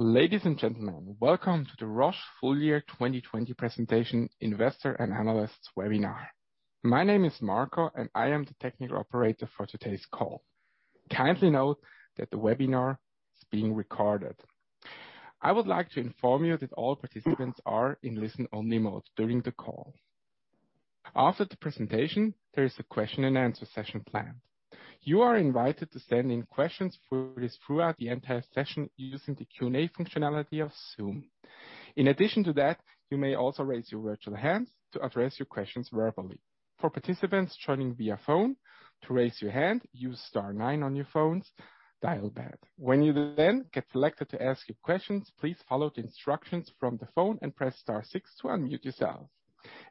Ladies and gentlemen, welcome to the Roche full year 2020 presentation investor and analysts webinar. My name is Marco, I am the technical operator for today's call. Kindly note that the webinar is being recorded. I would like to inform you that all participants are in listen-only mode during the call. After the presentation, there is a question and answer session planned. You are invited to send in questions for us throughout the entire session using the Q&A functionality of Zoom. In addition to that, you may also raise your virtual hand to address your questions verbally. For participants joining via phone, to raise your hand, use star nine on your phones. Dial that. When you then get selected to ask your questions, please follow the instructions from the phone and press star six to unmute yourself.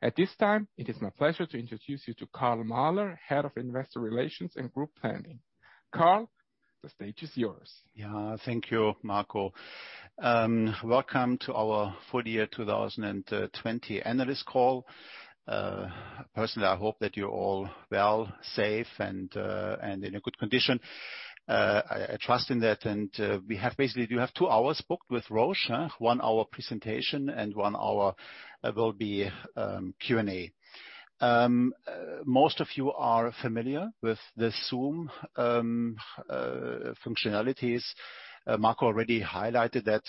At this time, it is my pleasure to introduce you to Karl Mahler, Head of Investor Relations and Group Planning. Karl, the stage is yours. Yeah. Thank you Marco. Welcome to our full year 2020 analyst call. Personally, I hope that you're all well, safe, and in a good condition. I trust in that. Basically, we do have two hours booked with Roche, one hour presentation and one hour will be Q&A. Most of you are familiar with the Zoom functionalities. Marco already highlighted that.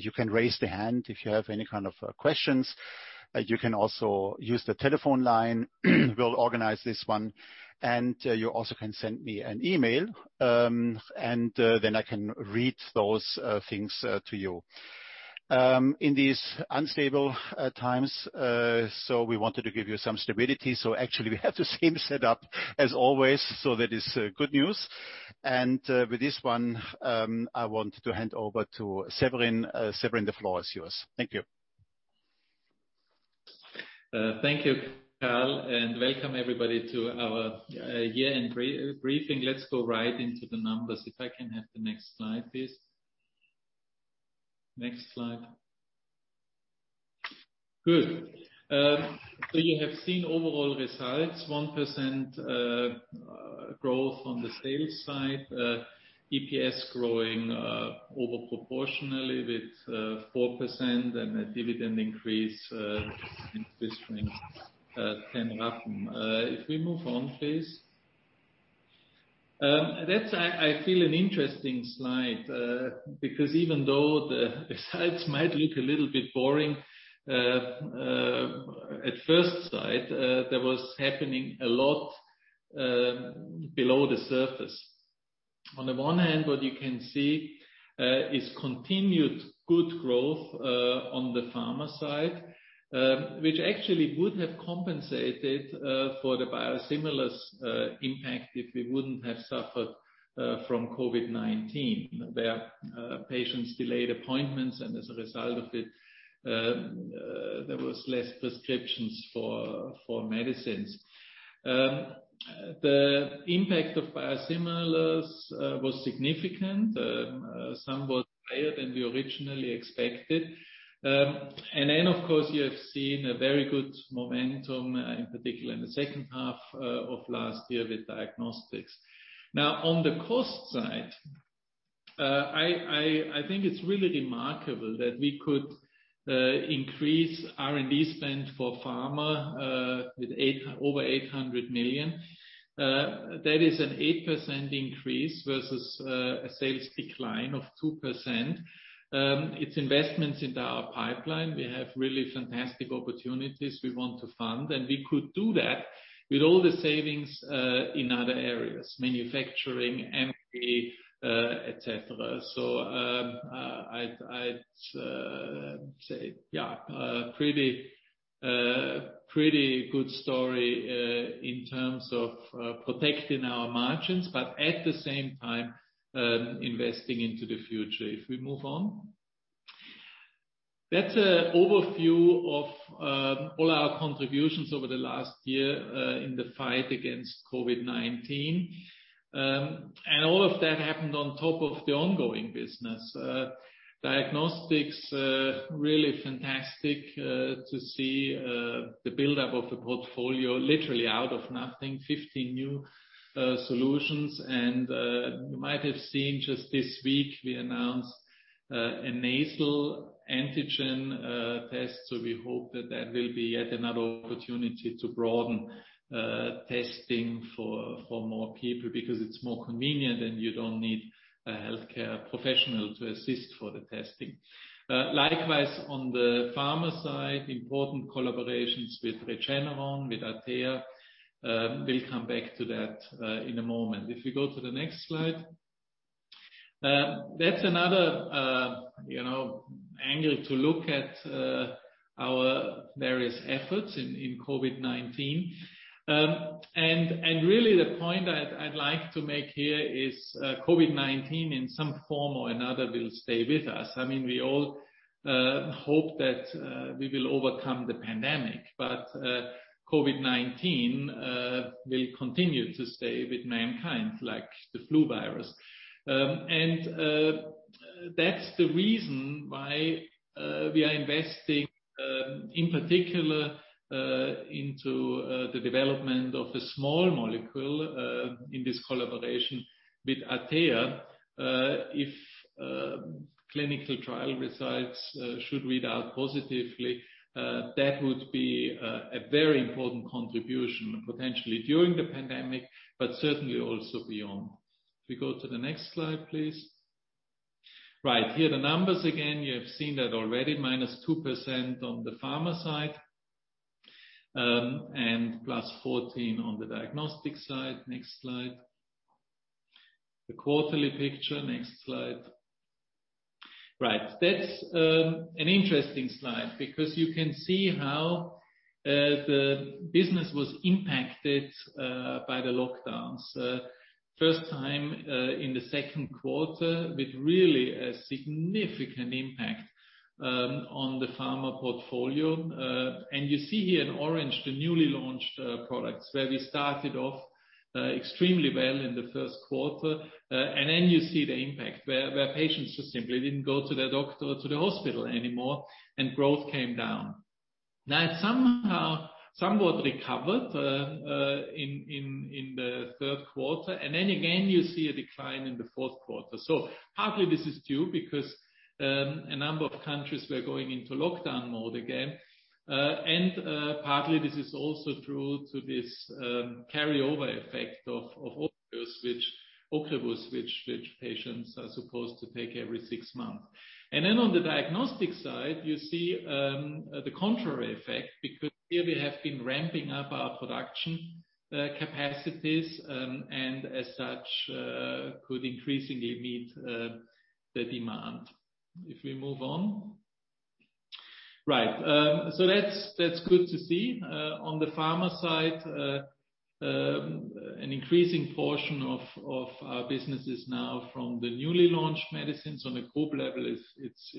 You can raise the hand if you have any kind of questions. You can also use the telephone line. We'll organize this one, and you also can send me an email, and then I can read those things to you. In these unstable times, we wanted to give you some stability, so actually we have the same setup as always, so that is good news. With this one, I want to hand over to Severin. Severin, the floor is yours. Thank you. Thank you Karl, and welcome everybody to our year-end briefing. Let's go right into the numbers. If I can have the next slide, please. Next slide. Good. You have seen overall results, 1% growth on the sales side, EPS growing over proportionally with 4% and a dividend increase between 0.10. If we move on, please. That's, I feel, an interesting slide, because even though the sides might look a little bit boring at first sight, there was happening a lot below the surface. On the one hand, what you can see is continued good growth on the Pharma side, which actually would have compensated for the biosimilars impact if we wouldn't have suffered from COVID-19, where patients delayed appointments, and as a result of it, there was less prescriptions for medicines. The impact of biosimilars was significant. Some was higher than we originally expected. Of course, you have seen a very good momentum, in particular in the second half of last year with Diagnostics. I think it's really remarkable that we could increase R&D spend for Pharma with over 800 million. That is an 8% increase versus a sales decline of 2%. It's investments into our pipeline. We have really fantastic opportunities we want to fund, and we could do that with all the savings in other areas, manufacturing, M&P, et cetera. I'd say, yeah, pretty good story in terms of protecting our margins, but at the same time, investing into the future. If we move on. That's a overview of all our contributions over the last year in the fight against COVID-19. All of that happened on top of the ongoing business. Diagnostics, really fantastic to see the buildup of the portfolio, literally out of nothing, 50 new solutions. You might have seen just this week, we announced a nasal antigen test. We hope that that will be yet another opportunity to broaden testing for more people because it's more convenient, and you don't need a healthcare professional to assist for the testing. Likewise, on the pharma side, important collaborations with Regeneron, with Atea. We'll come back to that in a moment. If we go to the next slide. That's another angle to look at our various efforts in COVID-19. Really the point I'd like to make here is COVID-19 in some form or another will stay with us. We all hope that we will overcome the pandemic, COVID-19 will continue to stay with mankind, like the flu virus. That's the reason why we are investing, in particular, into the development of a small molecule in this collaboration with Atea. If clinical trial results should read out positively, that would be a very important contribution, potentially during the pandemic, but certainly also beyond. If we go to the next slide, please. Right. Here are the numbers again. You have seen that already, minus 2% on the pharma side, and plus 14% on the diagnostic side. Next slide. The quarterly picture. Next slide. Right. That's an interesting slide because you can see how the business was impacted by the lockdowns. First time in the second quarter with really a significant impact on the pharma portfolio. You see here in orange, the newly launched products where we started off extremely well in the first quarter. You see the impact where patients just simply didn't go to the doctor or to the hospital anymore, and growth came down. That somehow somewhat recovered in the third quarter. Again, you see a decline in the fourth quarter. Partly this is due because a number of countries were going into lockdown mode again. Partly this is also true to this carryover effect of Ocrevus, which patients are supposed to take every six months. On the diagnostic side, you see the contrary effect because here we have been ramping up our production capacities, and as such, could increasingly meet the demand. If we move on. That's good to see. On the pharma side, an increasing portion of our business is now from the newly launched medicines. On a group level, it's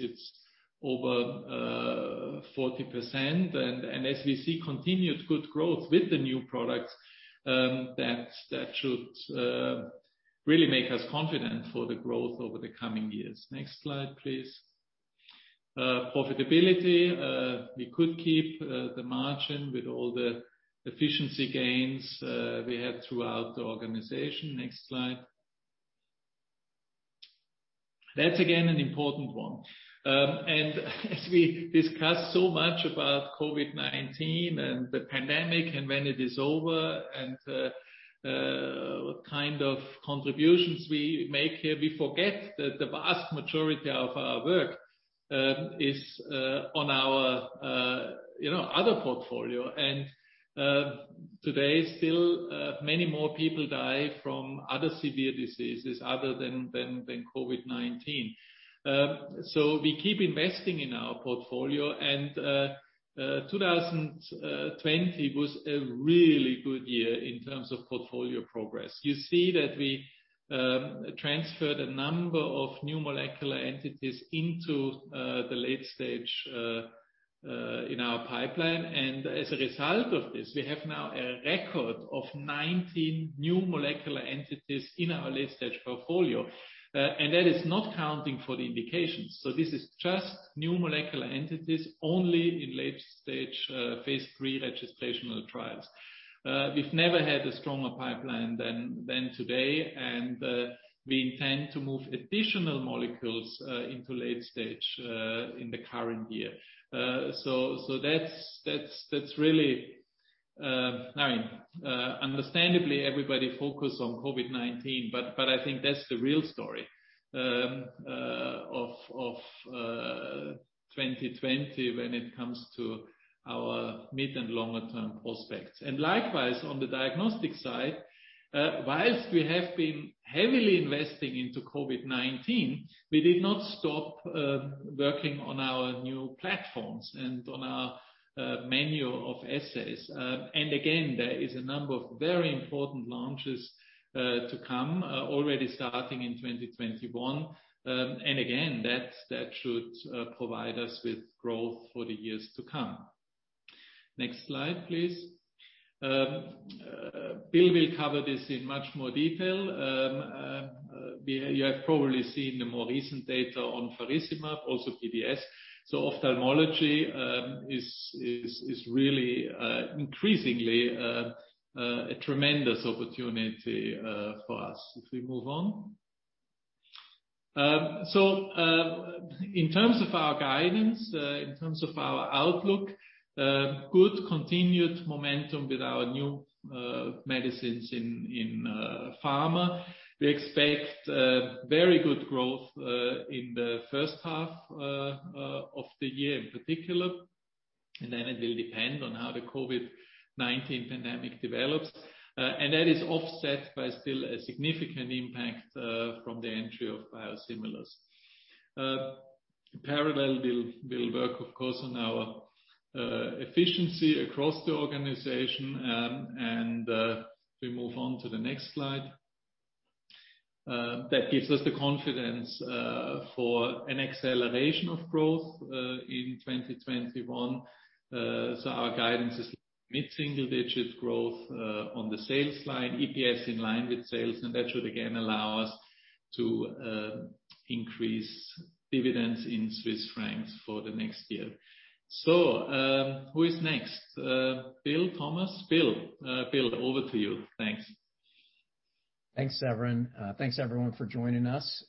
over 40%. As we see continued good growth with the new products, that should really make us confident for the growth over the coming years. Next slide, please. Profitability. We could keep the margin with all the efficiency gains we had throughout the organization. Next slide. That's again an important one. As we discuss so much about COVID-19 and the pandemic and when it is over and what kind of contributions we make here, we forget that the vast majority of our work is on our other portfolio. Today, still many more people die from other severe diseases other than COVID-19. We keep investing in our portfolio, and 2020 was a really good year in terms of portfolio progress. You see that we transferred a number of new molecular entities into the late stage in our pipeline. As a result of this, we have now a record of 19 new molecular entities in our late-stage portfolio. That is not counting for the indications. This is just new molecular entities only in late-stage phase III registrational trials. We've never had a stronger pipeline than today, and we intend to move additional molecules into late stage in the current year. That's really I mean, understandably, everybody focused on COVID-19, but I think that's the real story of 2020 when it comes to our mid and longer term prospects. Likewise, on the Diagnostics side, whilst we have been heavily investing into COVID-19, we did not stop working on our new platforms and on our menu of assays. Again, there is a number of very important launches to come, already starting in 2021. Again, that should provide us with growth for the years to come. Next slide, please. Bill will cover this in much more detail. You have probably seen the more recent data on faricimab, also PDS. Ophthalmology is really increasingly a tremendous opportunity for us. If we move on. In terms of our guidance, in terms of our outlook, good continued momentum with our new medicines in pharma. We expect very good growth in the first half of the year in particular, and then it will depend on how the COVID-19 pandemic develops. That is offset by still a significant impact from the entry of biosimilars. Parallel, we'll work, of course, on our efficiency across the organization. If we move on to the next slide. That gives us the confidence for an acceleration of growth in 2021. Our guidance is mid-single-digit growth on the sales slide, EPS in line with sales, and that should again allow us to increase dividends in CHF for the next year. Who is next? Bill? Thomas? Bill. Bill, over to you. Thanks. Thanks, Severin. Thanks, everyone, for joining us.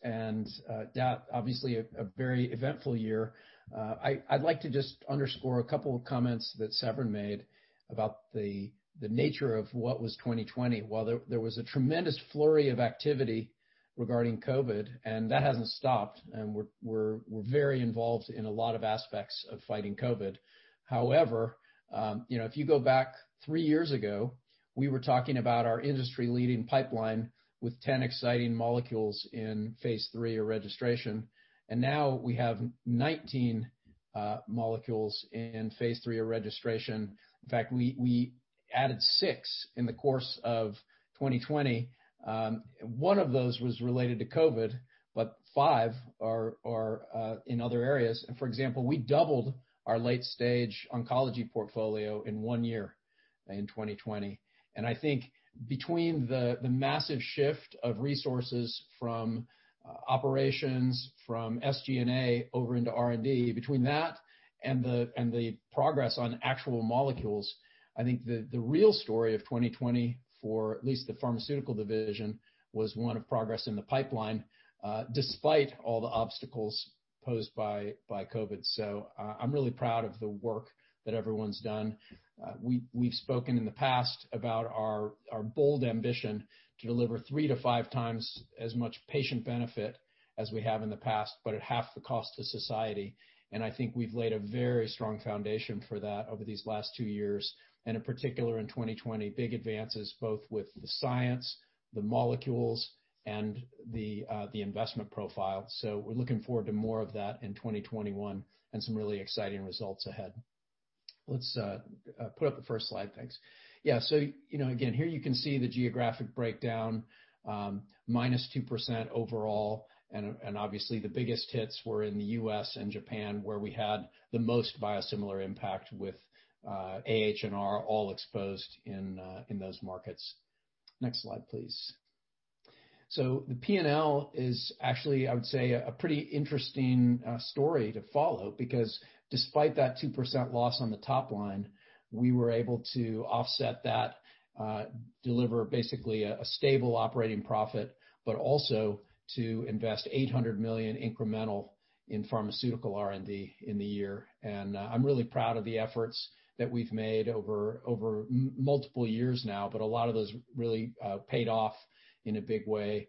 Obviously a very eventful year. I'd like to just underscore a couple of comments that Severin made about the nature of what was 2020. While there was a tremendous flurry of activity regarding COVID, and that hasn't stopped, and we're very involved in a lot of aspects of fighting COVID. However, if you go back three years ago, we were talking about our industry-leading pipeline with 10 exciting molecules in phase III or registration, and now we have 19 molecules in phase III or registration. In fact, we added six in the course of 2020. One of those was related to COVID, but five are in other areas. For example, we doubled our late-stage oncology portfolio in one year in 2020. I think between the massive shift of resources from operations, from SG&A over into R&D, between that and the progress on actual molecules, I think the real story of 2020 for at least the pharmaceutical division, was one of progress in the pipeline, despite all the obstacles posed by COVID. I'm really proud of the work that everyone's done. We've spoken in the past about our bold ambition to deliver 3x-5x as much patient benefit as we have in the past, but at half the cost to society, and I think we've laid a very strong foundation for that over these last two years, and in particular in 2020, big advances both with the science, the molecules, and the investment profile. We're looking forward to more of that in 2021 and some really exciting results ahead. Let's put up the first slide. Thanks. Yeah. Again, here you can see the geographic breakdown, -2% overall, and obviously the biggest hits were in the U.S. and Japan, where we had the most biosimilar impact with AH&R all exposed in those markets. Next slide, please. The P&L is actually, I would say, a pretty interesting story to follow, because despite that 2% loss on the top line, we were able to offset that, deliver basically a stable operating profit, but also to invest 800 million incremental in pharmaceutical R&D in the year. I'm really proud of the efforts that we've made over multiple years now, but a lot of those really paid off in a big way.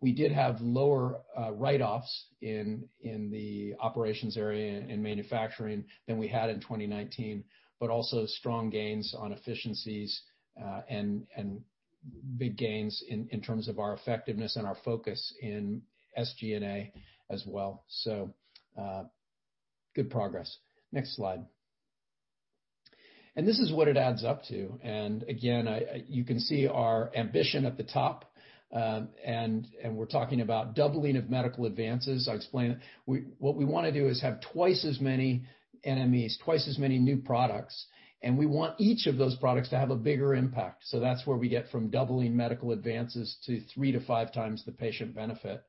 We did have lower write-offs in the operations area, in manufacturing than we had in 2019, also strong gains on efficiencies, and big gains in terms of our effectiveness and our focus in SG&A as well. Good progress. Next slide. This is what it adds up to. Again, you can see our ambition at the top. We're talking about doubling of medical advances. I explained what we want to do is have twice as many NMEs, twice as many new products, and we want each of those products to have a bigger impact. That's where we get from doubling medical advances to 3x-5x the patient benefit.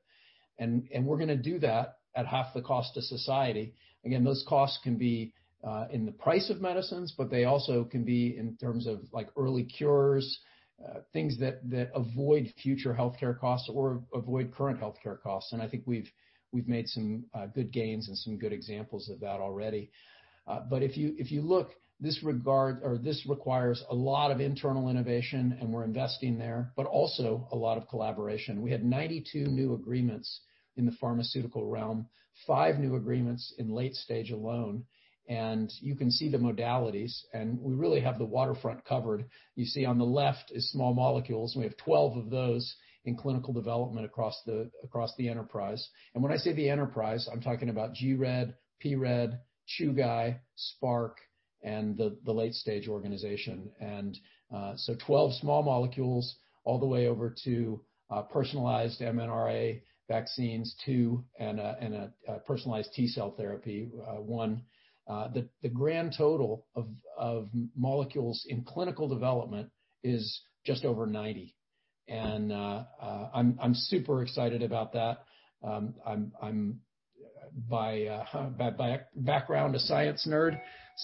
We're going to do that at half the cost to society. Again, those costs can be in the price of medicines, but they also can be in terms of early cures, things that avoid future healthcare costs or avoid current healthcare costs. I think we've made some good gains and some good examples of that already. If you look, this requires a lot of internal innovation, and we're investing there, but also a lot of collaboration. We had 92 new agreements in the pharmaceutical realm, five new agreements in late stage alone, and you can see the modalities, and we really have the waterfront covered. You see on the left is small molecules, and we have 12 of those in clinical development across the enterprise. When I say the enterprise, I'm talking about gRED, pRED, Chugai, Spark, and the late-stage organization. 12 small molecules all the way over to personalized mRNA vaccines, two, and a personalized T-cell therapy, one. The grand total of molecules in clinical development is just over 90. I'm super excited about that. I'm, by background, a science nerd,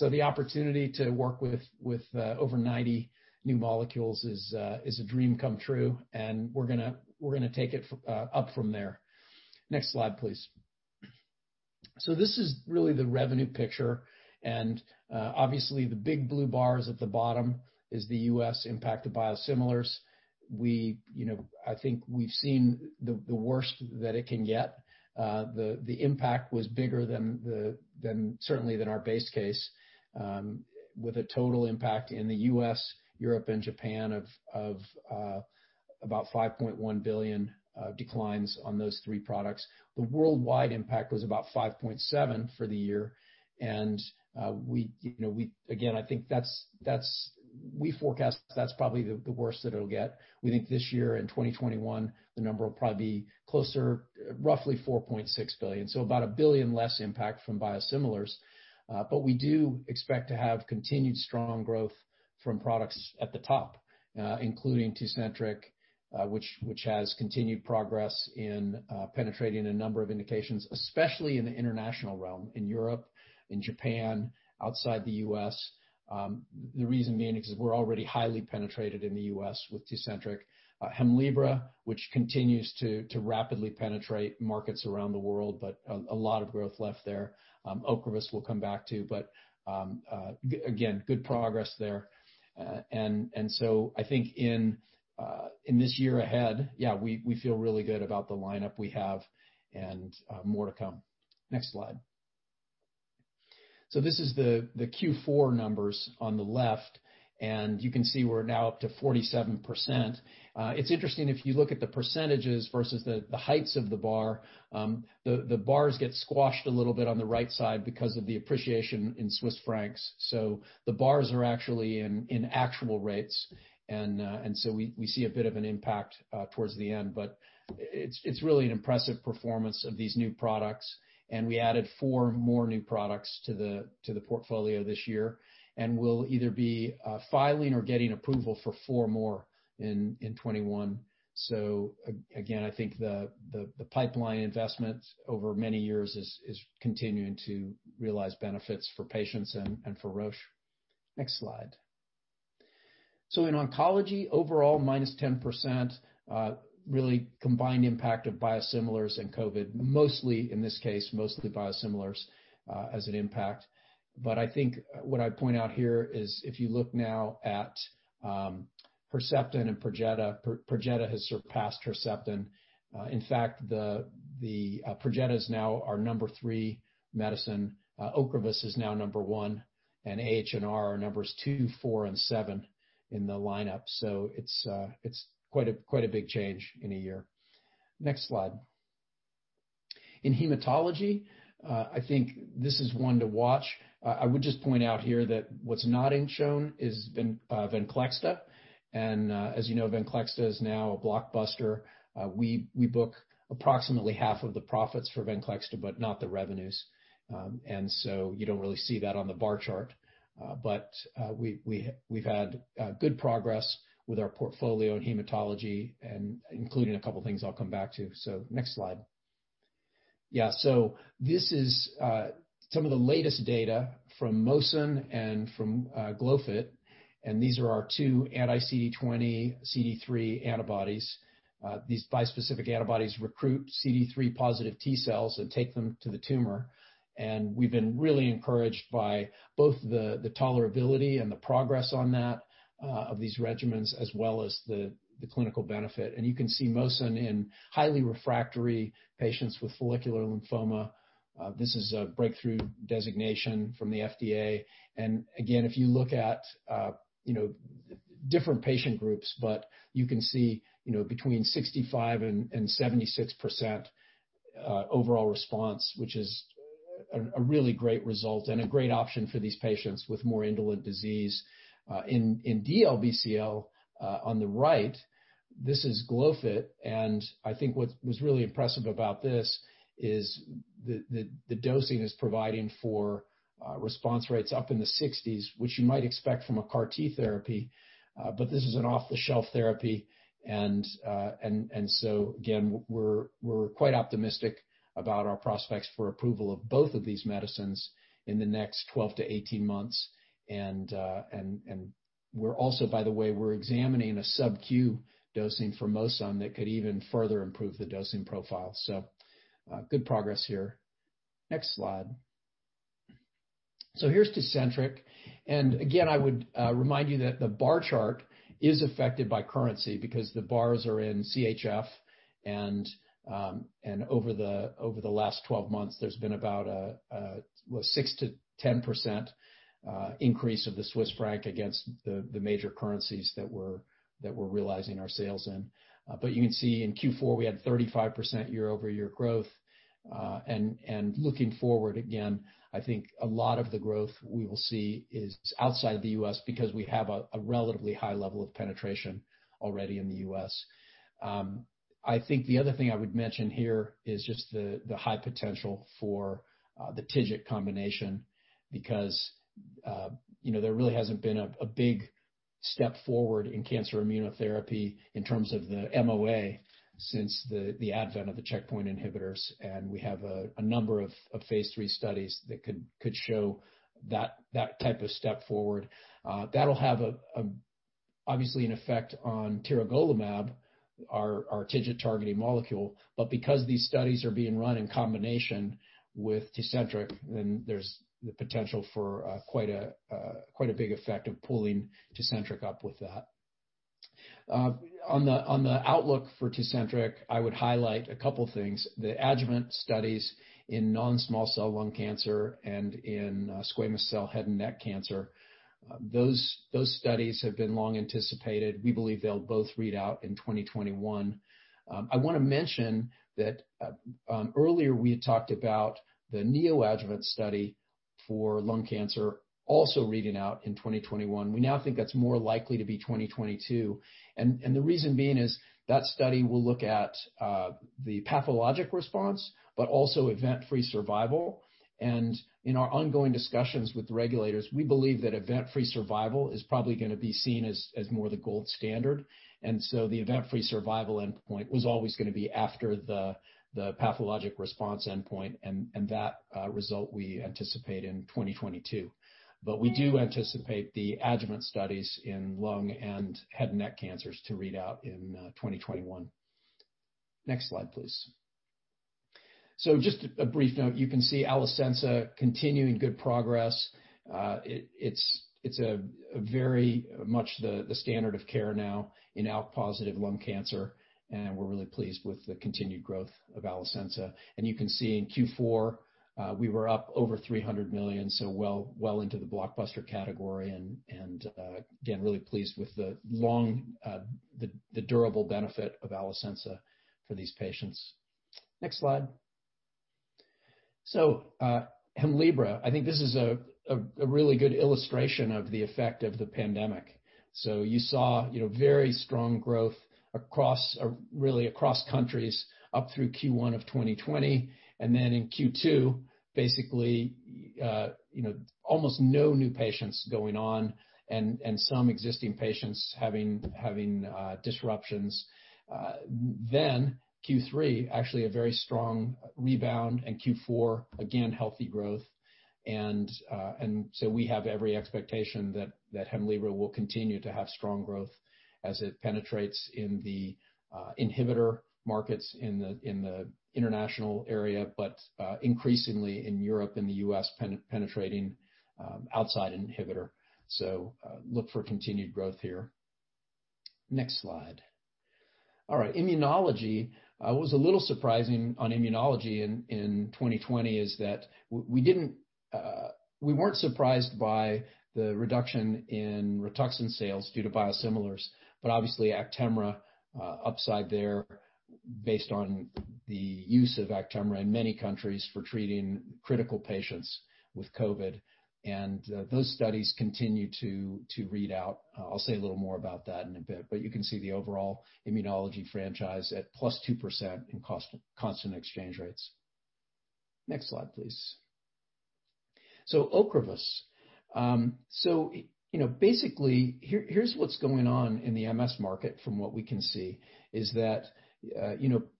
the opportunity to work with over 90 new molecules is a dream come true, we're going to take it up from there. Next slide, please. This is really the revenue picture, obviously the big blue bars at the bottom is the U.S. impact of biosimilars. I think we've seen the worst that it can get. The impact was bigger certainly than our base case, with a total impact in the U.S., Europe, and Japan of about $5.1 billion declines on those three products. The worldwide impact was about $5.7 billion for the year. We forecast that's probably the worst that it'll get. We think this year in 2021, the number will probably be closer, roughly $4.6 billion. About $1 billion less impact from biosimilars. We do expect to have continued strong growth from products at the top, including Tecentriq, which has continued progress in penetrating a number of indications, especially in the international realm, in Europe, in Japan, outside the U.S. The reason being is because we're already highly penetrated in the U.S. with Tecentriq. Hemlibra, which continues to rapidly penetrate markets around the world, but a lot of growth left there. Ocrevus, we'll come back to, but again, good progress there. I think in this year ahead, yeah, we feel really good about the lineup we have and more to come. Next slide. This is the Q4 numbers on the left, and you can see we're now up to 47%. It's interesting if you look at the percentages versus the heights of the bar, the bars get squashed a little bit on the right side because of the appreciation in CHF. The bars are actually in actual rates. We see a bit of an impact towards the end, but it's really an impressive performance of these new products, and we added four more new products to the portfolio this year, and we'll either be filing or getting approval for four more in 2021. Again, I think the pipeline investments over many years is continuing to realize benefits for patients and for Roche. Next slide. In oncology, overall minus 10%, really combined impact of biosimilars and COVID. Mostly, in this case, mostly biosimilars as an impact. I think what I'd point out here is if you look now at Herceptin and Perjeta has surpassed Herceptin. In fact, Perjeta is now our number three medicine. Ocrevus is now number one, and AH&R are numbers two, four, and seven in the lineup. It's quite a big change in a year. Next slide. In hematology, I think this is one to watch. I would just point out here that what's not in shown is Venclexta, and as you know, Venclexta is now a blockbuster. We book approximately half of the profits for Venclexta, but not the revenues. You don't really see that on the bar chart. We've had good progress with our portfolio in hematology, including a couple of things I'll come back to. Next slide. Yeah. This is some of the latest data from Mosyn and from Glofit, and these are our two anti-CD20/CD3 antibodies. These bispecific antibodies recruit CD3 positive T-cells and take them to the tumor. We've been really encouraged by both the tolerability and the progress on that of these regimens, as well as the clinical benefit. You can see Mosyn in highly refractory patients with follicular lymphoma. This is a breakthrough designation from the FDA. Again, if you look at different patient groups, you can see between 65%-76% overall response, which is a really great result and a great option for these patients with more indolent disease. In DLBCL on the right, this is Glofit, and I think what was really impressive about this is the dosing is providing for response rates up in the 60s, which you might expect from a CAR-T therapy. This is an off-the-shelf therapy, again, we're quite optimistic about our prospects for approval of both of these medicines in the next 12-18 months. We're also, by the way, we're examining a sub-Q dosing for Mosyn that could even further improve the dosing profile. Good progress here. Next slide. Here's Tecentriq. Again, I would remind you that the bar chart is affected by currency because the bars are in CHF, over the last 12 months, there's been about a 6% to 10% increase of the Swiss franc against the major currencies that we're realizing our sales in. You can see in Q4, we had 35% year-over-year growth. Looking forward again, I think a lot of the growth we will see is outside of the U.S. because we have a relatively high level of penetration already in the U.S. I think the other thing I would mention here is just the high potential for the TIGIT combination because there really hasn't been a big step forward in cancer immunotherapy in terms of the MOA since the advent of the checkpoint inhibitors, and we have a number of phase III studies that could show that type of step forward. That'll have, obviously an effect on tiragolumab, our TIGIT targeting molecule. Because these studies are being run in combination with Tecentriq, then there's the potential for quite a big effect of pulling Tecentriq up with that. On the outlook for Tecentriq, I would highlight a couple of things. The adjuvant studies in non-small cell lung cancer and in squamous cell head and neck cancer. Those studies have been long anticipated. We believe they'll both read out in 2021. I want to mention that earlier we had talked about the neoadjuvant study for lung cancer, also reading out in 2021. We now think that's more likely to be 2022. The reason being is that study will look at the pathologic response, but also event-free survival. In our ongoing discussions with regulators, we believe that event-free survival is probably going to be seen as more the gold standard. The event-free survival endpoint was always going to be after the pathologic response endpoint, and that result we anticipate in 2022. We do anticipate the adjuvant studies in lung and head and neck cancers to read out in 2021. Next slide, please. Just a brief note, you can see Alecensa continuing good progress. It's very much the standard of care now in ALK-positive lung cancer, and we're really pleased with the continued growth of Alecensa. You can see in Q4, we were up over 300 million, so well into the blockbuster category, again, really pleased with the durable benefit of Alecensa for these patients. Next slide. Hemlibra, I think this is a really good illustration of the effect of the pandemic. You saw very strong growth really across countries up through Q1 of 2020. In Q2, basically, almost no new patients going on and some existing patients having disruptions. Q3, actually a very strong rebound, Q4, again, healthy growth. We have every expectation that Hemlibra will continue to have strong growth as it penetrates in the inhibitor markets in the international area, but increasingly in Europe and the U.S., penetrating outside inhibitor. Look for continued growth here. Next slide. All right. Immunology. What was a little surprising on immunology in 2020 is that we weren't surprised by the reduction in Rituxan sales due to biosimilars, but obviously Actemra upside there based on the use of Actemra in many countries for treating critical patients with COVID, and those studies continue to read out. I'll say a little more about that in a bit, but you can see the overall immunology franchise at plus 2% in constant exchange rates. Next slide, please. Ocrevus. Basically, here's what's going on in the MS market from what we can see, is that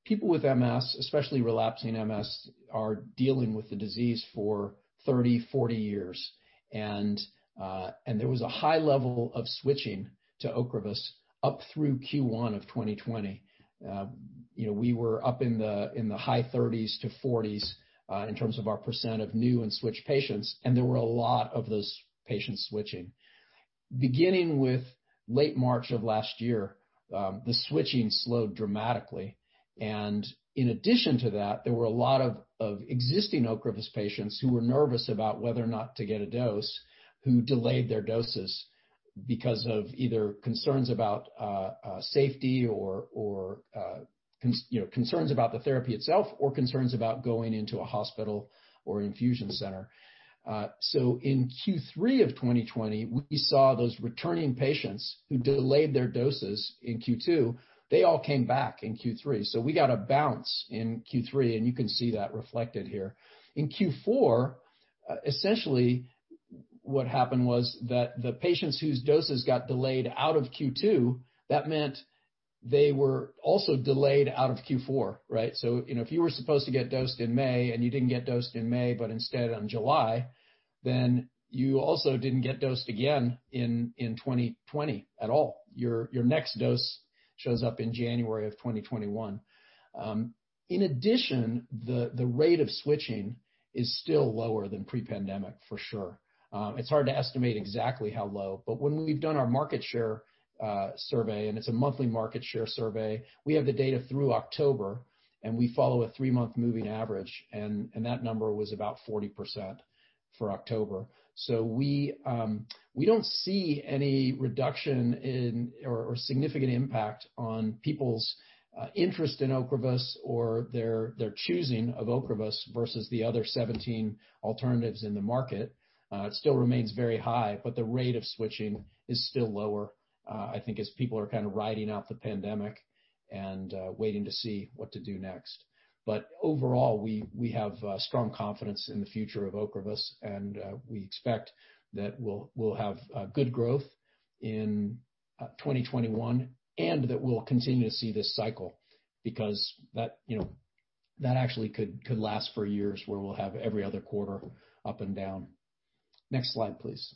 people with MS, especially relapsing MS, are dealing with the disease for 30-40 years. There was a high level of switching to Ocrevus up through Q1 of 2020. We were up in the high 30s to 40s in terms of our percentages of new and switched patients, and there were a lot of those patients switching. Beginning with late March of last year, the switching slowed dramatically, and in addition to that, there were a lot of existing Ocrevus patients who were nervous about whether or not to get a dose who delayed their doses because of either concerns about safety or concerns about the therapy itself or concerns about going into a hospital or infusion center. In Q3 of 2020, we saw those returning patients who delayed their doses in Q2, they all came back in Q3. We got a bounce in Q3, and you can see that reflected here. In Q4, essentially what happened was that the patients whose doses got delayed out of Q2, that meant they were also delayed out of Q4, right? If you were supposed to get dosed in May and you didn't get dosed in May, but instead on July, then you also didn't get dosed again in 2020 at all. Your next dose shows up in January of 2021. In addition, the rate of switching is still lower than pre-pandemic for sure. It's hard to estimate exactly how low, but when we've done our market share survey, and it's a monthly market share survey, we have the data through October, and we follow a three-month moving average, and that number was about 40% for October. We don't see any reduction in or significant impact on people's interest in Ocrevus or their choosing of Ocrevus versus the other 17 alternatives in the market. It still remains very high, the rate of switching is still lower, I think as people are kind of riding out the pandemic and waiting to see what to do next. Overall, we have strong confidence in the future of Ocrevus, and we expect that we'll have good growth in 2021, and that we'll continue to see this cycle because that actually could last for years where we'll have every other quarter up and down. Next slide, please.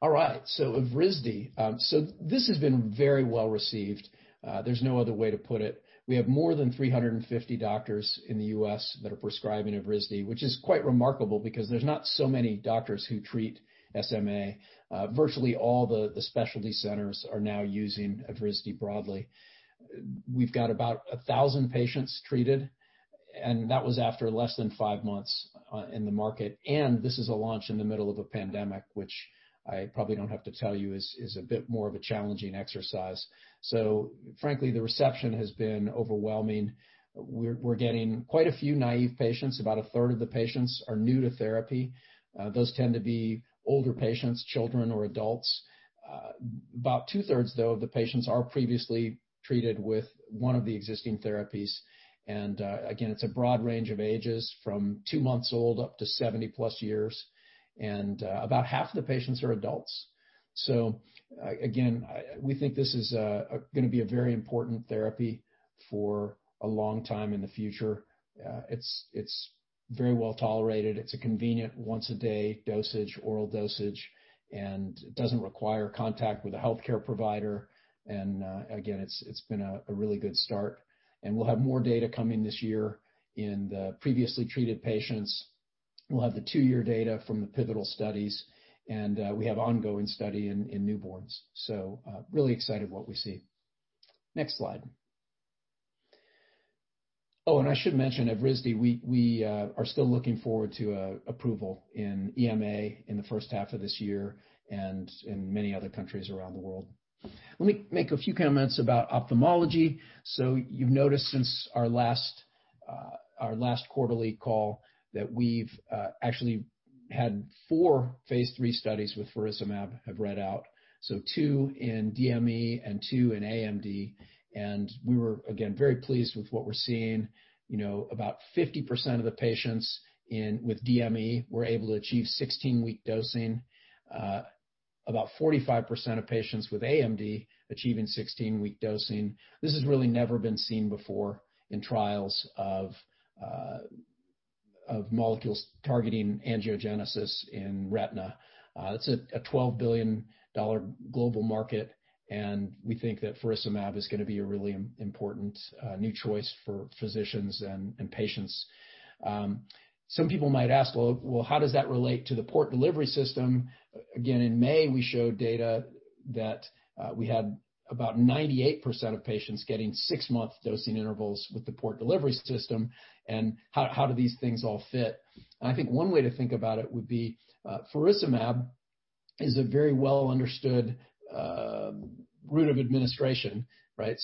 All right. Evrysdi. This has been very well received. There's no other way to put it. We have more than 350 doctors in the U.S. that are prescribing Evrysdi, which is quite remarkable because there's not so many doctors who treat SMA. Virtually all the specialty centers are now using Evrysdi broadly. We've got about 1,000 patients treated, that was after less than five months in the market. This is a launch in the middle of a pandemic, which I probably don't have to tell you is a bit more of a challenging exercise. Frankly, the reception has been overwhelming. We're getting quite a few naive patients. About 1/3 of the patients are new to therapy. Those tend to be older patients, children or adults. About 2/3 though of the patients are previously treated with one of the existing therapies. Again, it's a broad range of ages from two months old up to 70+ years. About half the patients are adults. Again, we think this is going to be a very important therapy for a long time in the future. It's very well tolerated. It's a convenient once-a-day oral dosage, and it doesn't require contact with a healthcare provider. Again, it's been a really good start. We'll have more data coming this year in the previously treated patients. We'll have the two-year data from the pivotal studies, and we have ongoing study in newborns. Really excited what we see. Next slide. I should mention Evrysdi, we are still looking forward to approval in EMA in the first half of this year and in many other countries around the world. Let me make a few comments about ophthalmology. You've noticed since our last quarterly call that we've actually had four phase III studies with faricimab have read out, two in DME and two in AMD, and we were, again, very pleased with what we're seeing. About 50% of the patients with DME were able to achieve 16-week dosing. About 45% of patients with AMD achieving 16-week dosing. This has really never been seen before in trials of molecules targeting angiogenesis in retina. It's a CHF 12 billion global market, and we think that faricimab is going to be a really important new choice for physicians and patients. Some people might ask, "Well, how does that relate to the port delivery system?" Again, in May, we showed data that we had about 98% of patients getting six-month dosing intervals with the port delivery system and how do these things all fit? I think one way to think about it would be faricimab is a very well understood route of administration, right?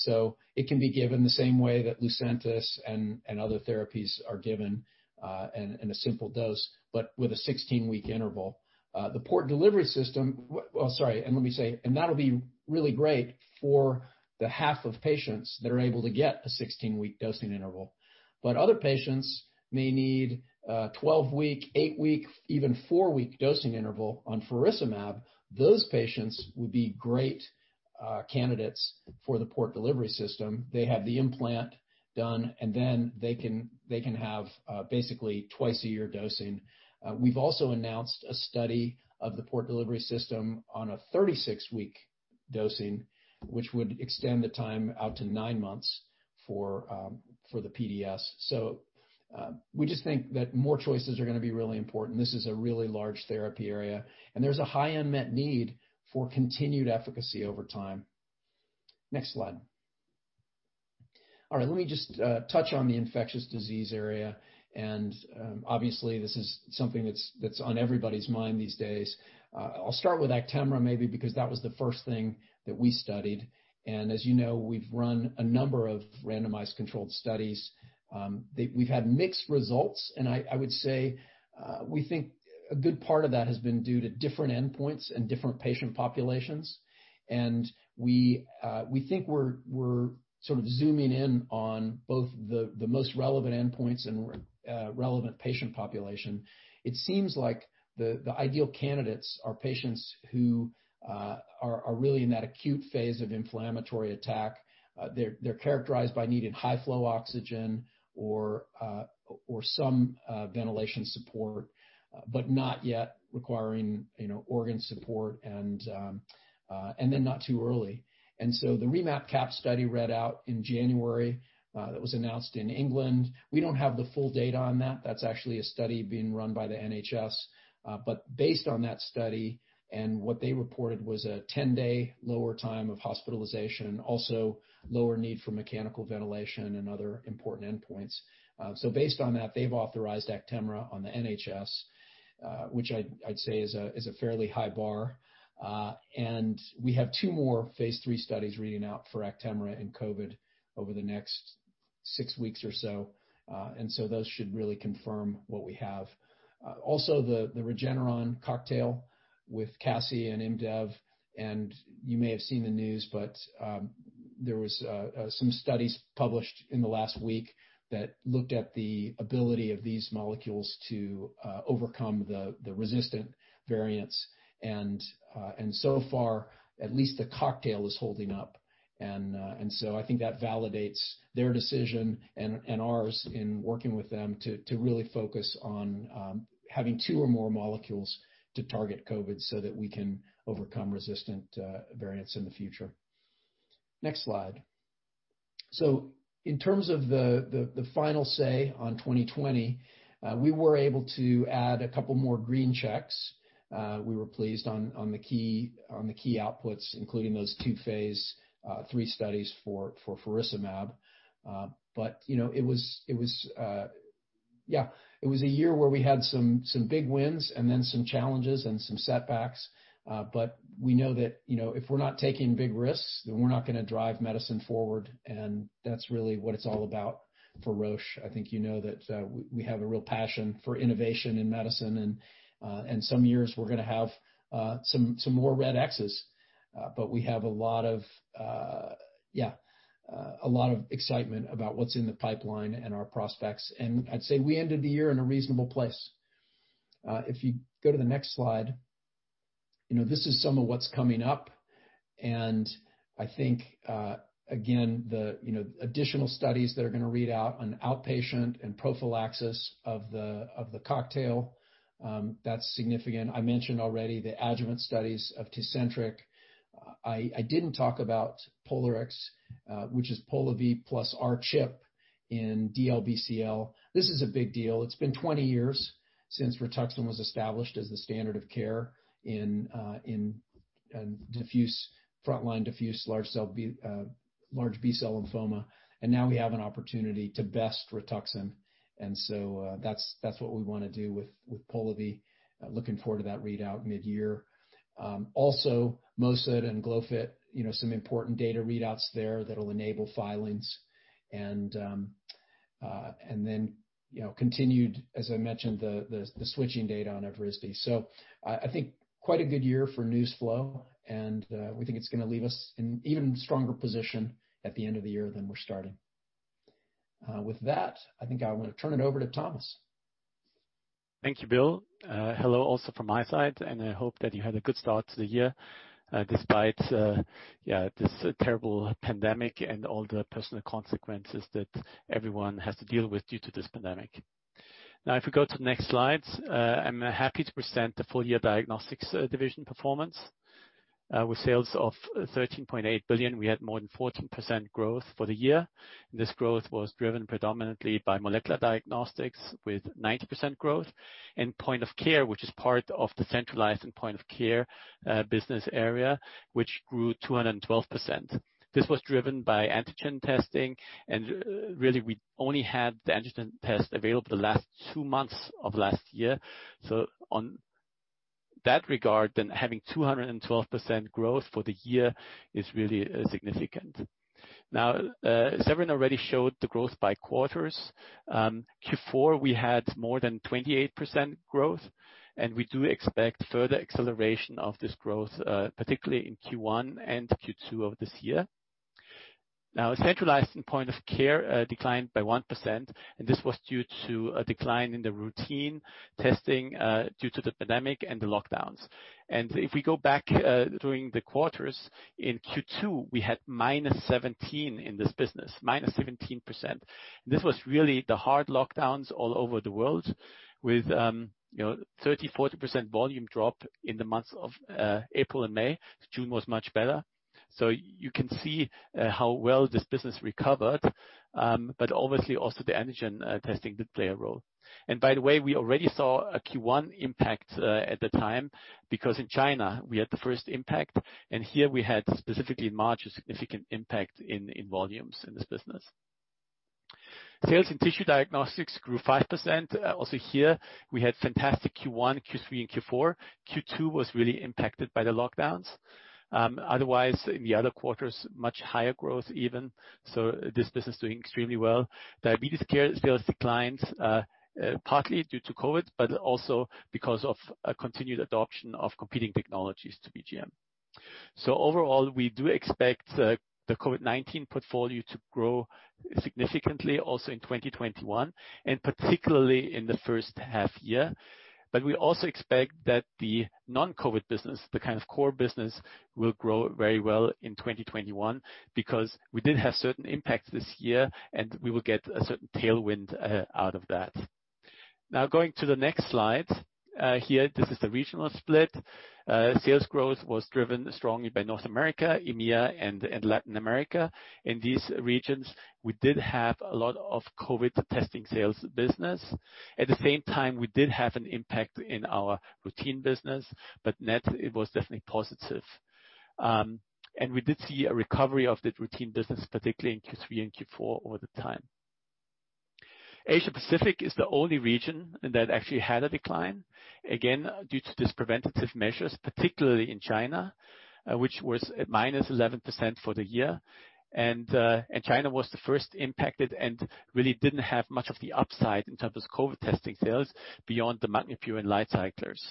It can be given the same way that Lucentis and other therapies are given in a simple dose, but with a 16-week interval. The Port Delivery System, that'll be really great for the half of patients that are able to get a 16-week dosing interval. Other patients may need a 12-week, eight-week, even four-week dosing interval on faricimab. Those patients would be great candidates for the Port Delivery System. They have the implant done, they can have basically twice-a-year dosing. We’ve also announced a study of the Port Delivery System on a 36-week dosing, which would extend the time out to nine months for the PDS. We just think that more choices are going to be really important. This is a really large therapy area, and there's a high unmet need for continued efficacy over time. Next slide. Let me just touch on the infectious disease area, and obviously, this is something that's on everybody's mind these days. I'll start with Actemra maybe because that was the first thing that we studied. As you know, we've run a number of randomized controlled studies. We've had mixed results, and I would say we think a good part of that has been due to different endpoints and different patient populations. We think we're sort of zooming in on both the most relevant endpoints and relevant patient population. It seems like the ideal candidates are patients who are really in that acute phase of inflammatory attack. They're characterized by needing high-flow oxygen or some ventilation support, but not yet requiring organ support, not too early. The REMAP-CAP study read out in January. That was announced in England. We don't have the full data on that. That's actually a study being run by the NHS. Based on that study and what they reported was a 10-day lower time of hospitalization, also lower need for mechanical ventilation and other important endpoints. Based on that, they've authorized Actemra on the NHS, which I'd say is a fairly high bar. We have two more phase III studies reading out for Actemra and COVID over the next six weeks or so. Those should really confirm what we have. The Regeneron cocktail with casirivimab and imdevimab, and you may have seen the news, but there was some studies published in the last week that looked at the ability of these molecules to overcome the resistant variants. So far, at least the cocktail is holding up. I think that validates their decision and ours in working with them to really focus on having two or more molecules to target COVID so that we can overcome resistant variants in the future. Next slide. In terms of the final say on 2020, we were able to add a couple more green checks. We were pleased on the key outputs, including those two phase III studies for faricimab. It was a year where we had some big wins and then some challenges and some setbacks. We know that if we're not taking big risks, then we're not going to drive medicine forward, and that's really what it's all about for Roche. I think you know that we have a real passion for innovation in medicine, and some years we're going to have some more red Xs. We have a lot of excitement about what's in the pipeline and our prospects. I'd say we ended the year in a reasonable place. If you go to the next slide. This is some of what's coming up, and I think, again, the additional studies that are going to read out on outpatient and prophylaxis of the cocktail. That's significant. I mentioned already the adjuvant studies of Tecentriq. I didn't talk about POLARIX, which is Polivy plus R-CHOP in DLBCL. This is a big deal. It has been 20 years since Rituxan was established as the standard of care in frontline diffuse large B-cell lymphoma, and now we have an opportunity to best Rituxan. That's what we want to do with Polivy. Looking forward to that readout mid-year. Also Mozy and Glofit, some important data readouts there that will enable filings. Continued, as I mentioned, the switching data on Evrysdi. I think quite a good year for news flow, and we think it is going to leave us in even stronger position at the end of the year than we are starting. With that, I think I want to turn it over to Thomas. Thank you, Bill. Hello, also from my side, I hope that you had a good start to the year despite this terrible pandemic and all the personal consequences that everyone has to deal with due to this pandemic. If we go to the next slide. I'm happy to present the full year Diagnostics division performance. With sales of 13.8 billion, we had more than 14% growth for the year. This growth was driven predominantly by molecular diagnostics with 90% growth and point of care, which is part of the Centralized and Point-of-Care business area, which grew 212%. This was driven by antigen testing, really, we only had the antigen test available the last two months of last year. On that regard, having 212% growth for the year is really significant. Severin already showed the growth by quarters. Q4, we had more than 28% growth, and we do expect further acceleration of this growth, particularly in Q1 and Q2 of this year. Now, centralized and point of care declined by 1%, and this was due to a decline in the routine testing due to the pandemic and the lockdowns. If we go back during the quarters, in Q2, we had minus 17 in this business, minus 17%. This was really the hard lockdowns all over the world with 30%-40% volume drop in the months of April and May. June was much better. You can see how well this business recovered, but obviously also the antigen testing did play a role. By the way, we already saw a Q1 impact at the time because in China we had the first impact, and here we had specifically in March, 2020 a significant impact in volumes in this business. Sales in tissue diagnostics grew 5%. Here we had fantastic Q1, Q3, and Q4. Q2 was really impacted by the lockdowns. Otherwise, in the other quarters, much higher growth even. This business doing extremely well. Diabetes care sales declined partly due to COVID, but also because of a continued adoption of competing technologies to BGM. Overall, we do expect the COVID-19 portfolio to grow significantly also in 2021, and particularly in the first half year. We also expect that the non-COVID business, the kind of core business, will grow very well in 2021 because we did have certain impacts this year, and we will get a certain tailwind out of that. Now going to the next slide. Here, this is the regional split. Sales growth was driven strongly by North America, EMEA, and Latin America. In these regions, we did have a lot of COVID testing sales business. At the same time, we did have an impact in our routine business, but net, it was definitely positive. We did see a recovery of that routine business, particularly in Q3 and Q4 over the time. Asia Pacific is the only region that actually had a decline, again, due to these preventative measures, particularly in China, which was at -11% for the year. China was the first impacted and really didn't have much of the upside in terms of COVID testing sales beyond the MagNA Pure and LightCyclers.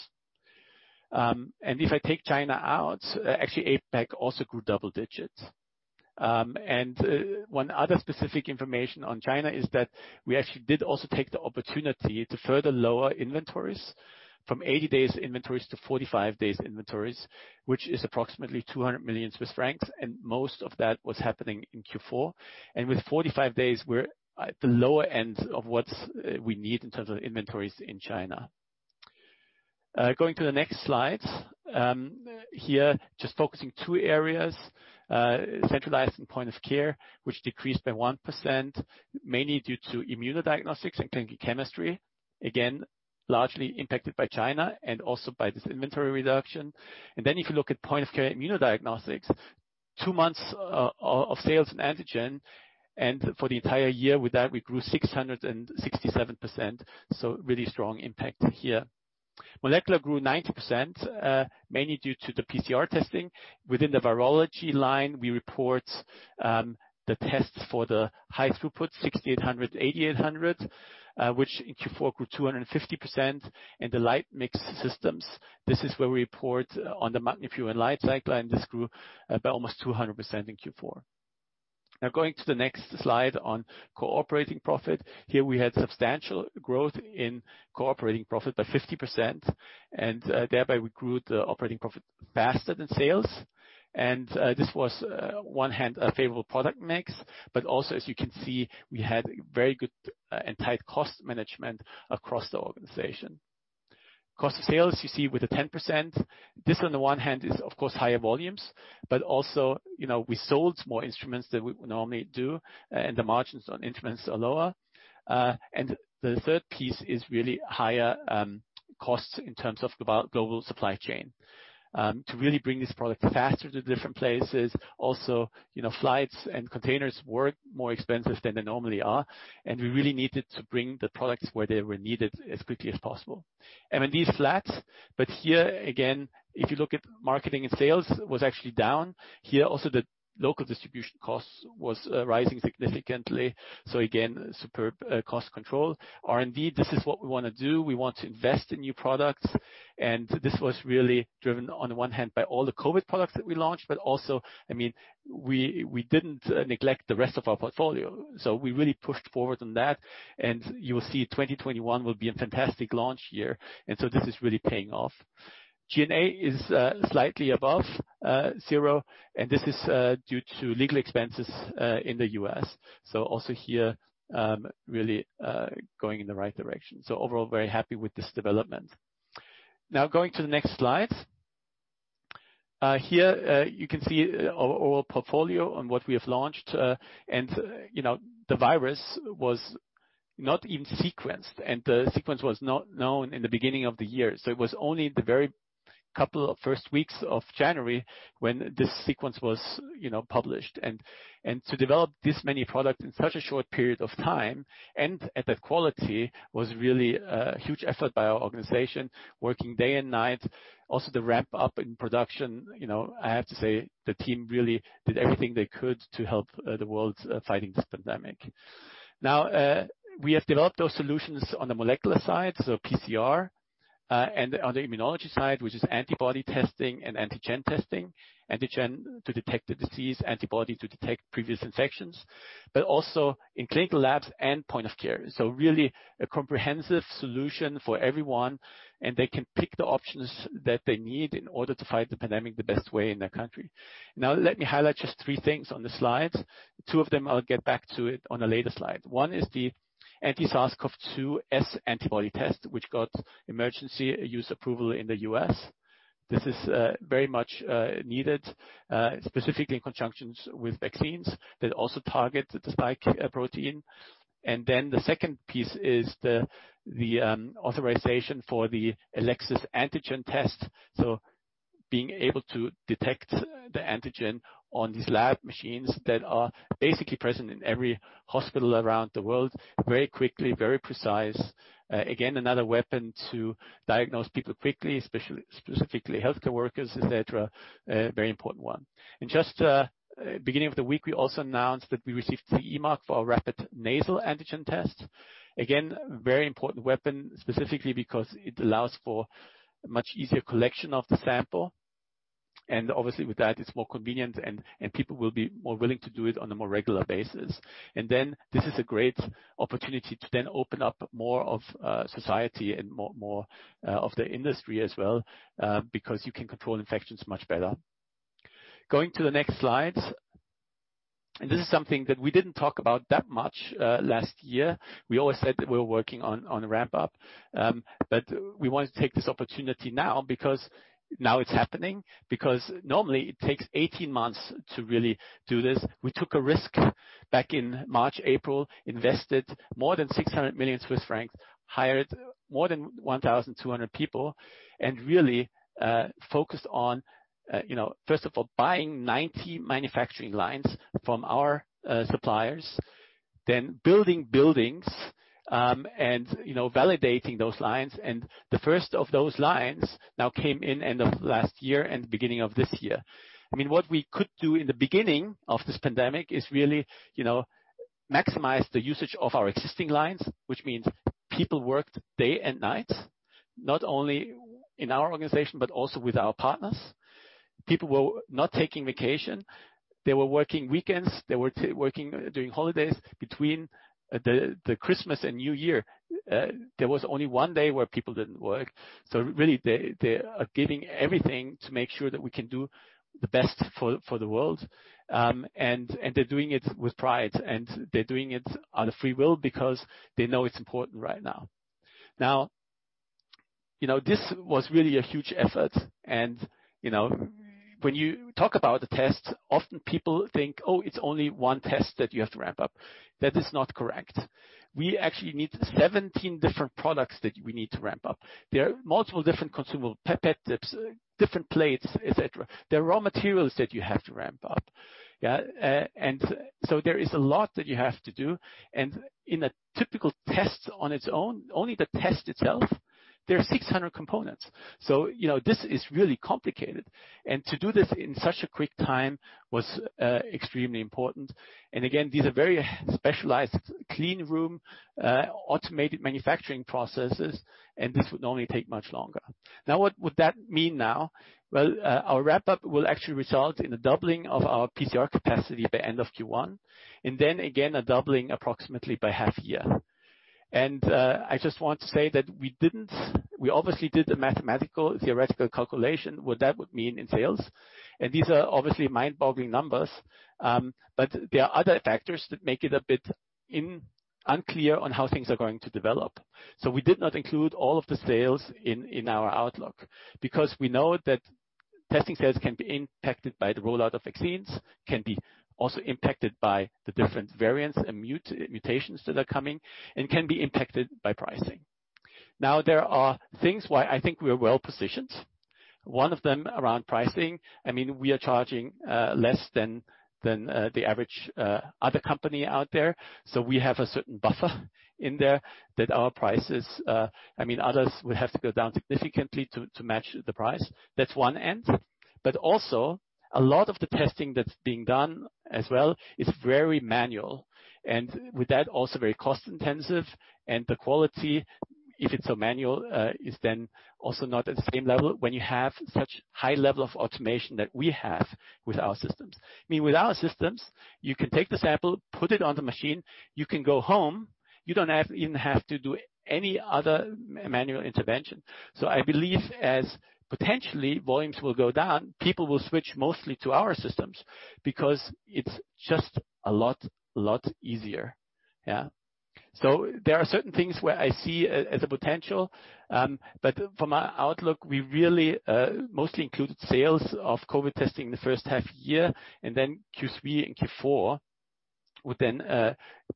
If I take China out, actually, APAC also grew double digits. One other specific information on China is that we actually did also take the opportunity to further lower inventories from 80 days inventories to 45 days inventories, which is approximately 200 million Swiss francs, and most of that was happening in Q4. With 45 days, we're at the lower end of what we need in terms of inventories in China. Going to the next slide. Here, just focusing two areas, centralized and point of care, which decreased by 1%, mainly due to immunodiagnostics and clinical chemistry. Again, largely impacted by China and also by this inventory reduction. If you look at point-of-care immunodiagnostics, two months of sales in antigen and for the entire year with that we grew 667%. Really strong impact here. Molecular grew 90%, mainly due to the PCR testing. Within the virology line, we report the tests for the high throughput, 6800, 8800, which in Q4 grew 250%. The LiteMix systems, this is where we report on the MagNA Pure and LightCycler and this grew by almost 200% in Q4. Going to the next slide on operating profit. Here we had substantial growth in operating profit by 50% and thereby we grew the operating profit faster than sales. This was on one hand, a favorable product mix. Also as you can see, we had very good and tight cost management across the organization. Cost of sales you see with the 10%. This on the one hand is of course higher volumes, but also, we sold more instruments than we would normally do, and the margins on instruments are lower. The third piece is really higher costs in terms of global supply chain. To really bring this product faster to different places, also flights and containers were more expensive than they normally are, and we really needed to bring the products where they were needed as quickly as possible. M&D is flat, but here again, if you look at marketing and sales, was actually down. Here also the local distribution costs was rising significantly. Again, superb cost control. R&D, this is what we want to do. We want to invest in new products and this was really driven on one hand by all the COVID products that we launched, but also, we didn't neglect the rest of our portfolio. We really pushed forward on that. You will see 2021 will be a fantastic launch year. This is really paying off. G&A is slightly above zero, and this is due to legal expenses in the U.S. Also here, really going in the right direction. Overall, very happy with this development. Now going to the next slide. Here, you can see our overall portfolio on what we have launched. The virus was not even sequenced, and the sequence was not known in the beginning of the year. It was only the very couple of first weeks of January when this sequence was published. To develop this many products in such a short period of time and at that quality was really a huge effort by our organization working day and night. The ramp up in production, I have to say, the team really did everything they could to help the world fighting this pandemic. We have developed those solutions on the molecular side, so PCR, and on the immunology side, which is antibody and antigen testing. Antigen to detect the disease, antibody to detect previous infections, but also in clinical labs and point of care. Really a comprehensive solution for everyone, and they can pick the options that they need in order to fight the pandemic the best way in their country. Let me highlight just three things on the slide. Two of them, I'll get back to it on a later slide. One is the anti-SARS-CoV-2 S antibody test, which got emergency use approval in the U.S. This is very much needed, specifically in conjunction with vaccines that also target the spike protein. The second piece is the authorization for the Elecsys antigen test. Being able to detect the antigen on these lab machines that are basically present in every hospital around the world, very quickly, very precise. Again, another weapon to diagnose people quickly, specifically healthcare workers, et cetera. A very important one. Just beginning of the week, we also announced that we received CE mark for our rapid nasal antigen test. Again, very important weapon, specifically because it allows for much easier collection of the sample. Obviously with that, it's more convenient and people will be more willing to do it on a more regular basis. This is a great opportunity to then open up more of society and more of the industry as well, because you can control infections much better. Going to the next slide. This is something that we didn't talk about that much last year. We always said that we were working on a ramp up, but we wanted to take this opportunity now because now it's happening. Normally it takes 18 months to really do this. We took a risk back in March, April, invested more than 600 million Swiss francs, hired more than 1,200 people, and really focused on, first of all, buying 90 manufacturing lines from our suppliers, then building buildings, and validating those lines, and the first of those lines now came in end of last year and the beginning of this year. What we could do in the beginning of this pandemic is really maximize the usage of our existing lines, which means people worked day and night, not only in our organization, but also with our partners. People were not taking vacation. They were working weekends, they were working during holidays between the Christmas and New Year. There was only one day where people didn't work. Really, they are giving everything to make sure that we can do the best for the world, and they're doing it with pride, and they're doing it out of free will because they know it's important right now. This was really a huge effort. When you talk about the test, often people think, "Oh, it's only one test that you have to ramp up." That is not correct. We actually need 17 different products that we need to ramp up. There are multiple different consumable pipette tips, different plates, et cetera. There are raw materials that you have to ramp up. Yeah. There is a lot that you have to do. In a typical test on its own, only the test itself, there are 600 components. This is really complicated. To do this in such a quick time was extremely important. Again, these are very specialized clean room, automated manufacturing processes, and this would normally take much longer. What would that mean now? Our wrap up will actually result in a doubling of our PCR capacity by end of Q1, and then again, a doubling approximately by half year. I just want to say that we obviously did the mathematical theoretical calculation, what that would mean in sales, and these are obviously mind-boggling numbers. There are other factors that make it a bit unclear on how things are going to develop. We did not include all of the sales in our outlook because we know that testing sales can be impacted by the rollout of vaccines, can be also impacted by the different variants and mutations that are coming, and can be impacted by pricing. There are things why I think we're well-positioned, one of them around pricing. We are charging less than the average other company out there, so we have a certain buffer in there that others will have to go down significantly to match the price. That's one end. Also, a lot of the testing that's being done as well is very manual, and with that, also very cost-intensive. The quality, if it's manual, is then also not at the same level when you have such high level of automation that we have with our systems. With our systems, you can take the sample, put it on the machine, you can go home. You don't even have to do any other manual intervention. I believe as potentially, volumes will go down, people will switch mostly to our systems because it's just a lot easier. There are certain things where I see as a potential, but from our outlook, we really, mostly included sales of COVID testing in the first half year, and then Q3 and Q4 would then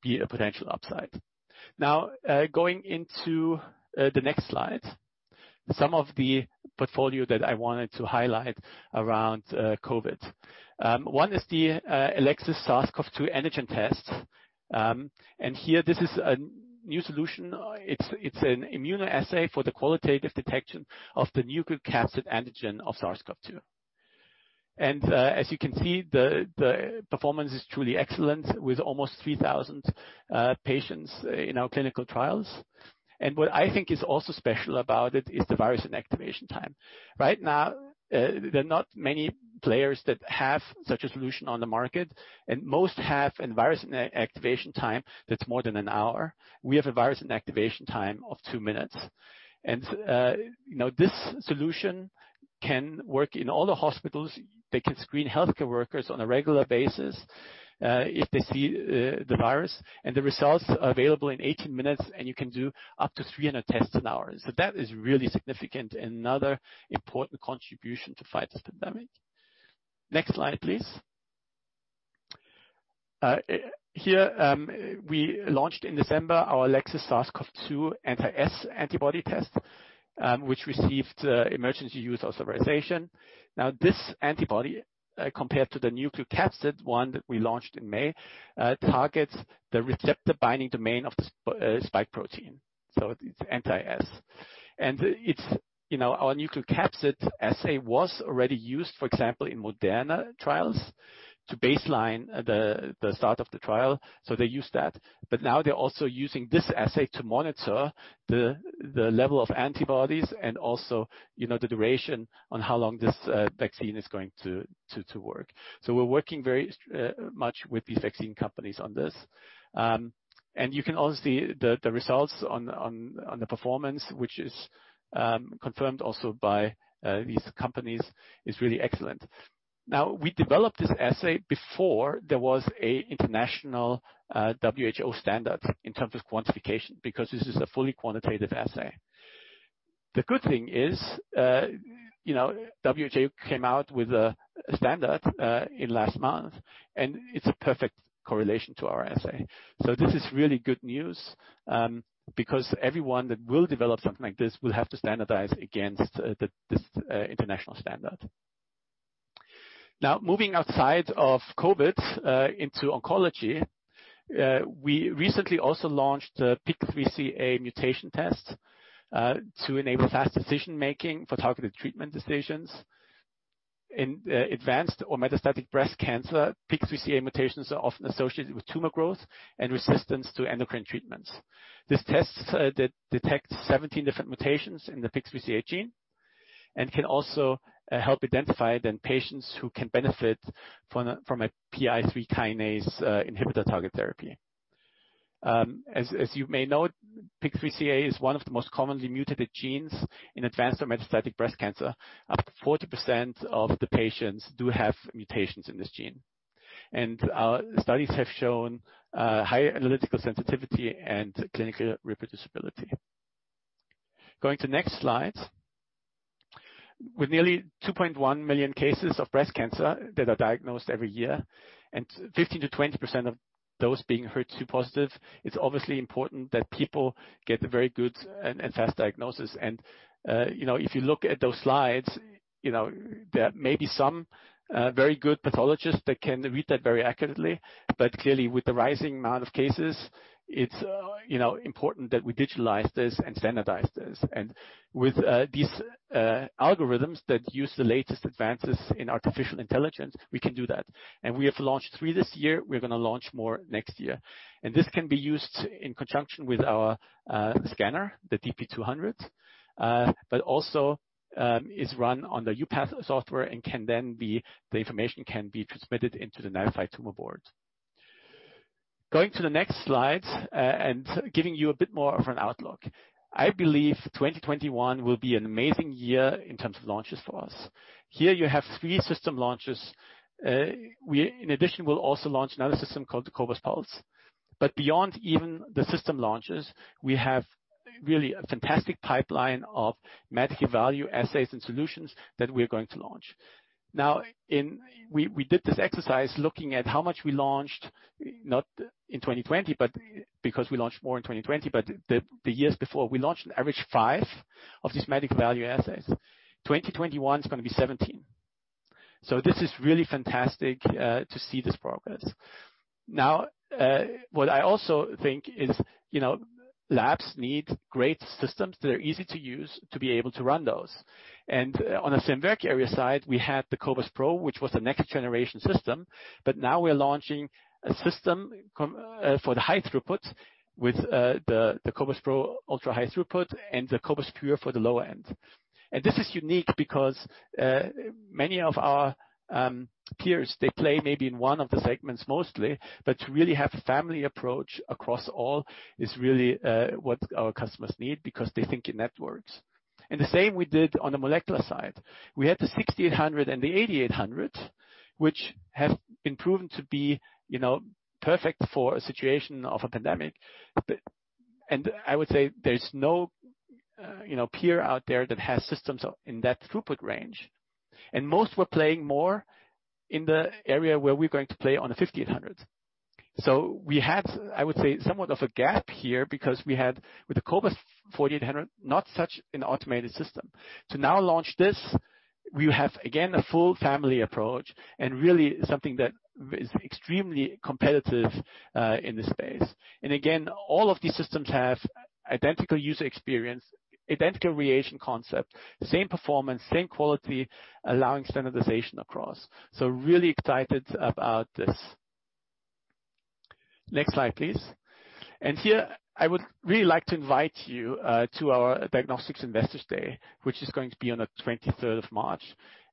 be a potential upside. Going into the next slide. Some of the portfolio that I wanted to highlight around COVID. One is the Elecsys SARS-CoV-2 antigen test. Here, this is a new solution. It's an immunoassay for the qualitative detection of the nucleocapsid antigen of SARS-CoV-2. As you can see, the performance is truly excellent with almost 3,000 patients in our clinical trials. What I think is also special about it is the virus inactivation time. Right now, there are not many players that have such a solution on the market, and most have a virus inactivation time that's more than an hour. We have a virus inactivation time of two minutes. This solution can work in all the hospitals. They can screen healthcare workers on a regular basis, if they see the virus, and the results are available in 18 minutes, and you can do up to 300 tests an hour. That is really significant and another important contribution to fight this pandemic. Next slide, please. Here, we launched in December our Elecsys SARS-CoV-2 anti-S antibody test, which received emergency use authorization. This antibody, compared to the nucleocapsid one that we launched in May, targets the receptor binding domain of the spike protein. It's anti-S. Our nucleocapsid assay was already used, for example, in Moderna trials to baseline the start of the trial. They used that. Now they're also using this assay to monitor the level of antibodies and also the duration on how long this vaccine is going to work. We're working very much with these vaccine companies on this. You can all see the results on the performance, which is confirmed also by these companies, is really excellent. We developed this assay before there was an international WHO standard in terms of quantification, because this is a fully quantitative assay. The good thing is, WHO came out with a standard last month, it's a perfect correlation to our assay. This is really good news, because everyone that will develop something like this will have to standardize against this international standard. Moving outside of COVID, into oncology, we recently also launched a PIK3CA mutation test, to enable fast decision-making for targeted treatment decisions. In advanced or metastatic breast cancer, PIK3CA mutations are often associated with tumor growth and resistance to endocrine treatments. This test detects 17 different mutations in the PIK3CA gene and can also help identify then patients who can benefit from a PI3 kinase inhibitor-targeted therapy. As you may know, PIK3CA is one of the most commonly mutated genes in advanced or metastatic breast cancer. Up to 40% of the patients do have mutations in this gene. Our studies have shown higher analytical sensitivity and clinical reproducibility. Going to next slide. With nearly 2.1 million cases of breast cancer that are diagnosed every year and 15%-20% of those being HER2 positive, it's obviously important that people get very good and fast diagnosis. If you look at those slides, there may be some very good pathologists that can read that very accurately, but clearly with the rising amount of cases, it's important that we digitalize this and standardize this. With these algorithms that use the latest advances in artificial intelligence, we can do that. We have launched three this year. We're going to launch more next year. This can be used in conjunction with our scanner, the DP 200, but also is run on the uPath software and the information can be transmitted into the NAVIFY Tumor Board. Going to the next slide, giving you a bit more of an outlook. I believe 2021 will be an amazing year in terms of launches for us. Here you have three system launches. We, in addition, will also launch another system called the Cobas Pulse. Beyond even the system launches, we have really a fantastic pipeline of medically valued assays and solutions that we're going to launch. We did this exercise looking at how much we launched, not in 2020, because we launched more in 2020, but the years before. We launched an average five of these medical value assays. 2021 is going to be 17. This is really fantastic to see this progress. What I also think is labs need great systems that are easy to use to be able to run those. On the Serum Work Area side, we had the cobas pro, which was the next generation system. Now we're launching a system for the high throughput with the cobas pro ultra-high throughput and the cobas pure for the lower end. This is unique because many of our peers, they play maybe in one of the segments mostly, but to really have a family approach across all is really what our customers need because they think in networks. The same we did on the molecular side. We had the cobas 6800 and the cobas 8800, which have been proven to be perfect for a situation of a pandemic. I would say there's no peer out there that has systems in that throughput range. Most were playing more in the area where we're going to play on the cobas 5800. We had, I would say, somewhat of a gap here because we had, with the cobas 4800, not such an automated system. To now launch this, we have, again, a full family approach and really something that is extremely competitive in this space. Again, all of these systems have identical user experience, identical reaction concept, same performance, same quality, allowing standardization across. Really excited about this. Next slide, please. Here, I would really like to invite you to our Diagnostics Investor Day, which is going to be on the 23rd of March,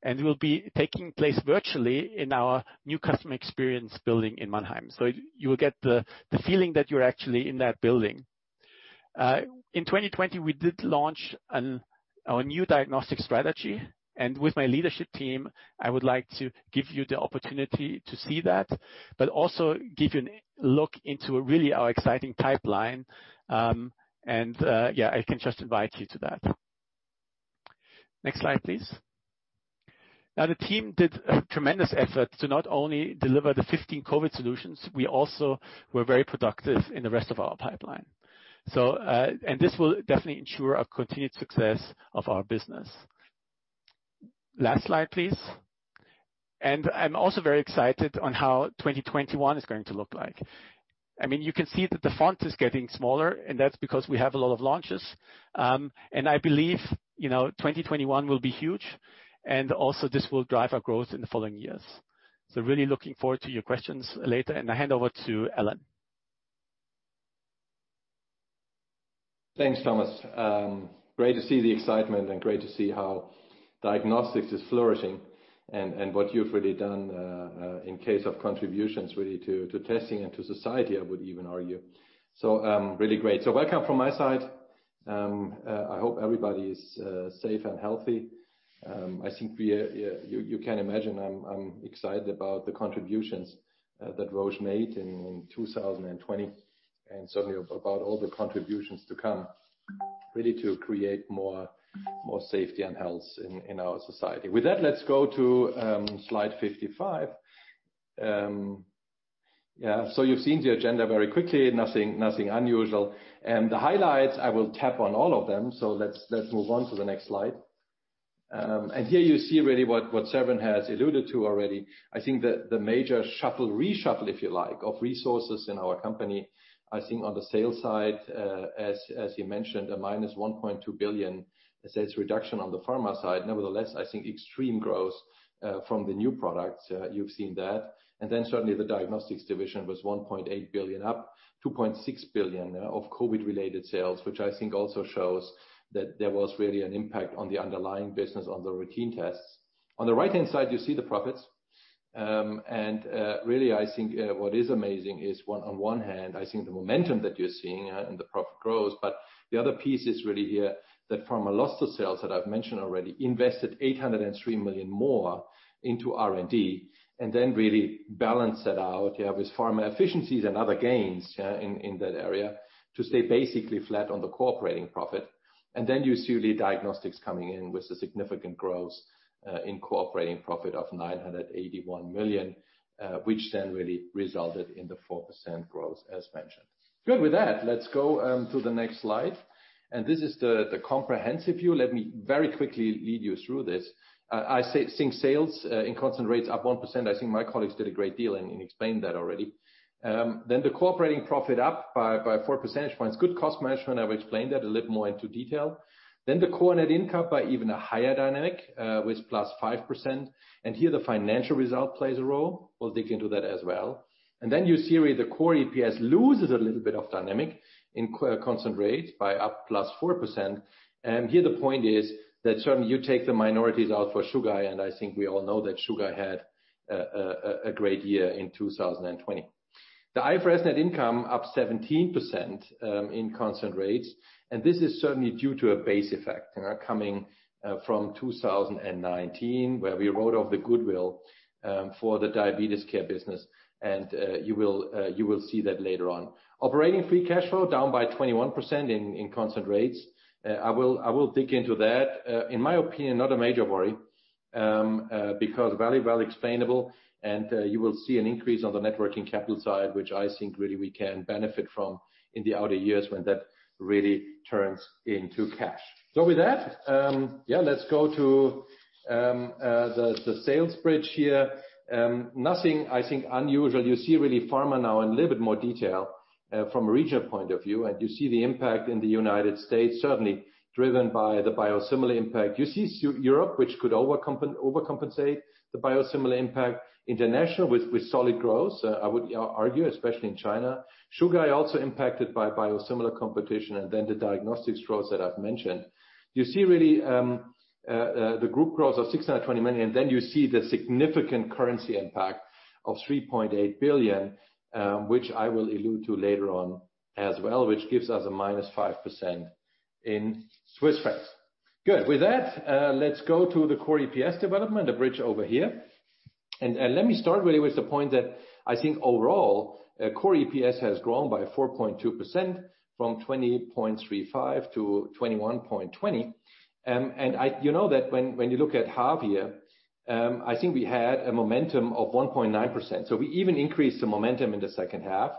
and will be taking place virtually in our new customer experience building in Mannheim. You will get the feeling that you're actually in that building. In 2020, we did launch our new diagnostic strategy, and with my leadership team, I would like to give you the opportunity to see that, but also give you an look into really our exciting pipeline. Yeah, I can just invite you to that. Next slide, please. The team did a tremendous effort to not only deliver the 15 COVID solutions, we also were very productive in the rest of our pipeline. This will definitely ensure a continued success of our business. Last slide, please. I'm also very excited on how 2021 is going to look like. You can see that the font is getting smaller, and that's because we have a lot of launches. I believe 2021 will be huge, and also this will drive our growth in the following years. Really looking forward to your questions later, and I hand over to Alan. Thanks, Thomas. Great to see the excitement and great to see how diagnostics is flourishing and what you've really done, in case of contributions, really to testing and to society, I would even argue. Really great. Welcome from my side. I hope everybody is safe and healthy. I think you can imagine I'm excited about the contributions that Roche made in 2020, and certainly about all the contributions to come, really to create more safety and health in our society. With that, let's go to slide 55. You've seen the agenda very quickly. Nothing unusual. The highlights, I will tap on all of them. Let's move on to the next slide. Here you see really what Severin has alluded to already, I think that the major shuffle, reshuffle, if you like, of resources in our company. I think on the sales side, as you mentioned, a minus 1.2 billion sales reduction on the Pharma side. Nevertheless, I think extreme growth from the new products, you've seen that. Certainly the Diagnostics division was 1.8 billion up, 2.6 billion of COVID-related sales, which I think also shows that there was really an impact on the underlying business on the routine tests. On the right-hand side, you see the profits. Really, I think what is amazing is, on one hand, I think the momentum that you're seeing and the profit growth. The other piece is really here that Pharma lost the sales, that I've mentioned already, invested 803 million more into R&D, and then really balanced that out with Pharma efficiencies and other gains in that area to stay basically flat on the Core operating profit. You see really Diagnostics coming in with a significant growth in Core operating profit of 981 million, which really resulted in the 4% growth as mentioned. Good. With that, let's go to the next slide. This is the comprehensive view. Let me very quickly lead you through this. I think sales in constant rates are up 1%. I think my colleagues did a great deal in explaining that already. The core operating profit up by 4 percentage points. Good cost management, I've explained that a little more into detail. The core net income by even a higher dynamic, with +5%. Here the financial result plays a role. We'll dig into that as well. You see really the core EPS loses a little bit of dynamic in constant rates by up +4%. Here the point is that certainly you take the minorities out for Chugai, and I think we all know that Chugai had a great year in 2020. The IFRS net income up 17% in constant rates. This is certainly due to a base effect coming from 2019, where we wrote off the goodwill for the diabetes care business. You will see that later on. Operating free cash flow down by 21% in constant rates. I will dig into that. In my opinion, not a major worry, because very well explainable. You will see an increase on the net working capital side, which I think really we can benefit from in the outer years when that really turns into cash. With that, let's go to the sales bridge here. Nothing, I think unusual. You see really Pharma now in a little bit more detail from a regional point of view. You see the impact in the United States, certainly driven by the biosimilar impact. You see Europe, which could overcompensate the biosimilar impact. International with solid growth, I would argue, especially in China. Chugai also impacted by biosimilar competition, and then the diagnostics growth that I've mentioned. You see really the group growth of 620 million. You see the significant currency impact of 3.8 billion, which I will allude to later on as well, which gives us a -5% in CHF. Good. With that, let's go to the core EPS development, the bridge over here. Let me start really with the point that I think overall, core EPS has grown by 4.2%, from 20.35 to 21.20. You know that when you look at half year, I think we had a momentum of 1.9%. We even increased the momentum in the second half.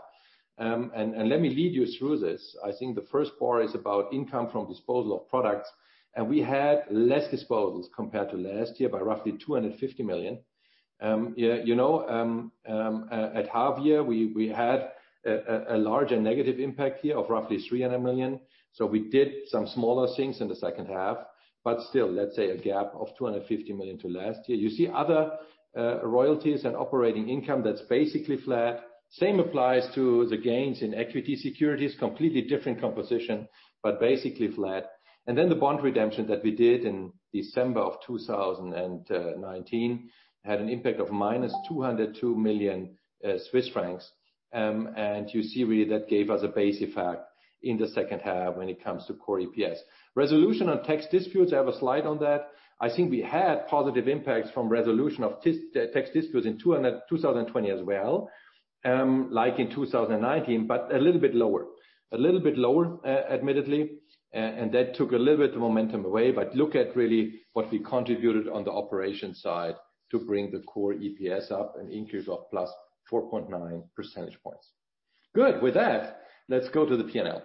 Let me lead you through this. I think the first quarter is about income from disposal of products. We had less disposals compared to last year by roughly 250 million. At half year, we had a larger negative impact here of roughly 300 million. We did some smaller things in the second half, but still, let's say a gap of 250 million to last year. You see other royalties and operating income that's basically flat. Same applies to the gains in equity securities, completely different composition, but basically flat. Then the bond redemption that we did in December of 2019 had an impact of -202 million Swiss francs. You see really that gave us a base effect in the second half when it comes to core EPS. Resolution on tax disputes, I have a slide on that. I think we had positive impacts from resolution of tax disputes in 2020 as well, like in 2019, but a little bit lower. A little bit lower, admittedly, that took a little bit of momentum away. Look at really what we contributed on the operation side to bring the core EPS up, an increase of +4.9 percentage points. Good. With that, let's go to the P&L.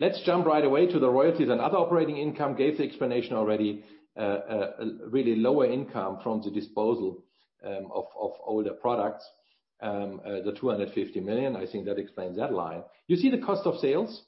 Let's jump right away to the royalties and other operating income. I gave the explanation already, really lower income from the disposal of older products. The 250 million, I think that explains that line. You see the cost of sales.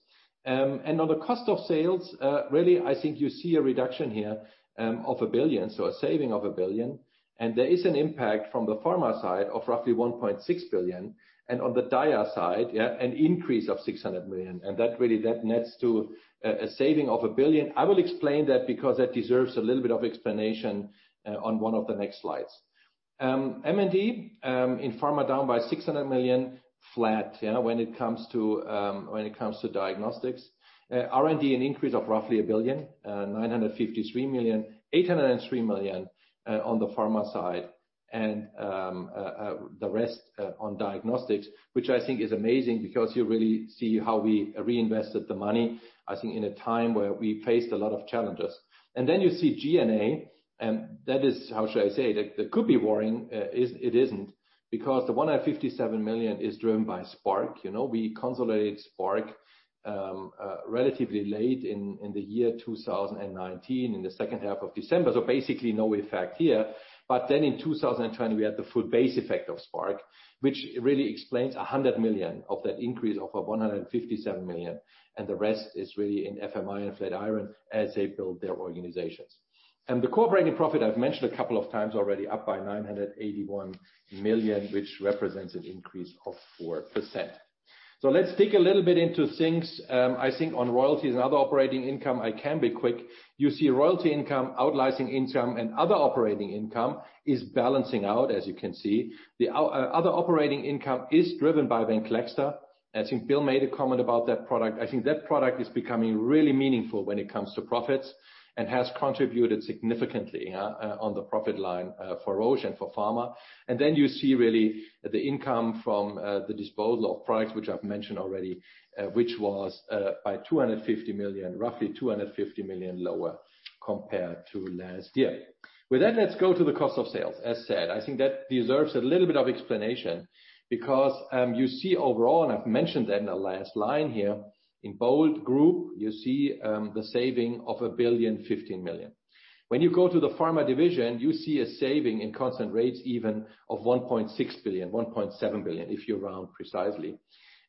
On the cost of sales, really, I think you see a reduction here of 1 billion, so a saving of 1 billion. There is an impact from the Pharma side of roughly 1.6 billion. On the Dia side, an increase of 600 million. That really nets to a saving of 1 billion. I will explain that because that deserves a little bit of explanation on one of the next slides. M&D in Pharma down by 600 million, flat when it comes to diagnostics. R&D, an increase of roughly 1 billion, 953 million, 803 million on the Pharma side and the rest on diagnostics, which I think is amazing because you really see how we reinvested the money in a time where we faced a lot of challenges. You see G&A, and that is, how should I say, that could be worrying. It isn't, because the 157 million is driven by Spark. We consolidated Spark relatively late in the year 2019, in the second half of December. Basically no effect here. In 2020, we had the full base effect of Spark, which really explains 100 million of that increase of 157 million, and the rest is really in FMI and Flatiron as they build their organizations. The Core operating profit, I've mentioned a couple of times already, up by 981 million, which represents an increase of 4%. Let's dig a little bit into things. I think on royalties and other operating income, I can be quick. You see royalty income, out-licensing income, and other operating income is balancing out, as you can see. The other operating income is driven by Venclexta. I think Bill made a comment about that product. I think that product is becoming really meaningful when it comes to profits and has contributed significantly on the profit line for Roche and for pharma. Then you see really the income from the disposal of products, which I've mentioned already, which was by roughly 250 million lower compared to last year. With that, let's go to the cost of sales. As said, I think that deserves a little bit of explanation because you see overall, and I've mentioned that in the last line here, in bold group, you see the saving of 1,015 million. When you go to the pharma division, you see a saving in constant rates even of 1.6 billion, 1.7 billion, if you round precisely.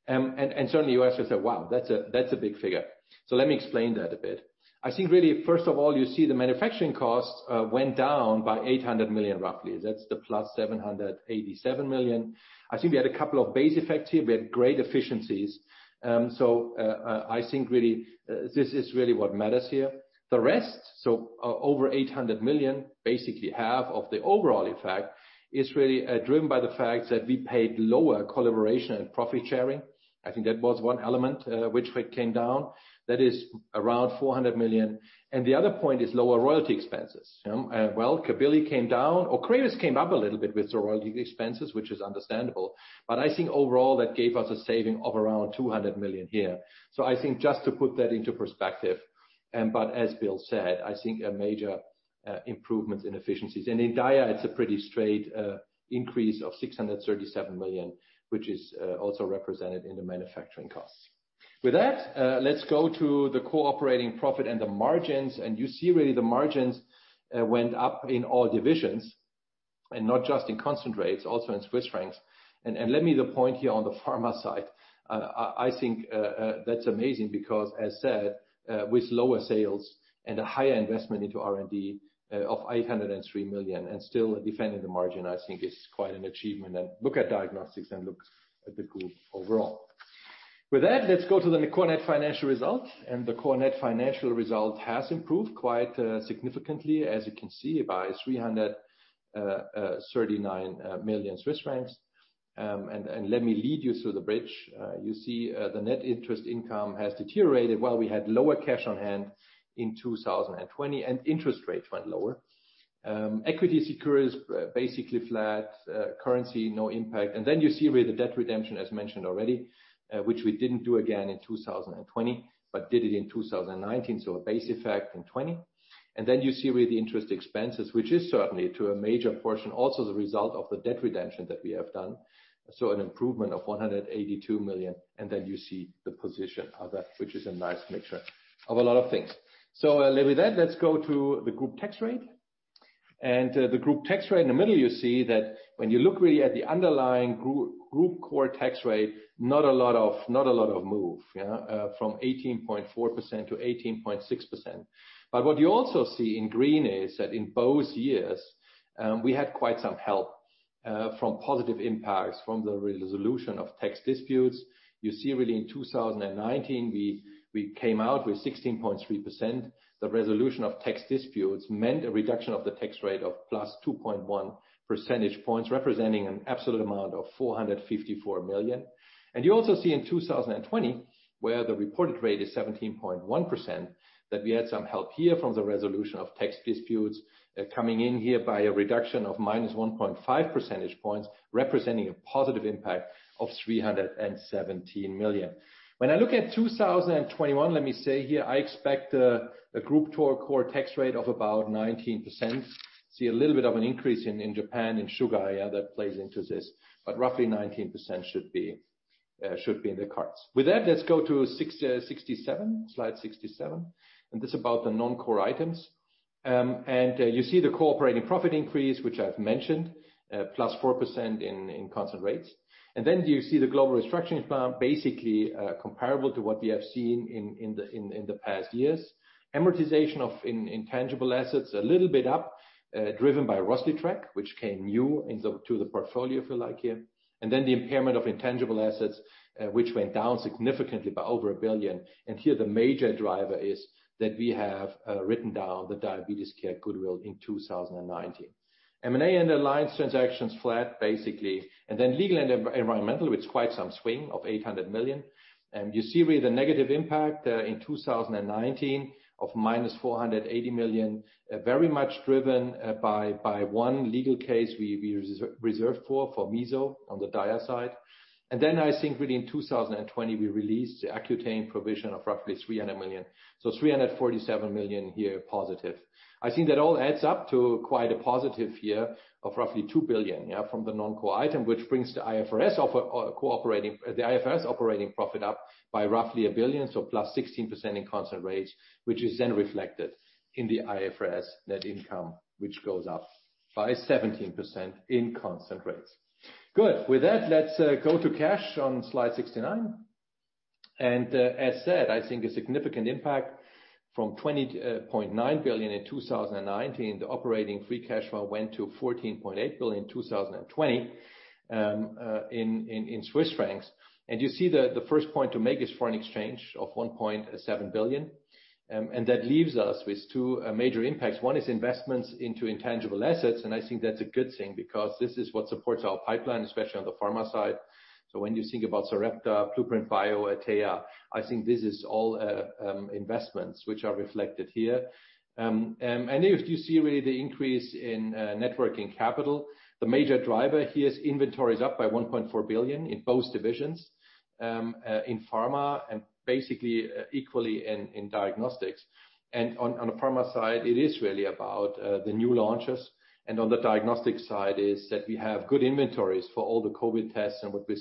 Certainly you actually say, "Wow, that's a big figure." Let me explain that a bit. I think really first of all, you see the manufacturing cost went down by 800 million, roughly. That's the plus 787 million. I think we had a couple of base effects here. We had great efficiencies. I think this is really what matters here. The rest, so over 800 million, basically half of the overall effect, is really driven by the fact that we paid lower collaboration and profit sharing. I think that was one element, which came down. That is around 400 million. The other point is lower royalty expenses. Well, Cabilly came down or Ocrevus came up a little bit with the royalty expenses, which is understandable. I think overall that gave us a saving of around 200 million here. I think just to put that into perspective. As Bill said, I think a major improvements in efficiencies. In Dia, it's a pretty straight increase of 637 million, which is also represented in the manufacturing costs. With that, let's go to the core operating profit and the margins. You see really the margins went up in all divisions, not just in constant rates, also in CHF. Let me point here on the pharma side. I think that's amazing because, as said, with lower sales and a higher investment into R&D of 803 million and still defending the margin, I think is quite an achievement. Look at diagnostics and look at the group overall. With that, let's go to the core net financial results, and the core net financial result has improved quite significantly, as you can see, by 339 million Swiss francs. Let me lead you through the bridge. You see the net interest income has deteriorated. Well, we had lower cash on hand in 2020, and interest rates went lower. Equity securities basically flat. Currency, no impact. You see where the debt redemption, as mentioned already, which we didn't do again in 2020, but did it in 2019, so a base effect in 2020. You see where the interest expenses, which is certainly to a major portion, also the result of the debt redemption that we have done. An improvement of 182 million, and then you see the position of that, which is a nice mixture of a lot of things. With that, let's go to the group tax rate. The group tax rate in the middle, you see that when you look really at the underlying group core tax rate, not a lot of move from 18.4% to 18.6%. What you also see in green is that in both years, we had quite some help from positive impacts from the resolution of tax disputes. You see really in 2019, we came out with 16.3%. The resolution of tax disputes meant a reduction of the tax rate of +2.1 percentage points, representing an absolute amount of 454 million. You also see in 2020, where the reported rate is 17.1%, that we had some help here from the resolution of tax disputes coming in here by a reduction of -1.5 percentage points, representing a positive impact of 317 million. When I look at 2021, let me say here, I expect a group core tax rate of about 19%. See a little bit of an increase in Japan, in Chugai, that plays into this. Roughly 19% should be in the cards. With that, let's go to slide 67. This is about the non-core items. You see the core operating profit increase, which I've mentioned, plus 4% in constant rates. You see the global restructuring plan, basically comparable to what we have seen in the past years. Amortization of intangible assets, a little bit up, driven by ROZLYTREK, which came new to the portfolio, if you like, here. The impairment of intangible assets, which went down significantly by over 1 billion. Here the major driver is that we have written down the diabetes care goodwill in 2019. M&A and alliance transactions flat, basically. Legal and environmental with quite some swing of 800 million. You see the negative impact there in 2019 of minus 480 million, very much driven by one legal case we reserved for Meso on the Dia side. I think really in 2020, we released the Accutane provision of roughly 300 million. 347 million here positive. I think that all adds up to quite a positive year of roughly 2 billion from the non-core item, which brings the IFRS operating profit up by roughly 1 billion, +16% in constant rates, which is reflected in the IFRS net income, which goes up by 17% in constant rates. Good. With that, let's go to cash on slide 69. As said, I think a significant impact from 20.9 billion in 2019, the operating free cash flow went to 14.8 billion in 2020, in Swiss francs. You see the first point to make is foreign exchange of 1.7 billion. That leaves us with two major impacts. One is investments into intangible assets. I think that's a good thing because this is what supports our pipeline, especially on the Pharma side. When you think about Sarepta, Blueprint Medicines, Atea, I think this is all investments which are reflected here. If you see really the increase in networking capital, the major driver here is inventories up by 1.4 billion in both divisions, in Pharma and basically equally in Diagnostics. On the Pharma side, it is really about the new launches. On the Diagnostics side is that we have good inventories for all the COVID tests and what we're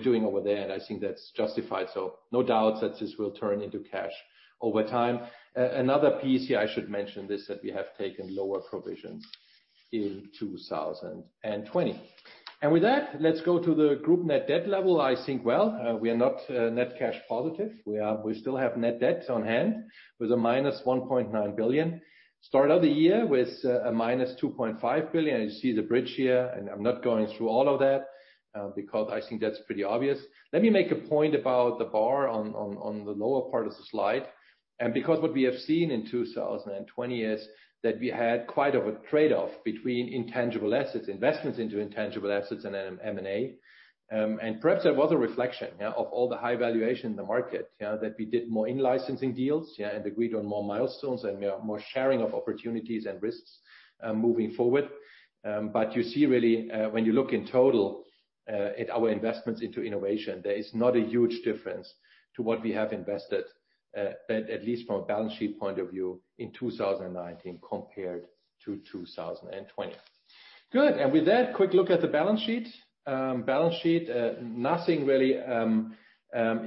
doing over there. I think that's justified. No doubt that this will turn into cash over time. Another piece here I should mention is that we have taken lower provisions in 2020. With that, let's go to the group net debt level. I think, well, we are not net cash positive. We still have net debt on hand with a minus 1.9 billion. Start of the year with a minus 2.5 billion. You see the bridge here. I'm not going through all of that, because I think that's pretty obvious. Let me make a point about the bar on the lower part of the slide. Because what we have seen in 2020 is that we had quite of a trade-off between intangible assets, investments into intangible assets and M&A. Perhaps that was a reflection of all the high valuation in the market, that we did more in-licensing deals, and agreed on more milestones and more sharing of opportunities and risks, moving forward. You see really, when you look in total, at our investments into innovation, there is not a huge difference to what we have invested, at least from a balance sheet point of view in 2019 compared to 2020. Good. With that, quick look at the balance sheet. Balance sheet, nothing really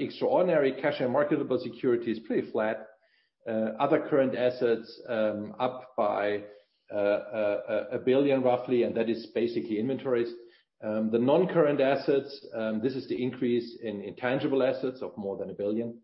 extraordinary. Cash and marketable securities pretty flat. Other current assets, up by 1 billion, roughly. That is basically inventories. The non-current assets, this is the increase in intangible assets of more than 1 billion.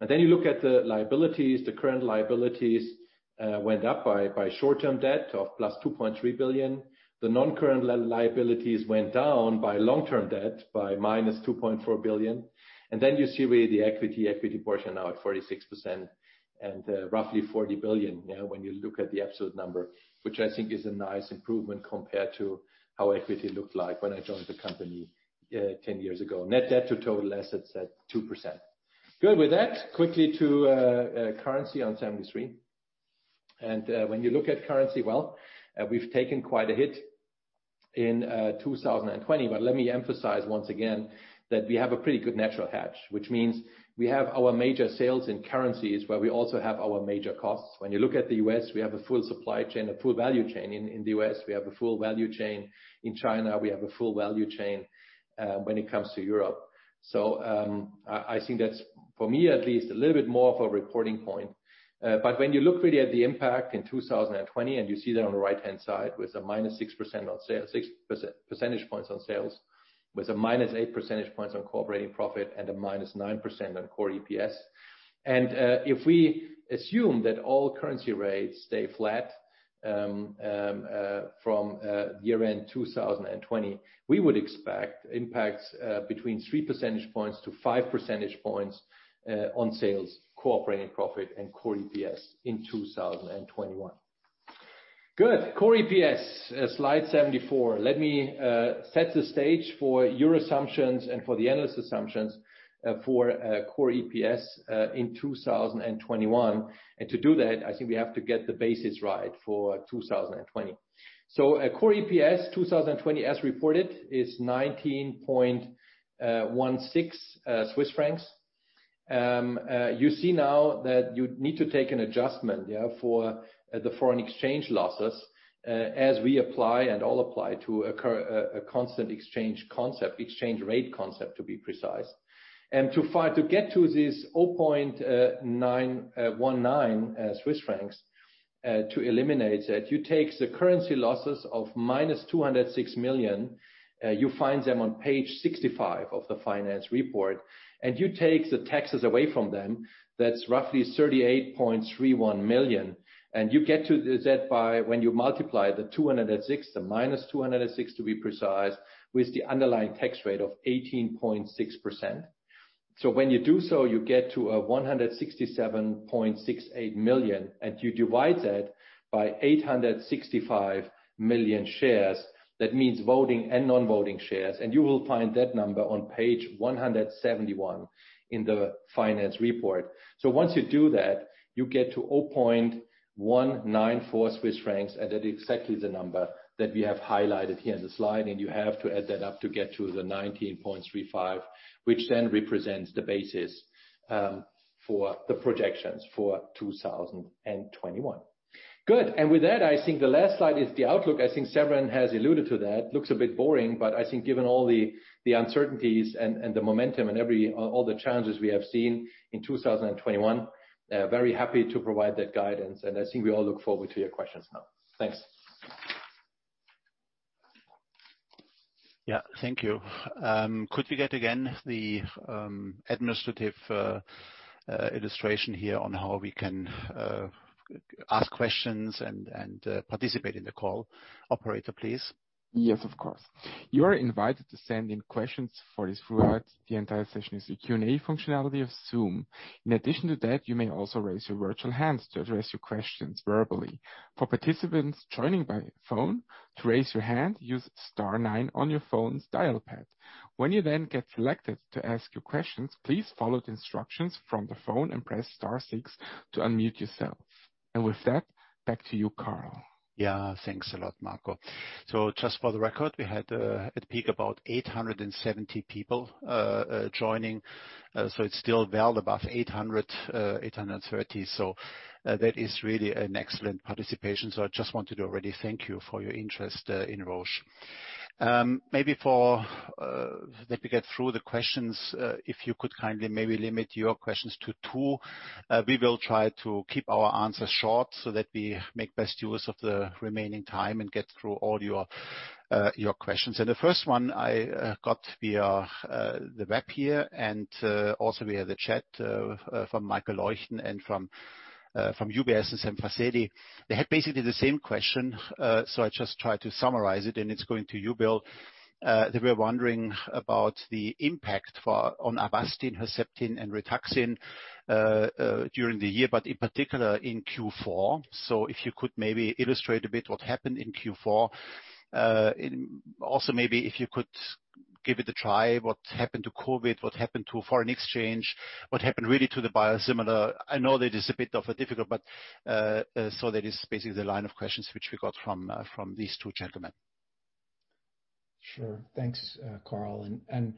Then you look at the liabilities. The current liabilities, went up by short-term debt of +2.3 billion. The non-current liabilities went down by long-term debt by -2.4 billion. You see really the equity portion now at 46% and roughly 40 billion, when you look at the absolute number, which I think is a nice improvement compared to how equity looked like when I joined the company 10 years ago. Net debt to total assets at 2%. Good. With that, quickly to currency on 73. When you look at currency, well, we've taken quite a hit in 2020. Let me emphasize once again that we have a pretty good natural hedge, which means we have our major sales in currencies where we also have our major costs. When you look at the U.S., we have a full supply chain, a full value chain. In the U.S., we have a full value chain. In China, we have a full value chain, when it comes to Europe. I think that's, for me at least, a little bit more of a reporting point. When you look really at the impact in 2020, and you see that on the right-hand side with a minus 6% on sale, 6 percentage points on sales, with a minus 8 percentage points on operating profit and a minus 9% on core EPS. If we assume that all currency rates stay flat, from year-end 2020, we would expect impacts between 3 to 5 percentage points, on sales, operating profit, and core EPS in 2021. Good. Core EPS, slide 74. Let me set the stage for your assumptions and for the analyst assumptions for core EPS in 2021. To do that, I think we have to get the basis right for 2020. Core EPS 2020 as reported is 19.16 Swiss francs. You see now that you need to take an adjustment for the foreign exchange losses, as we apply and all apply to a constant exchange concept, exchange rate concept, to be precise. To get to this 0.919 Swiss francs, to eliminate that, you take the currency losses of minus 206 million. You find them on page 65 of the finance report, and you take the taxes away from them. That's roughly 38.31 million. You get to that by when you multiply the 206, the minus 206 to be precise, with the underlying tax rate of 18.6%. When you do so, you get to a 167.68 million, and you divide that by 865 million shares. That means voting and non-voting shares. You will find that number on page 171 in the finance report. Once you do that, you get to 0.194 Swiss francs. That is exactly the number that we have highlighted here in the slide. You have to add that up to get to the 19.35, which then represents the basis for the projections for 2021. Good. With that, I think the last slide is the outlook. I think Severin has alluded to that. Looks a bit boring, but I think given all the uncertainties and the momentum and all the challenges we have seen in 2021, very happy to provide that guidance. I think we all look forward to your questions now. Thanks. Yeah thank you. Could we get again, the administrative illustration here on how we can ask questions and participate in the call? Operator, please. Yes, of course. You are invited to send in questions for us throughout the entire session using the Q&A functionality of Zoom. In addition to that, you may also raise your virtual hands to address your questions verbally. For participants joining by phone, to raise your hand, use star nine on your phone's dial pad. When you then get selected to ask your questions, please follow the instructions from the phone and press star six to unmute yourself. With that, back to you, Karl. Yeah. Thanks a lot Marco. Just for the record, we had at peak about 870 people joining. It's still well above 800-830. That is really an excellent participation. I just wanted to already thank you for your interest in Roche. Maybe let me get through the questions. If you could kindly maybe limit your questions to two. We will try to keep our answers short so that we make best use of the remaining time and get through all your questions. The first one I got via the web here, and also via the chat, from Michael Leuchten and from UBS's Sam Fazeli. They had basically the same question, so I just try to summarize it, and it's going to you, Bill. They were wondering about the impact on Avastin, Herceptin, and Rituxan during the year, but in particular in Q4. If you could maybe illustrate a bit what happened in Q4. Maybe if you could give it a try, what happened to COVID? What happened to foreign exchange? What happened really to the biosimilar? That is basically the line of questions which we got from these two gentlemen. Sure thanks Karl. I'm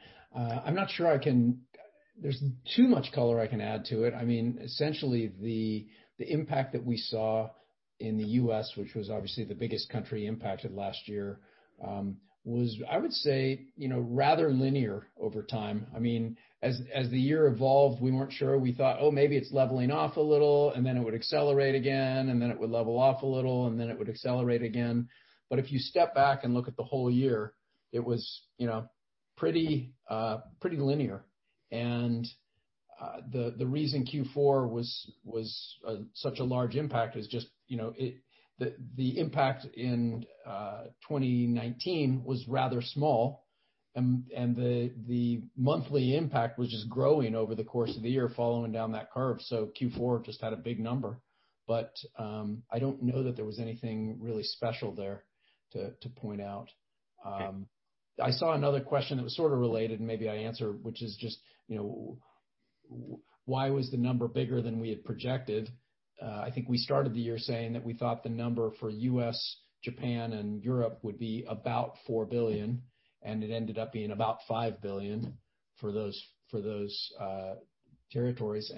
not sure there's too much color I can add to it. Essentially, the impact that we saw in the U.S., which was obviously the biggest country impacted last year, was, I would say, rather linear over time. As the year evolved, we weren't sure. We thought, "Oh, maybe it's leveling off a little," and then it would accelerate again, and then it would level off a little, and then it would accelerate again. If you step back and look at the whole year, it was pretty linear. The reason Q4 was such a large impact is just the impact in 2019 was rather small, and the monthly impact was just growing over the course of the year following down that curve. Q4 just had a big number. I don't know that there was anything really special there to point out. Okay. I saw another question that was sort of related, maybe I answer, which is just why was the number bigger than we had projected? I think we started the year saying that we thought the number for U.S., Japan, and Europe would be about 4 billion, and it ended up being about 5 billion for those territories.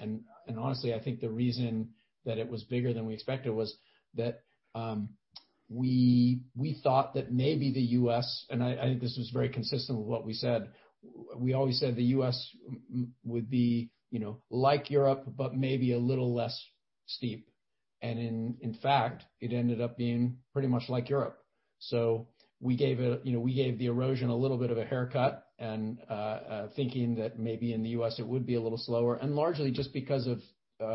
Honestly, I think the reason that it was bigger than we expected was that we thought that maybe the U.S., and I think this was very consistent with what we said, we always said the U.S. would be like Europe, but maybe a little less steep. In fact, it ended up being pretty much like Europe. We gave the erosion a little bit of a haircut and thinking that maybe in the U.S. it would be a little slower, largely just because of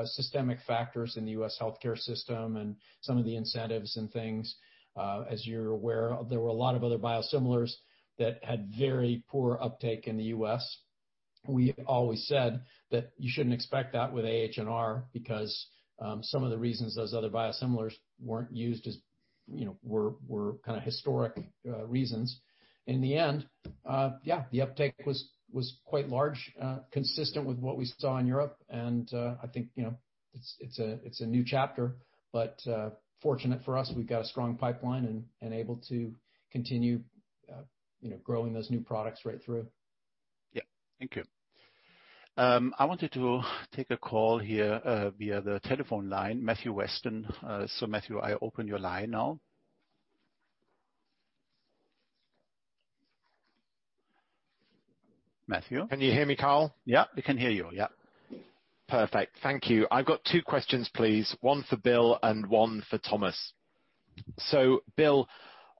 systemic factors in the U.S. healthcare system and some of the incentives and things. As you're aware, there were a lot of other biosimilars that had very poor uptake in the U.S. We always said that you shouldn't expect that with AH&R because some of the reasons those other biosimilars weren't used were kind of historic reasons. In the end, yeah, the uptake was quite large, consistent with what we saw in Europe. I think it's a new chapter, but fortunate for us, we've got a strong pipeline and able to continue growing those new products right through. Yeah. Thank you. I wanted to take a call here via the telephone line, Matthew Weston. Matthew, I open your line now. Matthew? Can you hear me, Karl? Yeah. We can hear you. Yeah. Perfect. Thank you. I've got two questions, please. One for Bill and one for Thomas. Bill,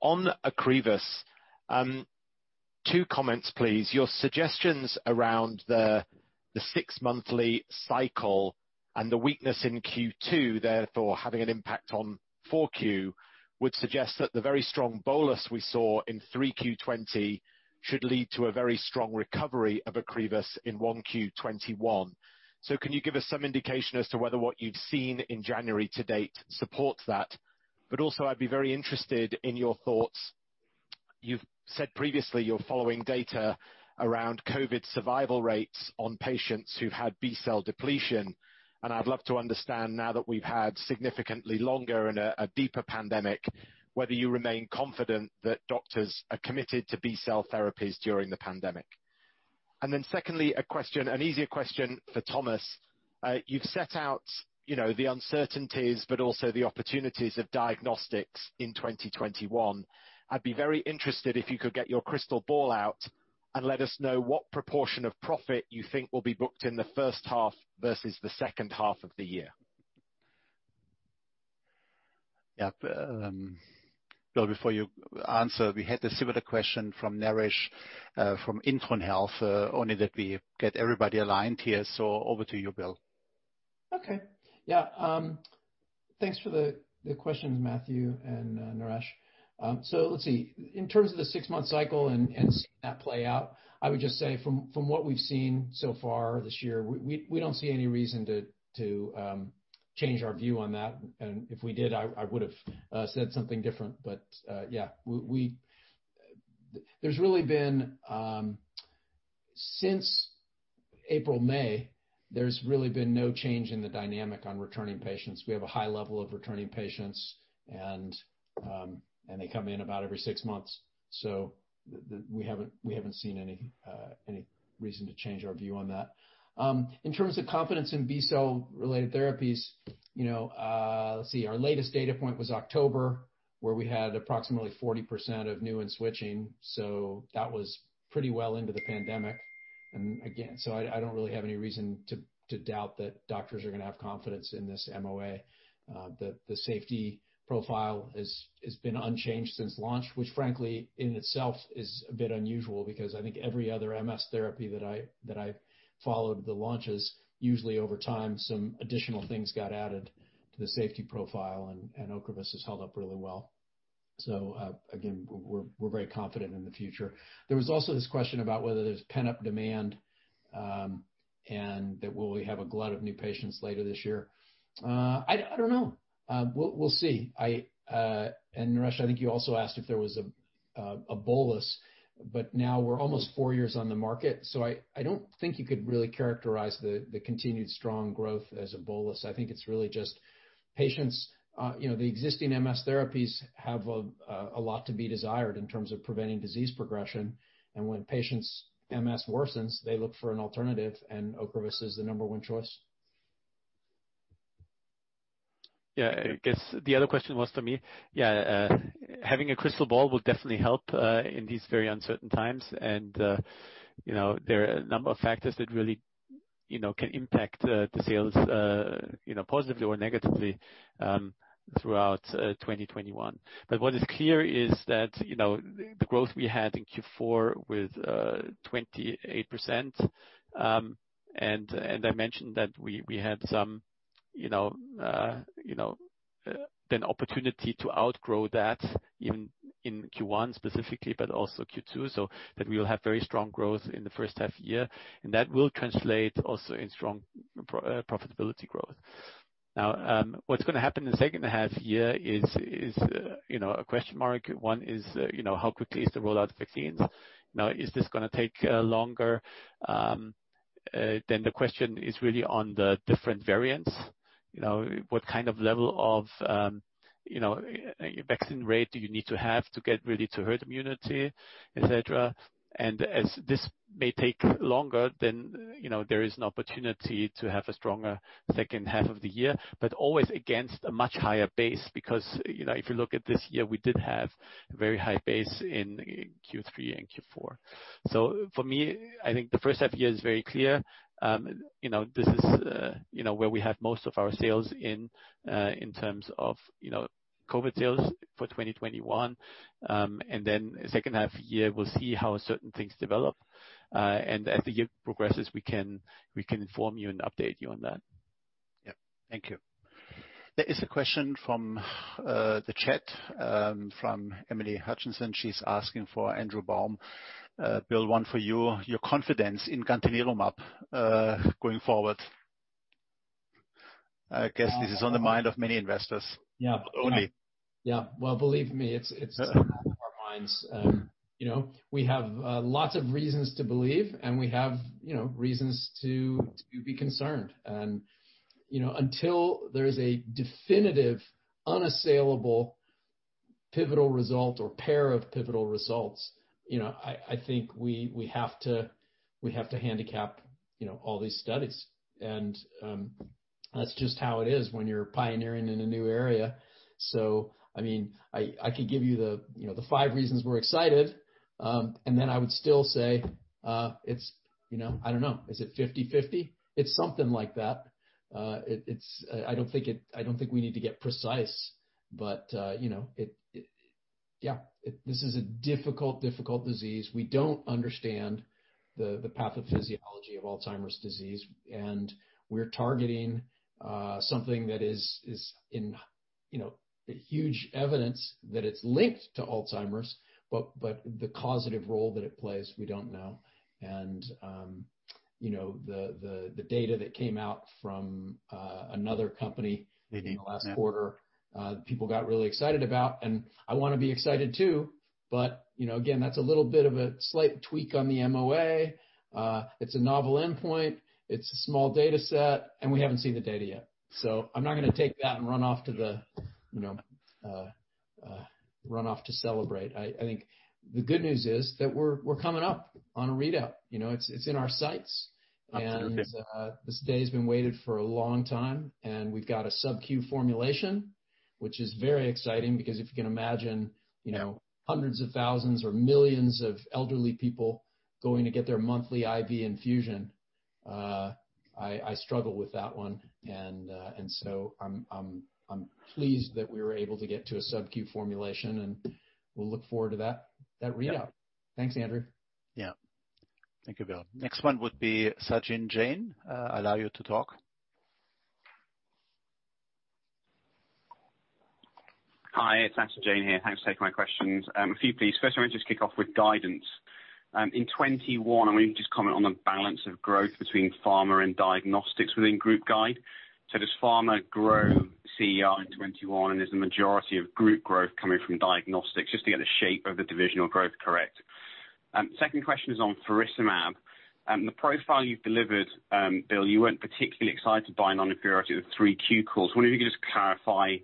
on Ocrevus, two comments please. Your suggestions around the six-monthly cycle and the weakness in Q2 therefore having an impact on 4Q would suggest that the very strong bolus we saw in Q3 2020 should lead to a very strong recovery of Ocrevus in Q1 2021. Can you give us some indication as to whether what you'd seen in January to date supports that? I'd be very interested in your thoughts. You've said previously you're following data around COVID survival rates on patients who've had B-cell depletion, and I'd love to understand now that we've had significantly longer and a deeper pandemic, whether you remain confident that doctors are committed to B-cell therapies during the pandemic. Secondly, an easier question for Thomas. You've set out the uncertainties but also the opportunities of diagnostics in 2021. I'd be very interested if you could get your crystal ball out and let us know what proportion of profit you think will be booked in the first half versus the second half of the year. Yeah. Bill, before you answer, we had a similar question from Naresh from Intron Health. Only that we get everybody aligned here. Over to you, Bill. Okay. Yeah. Thanks for the questions, Matthew and Naresh. Let's see. In terms of the six-month cycle and seeing that play out, I would just say from what we've seen so far this year, we don't see any reason to change our view on that. If we did, I would have said something different. Yeah, there's really been, since April, May, there's really been no change in the dynamic on returning patients. We have a high level of returning patients, and they come in about every six months. We haven't seen any reason to change our view on that. In terms of confidence in B-cell related therapies, let's see, our latest data point was October, where we had approximately 40% of new and switching, so that was pretty well into the pandemic. Again, so I don't really have any reason to doubt that doctors are going to have confidence in this MOA. The safety profile has been unchanged since launch, which frankly, in itself, is a bit unusual because I think every other MS therapy that I followed, the launches, usually over time, some additional things got added to the safety profile, and Ocrevus has held up really well. Again, we're very confident in the future. There was also this question about whether there's pent-up demand, and that will we have a glut of new patients later this year? I don't know. We'll see. Naresh, I think you also asked if there was a bolus, but now we're almost four years on the market, so I don't think you could really characterize the continued strong growth as a bolus. I think it's really just patients. The existing MS therapies have a lot to be desired in terms of preventing disease progression. When patients' MS worsens, they look for an alternative, and Ocrevus is the number one choice. I guess the other question was for me. Having a crystal ball will definitely help in these very uncertain times. There are a number of factors that really can impact the sales positively or negatively throughout 2021. What is clear is that the growth we had in Q4 with 28%, and I mentioned that we had an opportunity to outgrow that even in Q1 specifically, but also Q2, so that we will have very strong growth in the first half year. That will translate also in strong profitability growth. Now, what's going to happen in the second half year is a question mark. One is how quickly is the rollout of vaccines. Now, is this going to take longer? The question is really on the different variants. What kind of level of vaccine rate do you need to have to get really to herd immunity, et cetera? As this may take longer, then there is an opportunity to have a stronger second half of the year, but always against a much higher base, because if you look at this year, we did have a very high base in Q3 and Q4. For me, I think the first half year is very clear. This is where we have most of our sales in terms of COVID sales for 2021. Then second half year, we'll see how certain things develop. As the year progresses, we can inform you and update you on that. Yeah. Thank you. There is a question from the chat, from Emily Hutchinson. She is asking for Andrew Baum. Bill, one for you, your confidence in gantenerumab going forward. I guess this is on the mind of many investors. Yeah. Only. Well, believe me, it's on our minds. We have lots of reasons to believe, and we have reasons to be concerned. Until there's a definitive, unassailable pivotal result or pair of pivotal results, I think we have to handicap all these studies. That's just how it is when you're pioneering in a new area. I mean, I could give you the five reasons we're excited, and then I would still say it's, I don't know. Is it 50/50? It's something like that. I don't think we need to get precise, this is a difficult disease. We don't understand the pathophysiology of Alzheimer's disease, and we're targeting something that is in huge evidence that it's linked to Alzheimer's, but the causative role that it plays, we don't know. The data that came out from another company in the last quarter, people got really excited about, and I want to be excited too, but again, that's a little bit of a slight tweak on the MOA. It's a novel endpoint, it's a small data set, and we haven't seen the data yet. I'm not going to take that and run off to celebrate. I think the good news is that we're coming up on a readout. It's in our sights. Absolutely. This day's been waited for a long time, and we've got a sub-Q formulation, which is very exciting because if you can imagine hundreds of thousands or millions of elderly people going to get their monthly IV infusion. I struggle with that one. I'm pleased that we were able to get to a sub-Q formulation, and we'll look forward to that readout. Yeah. Thanks, Andrew. Yeah. Thank you Bill. Next one would be Sachin Jain. I'll allow you to talk. Hi, it's Sachin Jain here. Thanks for taking my questions. A few, please. First, I want to just kick off with guidance. In 2021, I wonder if you could just comment on the balance of growth between pharma and diagnostics within group guide. Does pharma grow CER in 2021, and is the majority of group growth coming from diagnostics, just to get the shape of the divisional growth correct? Second question is on faricimab. The profile you've delivered, Bill, you weren't particularly excited by non-inferiority with 3Q calls. Wondering if you could just clarify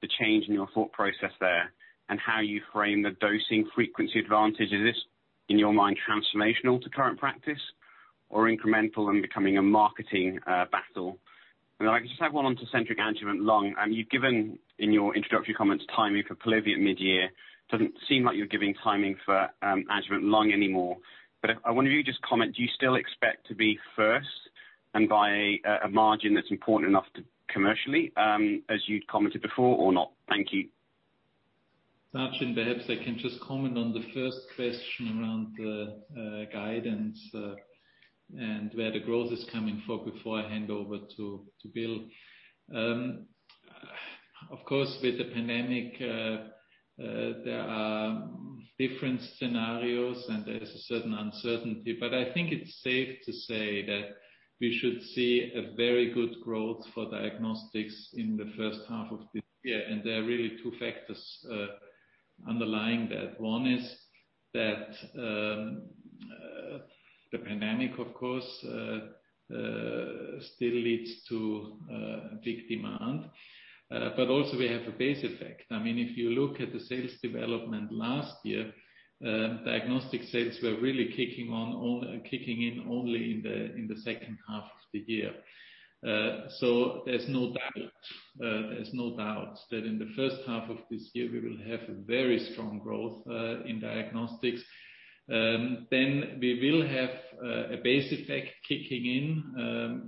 the change in your thought process there and how you frame the dosing frequency advantage. Is this, in your mind, transformational to current practice or incremental and becoming a marketing battle? Then I just have one on Tecentriq adjuvant lung. You've given, in your introductory comments, timing for Polivy at midyear. Doesn't seem like you're giving timing for adjuvant lung anymore. I wonder if you could just comment, do you still expect to be first and by a margin that's important enough commercially, as you'd commented before, or not? Thank you. Sachin, perhaps I can just comment on the first question around the guidance, and where the growth is coming for, before I hand over to Bill. Of course, with the pandemic, there are different scenarios, and there's a certain uncertainty. I think it's safe to say that we should see a very good growth for Diagnostics in the first half of this year, and there are really two factors underlying that. One is that the pandemic, of course, still leads to big demand. Also, we have a base effect. If you look at the sales development last year, Diagnostics sales were really kicking in only in the second half of the year. There's no doubt that in the first half of this year, we will have a very strong growth in Diagnostics. We will have a base effect kicking in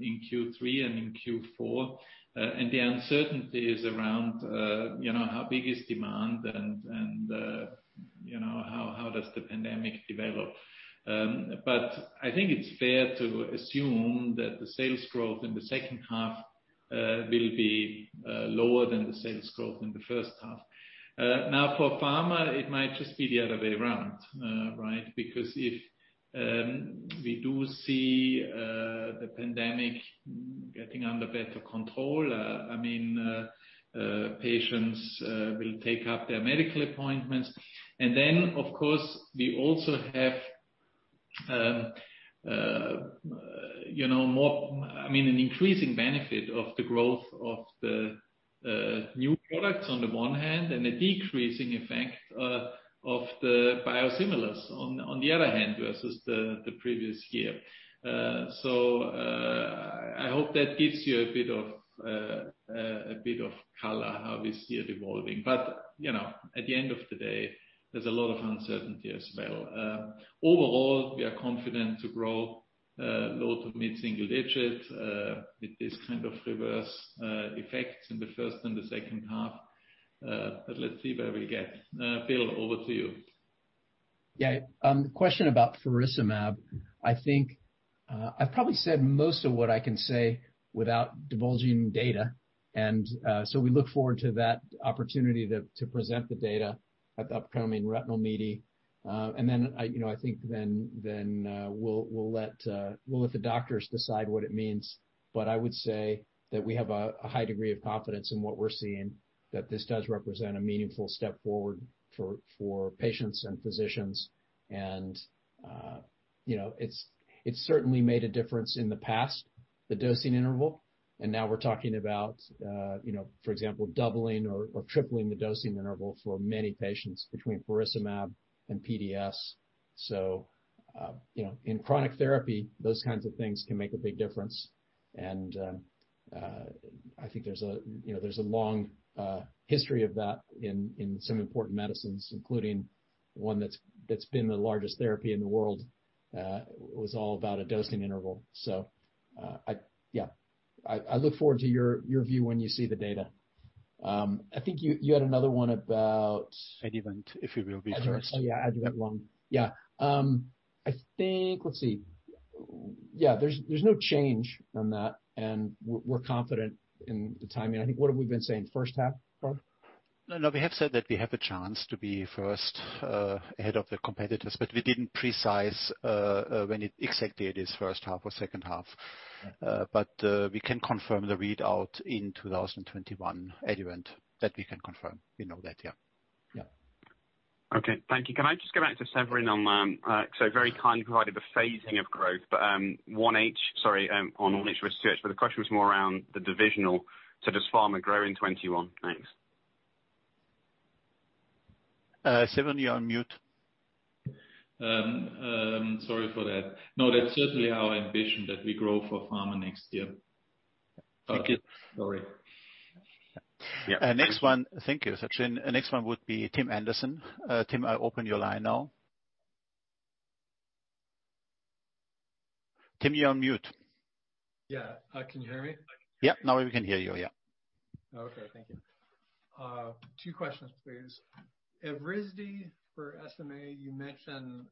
in Q3 and in Q4. The uncertainty is around how big is demand and how does the pandemic develop. I think it's fair to assume that the sales growth in the second half will be lower than the sales growth in the first half. For pharma, it might just be the other way around, right? If we do see the pandemic getting under better control, patients will take up their medical appointments. Then, of course, we also have an increasing benefit of the growth of the new products on the one hand and a decreasing effect of the biosimilars on the other hand versus the previous year. I hope that gives you a bit of color how we see it evolving. At the end of the day, there's a lot of uncertainty as well. Overall, we are confident to grow low-to mid-single digits with this kind of reverse effects in the first and the second half. Let's see where we get. Bill, over to you. Question about faricimab. I think I've probably said most of what I can say without divulging data. We look forward to that opportunity to present the data at the upcoming retinal meeting. I think then we'll let the doctors decide what it means. I would say that we have a high degree of confidence in what we're seeing, that this does represent a meaningful step forward for patients and physicians. It's certainly made a difference in the past, the dosing interval. Now we're talking about, for example, 2x or 3x the dosing interval for many patients between faricimab and PDS. In chronic therapy, those kinds of things can make a big difference. I think there's a long history of that in some important medicines, including one that's been the largest therapy in the world. It was all about a dosing interval. I look forward to your view when you see the data. I think you had another one about. Adjuvant, if you will be first. Yeah. Adjuvant lung. Yeah. Let's see. Yeah, there's no change on that, and we're confident in the timing. I think, what have we been saying? First half, Franz? We have said that we have a chance to be first ahead of the competitors, we didn't precise when exactly it is first half or second half. We can confirm the readout in 2021, adjuvant. That we can confirm. We know that, yeah. Yeah. Okay. Thank you. Can I just go back to Severin on, so very kindly provided the phasing of growth, but on Roche Research. The question was more around the divisional. Does Pharma grow in 2021? Thanks. Severin, you're on mute. Sorry for that. No, that's certainly our ambition that we grow for pharma next year. Thank you. Sorry. Yeah. Thank you, Sachin. The next one would be Tim Anderson. Tim, I open your line now. Tim, you're on mute. Yeah. Can you hear me? Yeah. Now we can hear you. Yeah. Okay. Thank you. Two questions, please. Evrysdi for SMA, you mentioned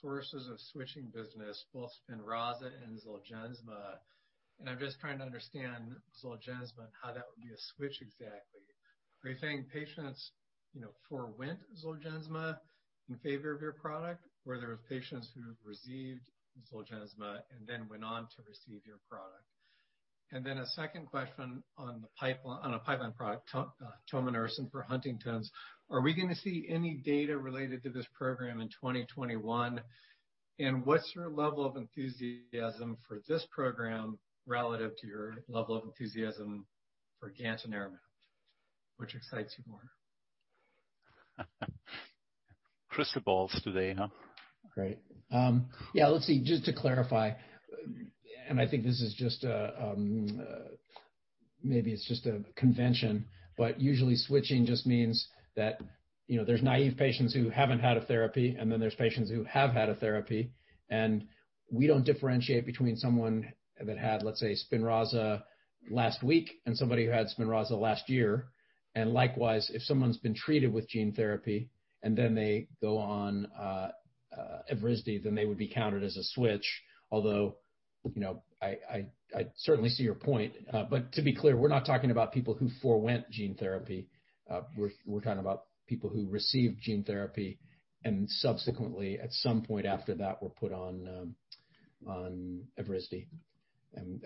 sources of switching business, both Spinraza and Zolgensma. I'm just trying to understand Zolgensma and how that would be a switch exactly. Are you saying patients forewent Zolgensma in favor of your product, or there were patients who received Zolgensma and then went on to receive your product? Then a second question on a pipeline product, tominersen for Huntington's. Are we going to see any data related to this program in 2021? What's your level of enthusiasm for this program relative to your level of enthusiasm for gantenerumab? Which excites you more? Crystal balls today, huh? Great. Let's see. Just to clarify, I think this is just a convention, but usually switching just means that there's naive patients who haven't had a therapy, and then there's patients who have had a therapy, and we don't differentiate between someone that had, let's say, Spinraza last week and somebody who had Spinraza last year. Likewise, if someone's been treated with gene therapy and then they go on Evrysdi, then they would be counted as a switch. Although, I certainly see your point. To be clear, we're not talking about people who forewent gene therapy. We're talking about people who received gene therapy and subsequently, at some point after that, were put on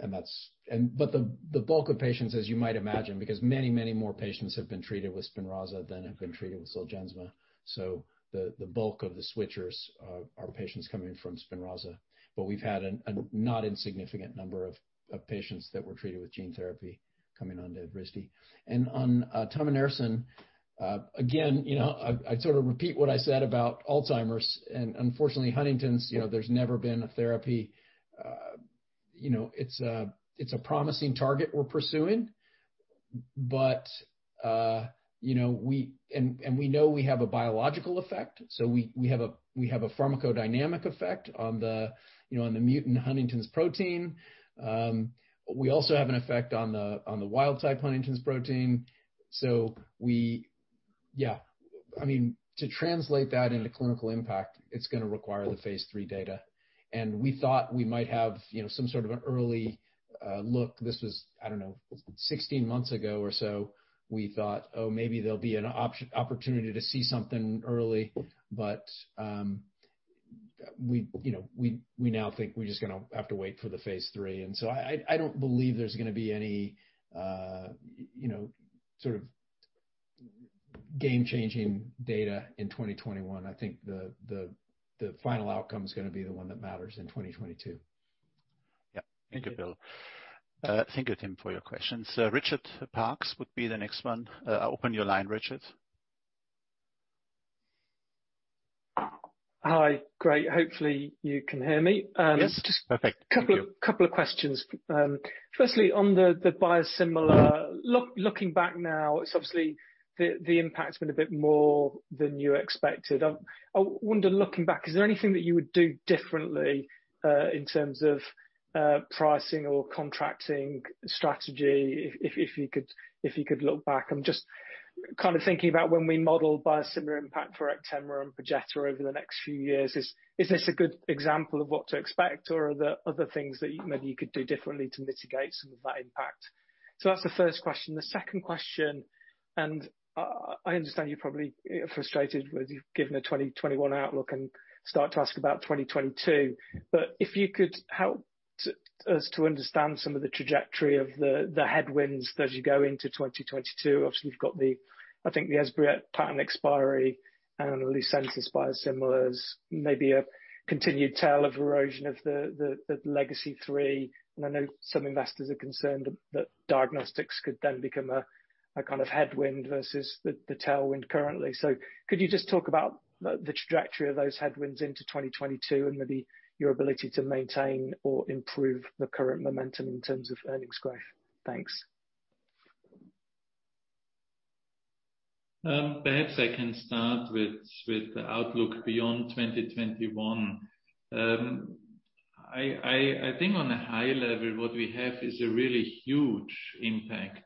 Evrysdi. The bulk of patients, as you might imagine, because many more patients have been treated with Spinraza than have been treated with Zolgensma. The bulk of the switchers are patients coming from Spinraza. We've had a not insignificant number of patients that were treated with gene therapy coming onto Evrysdi. On tominersen, again, I sort of repeat what I said about Alzheimer's, and unfortunately, Huntington's, there's never been a therapy. It's a promising target we're pursuing. We know we have a biological effect. We have a pharmacodynamic effect on the mutant Huntington's protein. We also have an effect on the wild-type Huntington's protein. To translate that into clinical impact, it's going to require the phase III data. We thought we might have some sort of an early look. This was, I don't know, 16 months ago or so, we thought, "Oh, maybe there'll be an opportunity to see something early." We now think we're just going to have to wait for the phase III. I don't believe there's going to be any sort of game-changing data in 2021. I think the final outcome is going to be the one that matters in 2022. Yeah. Thank you, Bill. Thank you, Tim, for your questions. Richard Parkes would be the next one. Open your line, Richard. Hi. Great. Hopefully, you can hear me. Yes. Perfect. Thank you. Just couple of questions. Firstly, on the biosimilar, looking back now, obviously the impact's been a bit more than you expected. I wonder, looking back, is there anything that you would do differently in terms of pricing or contracting strategy, if you could look back? I'm just kind of thinking about when we model biosimilar impact for Actemra and Perjeta over the next few years, is this a good example of what to expect, or are there other things that maybe you could do differently to mitigate some of that impact? That's the first question. The second question, I understand you're probably frustrated with giving a 2021 outlook and start to ask about 2022, but if you could help us to understand some of the trajectory of the headwinds as you go into 2022? Obviously, you've got the, I think, the Esbriet patent expiry and Lucentis biosimilars, maybe a continued tale of erosion of the Legacy 3. I know some investors are concerned that diagnostics could then become a kind of headwind versus the tailwind currently. Could you just talk about the trajectory of those headwinds into 2022 and maybe your ability to maintain or improve the current momentum in terms of earnings growth? Thanks. Perhaps I can start with the outlook beyond 2021. I think on a high level, what we have is a really huge impact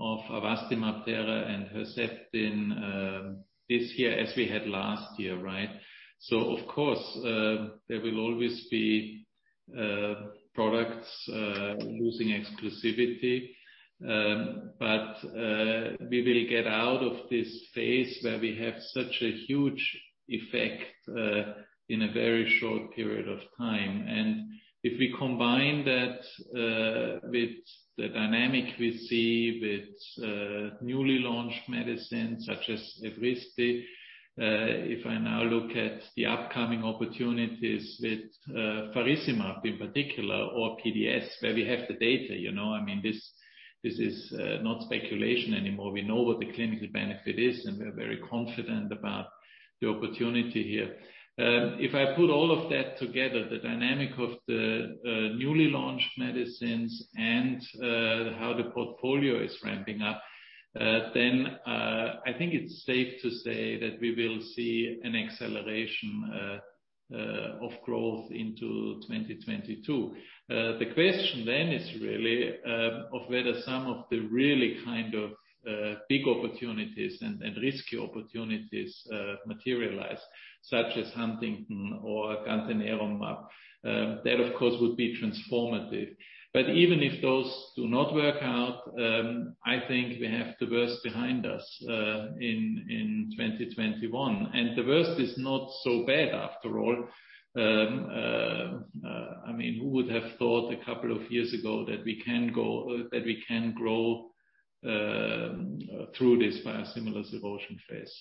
of Avastin, Opdivo, and Herceptin this year as we had last year, right? Of course, there will always be products losing exclusivity. We will get out of this phase where we have such a huge effect in a very short period of time. If we combine that with the dynamic we see with newly launched medicines such as Evrysdi, if I now look at the upcoming opportunities with faricimab in particular or PDS, where we have the data. This is not speculation anymore. We know what the clinical benefit is, and we are very confident about the opportunity here. If I put all of that together, the dynamic of the newly launched medicines and how the portfolio is ramping up, then I think it's safe to say that we will see an acceleration of growth into 2022. The question then is really of whether some of the really big opportunities and risky opportunities materialize, such as Huntington or gantenerumab. That, of course, would be transformative. Even if those do not work out, I think we have the worst behind us in 2021. The worst is not so bad after all. Who would have thought a couple of years ago that we can grow through this biosimilars erosion phase?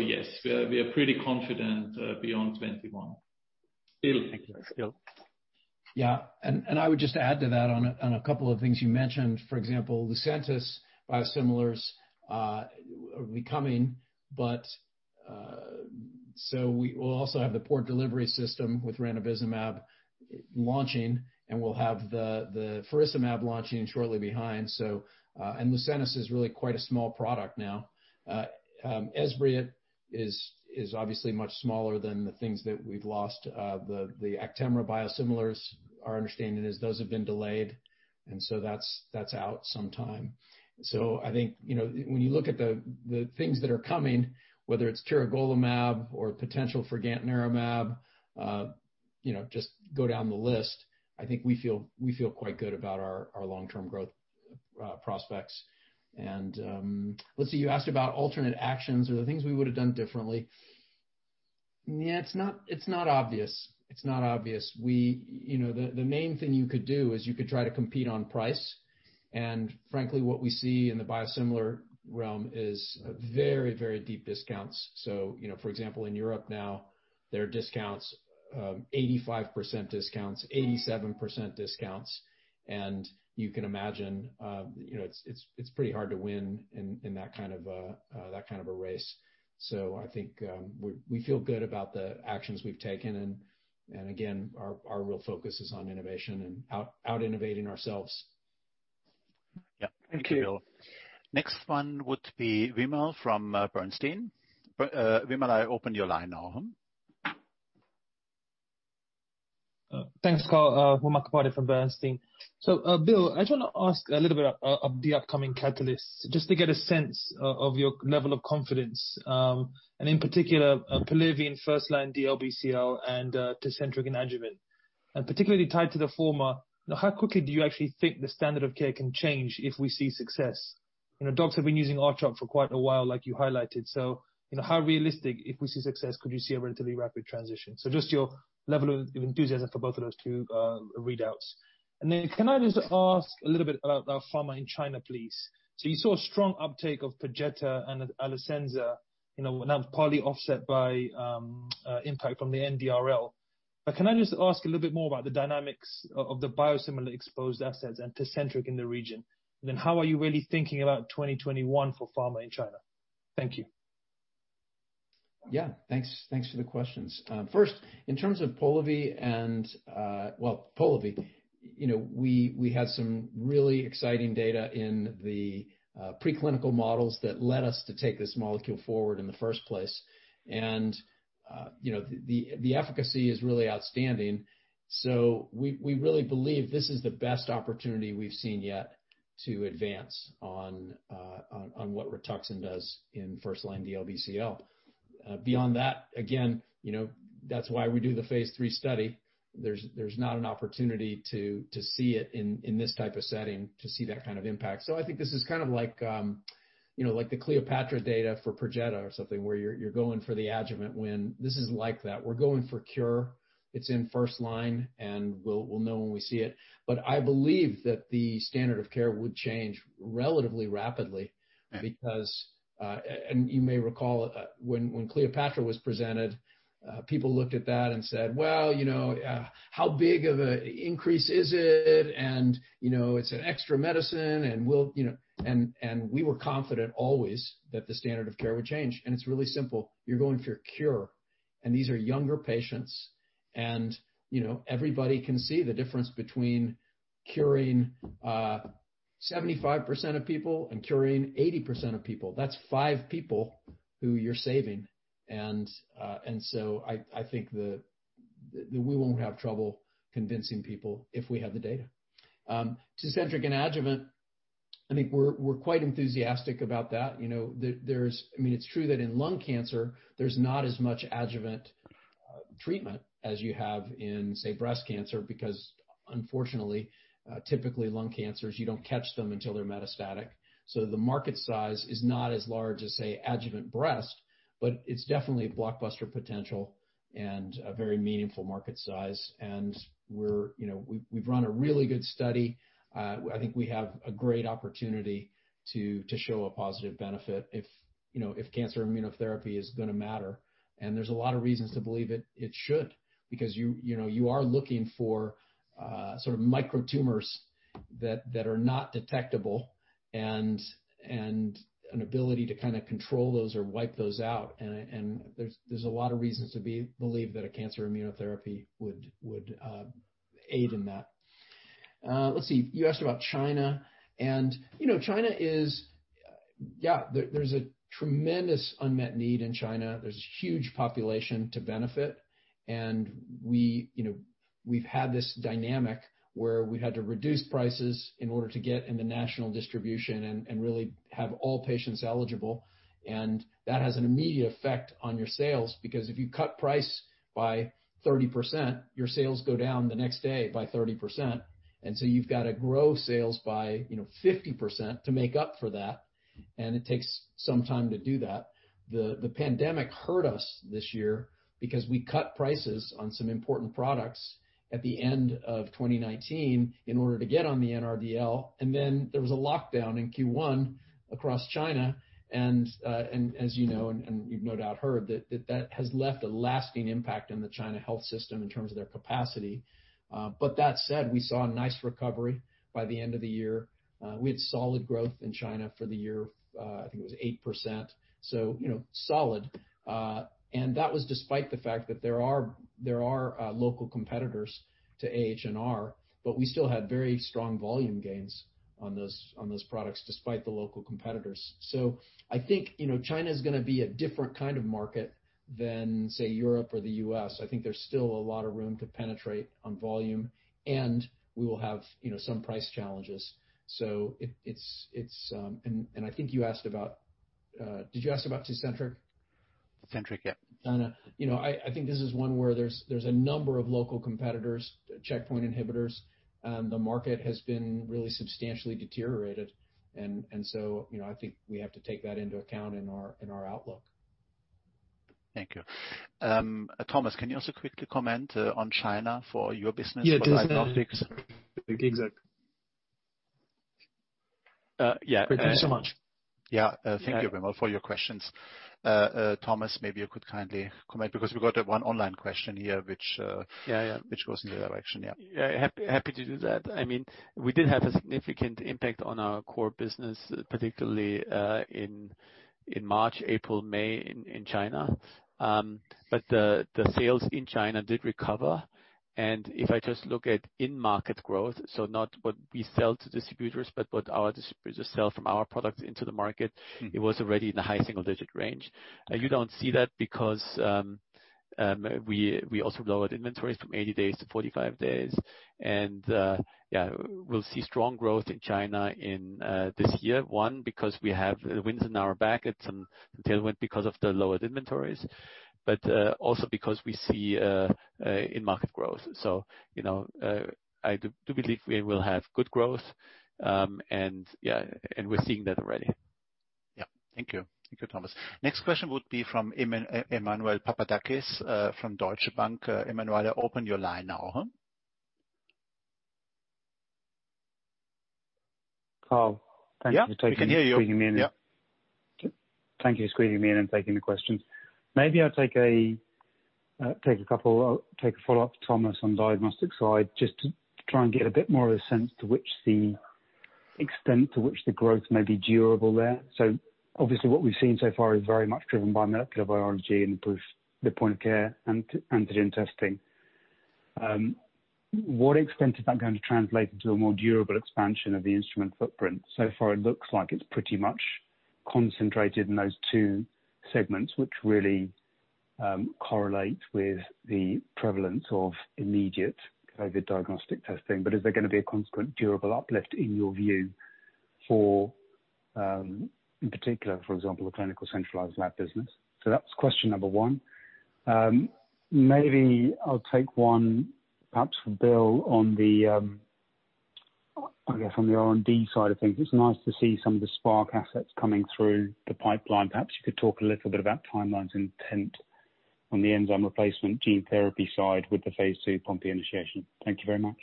Yes, we are pretty confident beyond 2021. Bill? Thank you. Yeah, I would just add to that on a couple of things you mentioned, for example, Lucentis biosimilars are coming, so we will also have the port delivery system with ranibizumab launching, and we'll have the faricimab launching shortly behind. Lucentis is really quite a small product now. Esbriet is obviously much smaller than the things that we've lost. The Actemra biosimilars, our understanding is those have been delayed, and so that's out some time. I think, when you look at the things that are coming, whether it's tiragolumab or potential for gantenerumab, just go down the list, I think we feel quite good about our long-term growth prospects. Let's see, you asked about alternate actions or the things we would have done differently. Yeah, it's not obvious. The main thing you could do is you could try to compete on price, frankly, what we see in the biosimilar realm is very, very deep discounts. For example, in Europe now, there are discounts, 85%-87% discounts. You can imagine, it's pretty hard to win in that kind of a race. I think, we feel good about the actions we've taken, and again, our real focus is on innovation and out-innovating ourselves. Yeah. Thank you. Thank you, Bill. Next one would be Wimal from Bernstein. Wimal, I open your line now. Thanks, Karl. Wimal Kapadia from Bernstein. Bill, I just want to ask a little bit of the upcoming catalysts, just to get a sense of your level of confidence, and in particular, Polivy in first-line DLBCL and Tecentriq in adjuvant. Particularly tied to the former, how quickly do you actually think the standard of care can change if we see success? Docs have been using R-CHOP for quite a while, like you highlighted. How realistic, if we see success, could you see a relatively rapid transition? Just your level of enthusiasm for both of those two readouts. Can I just ask a little bit about pharma in China, please? You saw a strong uptake of Perjeta and Alecensa now partly offset by impact from the NRDL. Can I just ask a little bit more about the dynamics of the biosimilar exposed assets and Tecentriq in the region? How are you really thinking about 2021 for pharma in China? Thank you. Yeah. Thanks for the questions. First, in terms of Polivy, we had some really exciting data in the preclinical models that led us to take this molecule forward in the first place. The efficacy is really outstanding. We really believe this is the best opportunity we've seen yet to advance on what Rituxan does in first-line DLBCL. Beyond that, again, that's why we do the phase III study. There's not an opportunity to see it in this type of setting, to see that kind of impact. I think this is kind of like the Cleopatra data for Perjeta or something, where you're going for the adjuvant win. This is like that. We're going for cure. It's in first line, and we'll know when we see it. I believe that the standard of care would change relatively rapidly because, you may recall, when Cleopatra was presented, people looked at that and said, "Well, how big of an increase is it?" "It's an extra medicine," we were confident always that the standard of care would change, it's really simple. You're going for a cure, these are younger patients, everybody can see the difference between curing 75%-80% of people. That's five people who you're saving. I think that we won't have trouble convincing people if we have the data. Tecentriq in adjuvant, I think we're quite enthusiastic about that. It's true that in lung cancer, there's not as much adjuvant treatment as you have in, say, breast cancer, because unfortunately, typically lung cancers, you don't catch them until they're metastatic. The market size is not as large as, say, adjuvant breast, but it's definitely a blockbuster potential and a very meaningful market size. We've run a really good study. I think we have a great opportunity to show a positive benefit if cancer immunotherapy is going to matter. There's a lot of reasons to believe it should, because you are looking for sort of micro-tumors that are not detectable and an ability to control those or wipe those out, and there's a lot of reasons to believe that a cancer immunotherapy would aid in that. Let's see. You asked about China. There's a tremendous unmet need in China. There's a huge population to benefit, and we've had this dynamic where we had to reduce prices in order to get into national distribution and really have all patients eligible. That has an immediate effect on your sales, because if you cut price by 30%, your sales go down the next day by 30%. So you've got to grow sales by 50% to make up for that, and it takes some time to do that. The pandemic hurt us this year because we cut prices on some important products at the end of 2019 in order to get on the NRDL, and then there was a lockdown in Q1 across China. As you know, and you've no doubt heard, that has left a lasting impact on the China health system in terms of their capacity. That said, we saw a nice recovery by the end of the year. We had solid growth in China for the year, I think it was 8%. Solid. That was despite the fact that there are local competitors to AH&R, but we still had very strong volume gains on those products despite the local competitors. I think, China's going to be a different kind of market than, say, Europe or the U.S. I think there's still a lot of room to penetrate on volume, and we will have some price challenges. I think, Did you ask about Tecentriq? Tecentriq, yeah. I think this is one where there's a number of local competitors, checkpoint inhibitors, the market has been really substantially deteriorated. I think we have to take that into account in our outlook. Thank you. Thomas, can you also quickly comment on China for your business, for diagnostics? Yeah. Exactly. Yeah. Thank you so much. Yeah. Thank you very much for your questions. Thomas, maybe you could kindly comment because we got one online question here which- Yeah which goes in that direction, yeah. Yeah, happy to do that. We did have a significant impact on our core business, particularly in March, April, May in China. The sales in China did recover, and if I just look at in-market growth, so not what we sell to distributors, but what our distributors sell from our product into the market. it was already in the high-single-digit range. You don't see that because we also lowered inventories from 80-45 days. Yeah, we'll see strong growth in China in this year. One, because we have winds in our back and some tailwind because of the lowered inventories, also because we see in-market growth. I do believe we will have good growth, and yeah. We're seeing that already. Yeah. Thank you. Thank you, Thomas. Next question would be from Emmanuel Papadakis from Deutsche Bank. Emmanuel, I open your line now. Karl, thank you. Yeah, we can hear you. Yeah. Thank you for squeezing me in and taking the questions. Maybe I'll take a follow-up to Thomas on Diagnostics side, just to try and get a bit more of a sense to which the extent to which the growth may be durable there. Obviously what we've seen so far is very much driven by molecular biology and both the point of care and antigen testing. What extent is that going to translate into a more durable expansion of the instrument footprint? Far, it looks like it's pretty much concentrated in those two segments, which really correlate with the prevalence of immediate COVID-19 diagnostic testing. Is there going to be a consequent durable uplift in your view for, in particular, for example, the clinical centralized lab business? That's question number one. Maybe I'll take one, perhaps for Bill on the R&D side of things. It's nice to see some of the Spark assets coming through the pipeline. Perhaps you could talk a little bit about timelines and intent on the enzyme replacement gene therapy side with the phase II Pompe initiation. Thank you very much.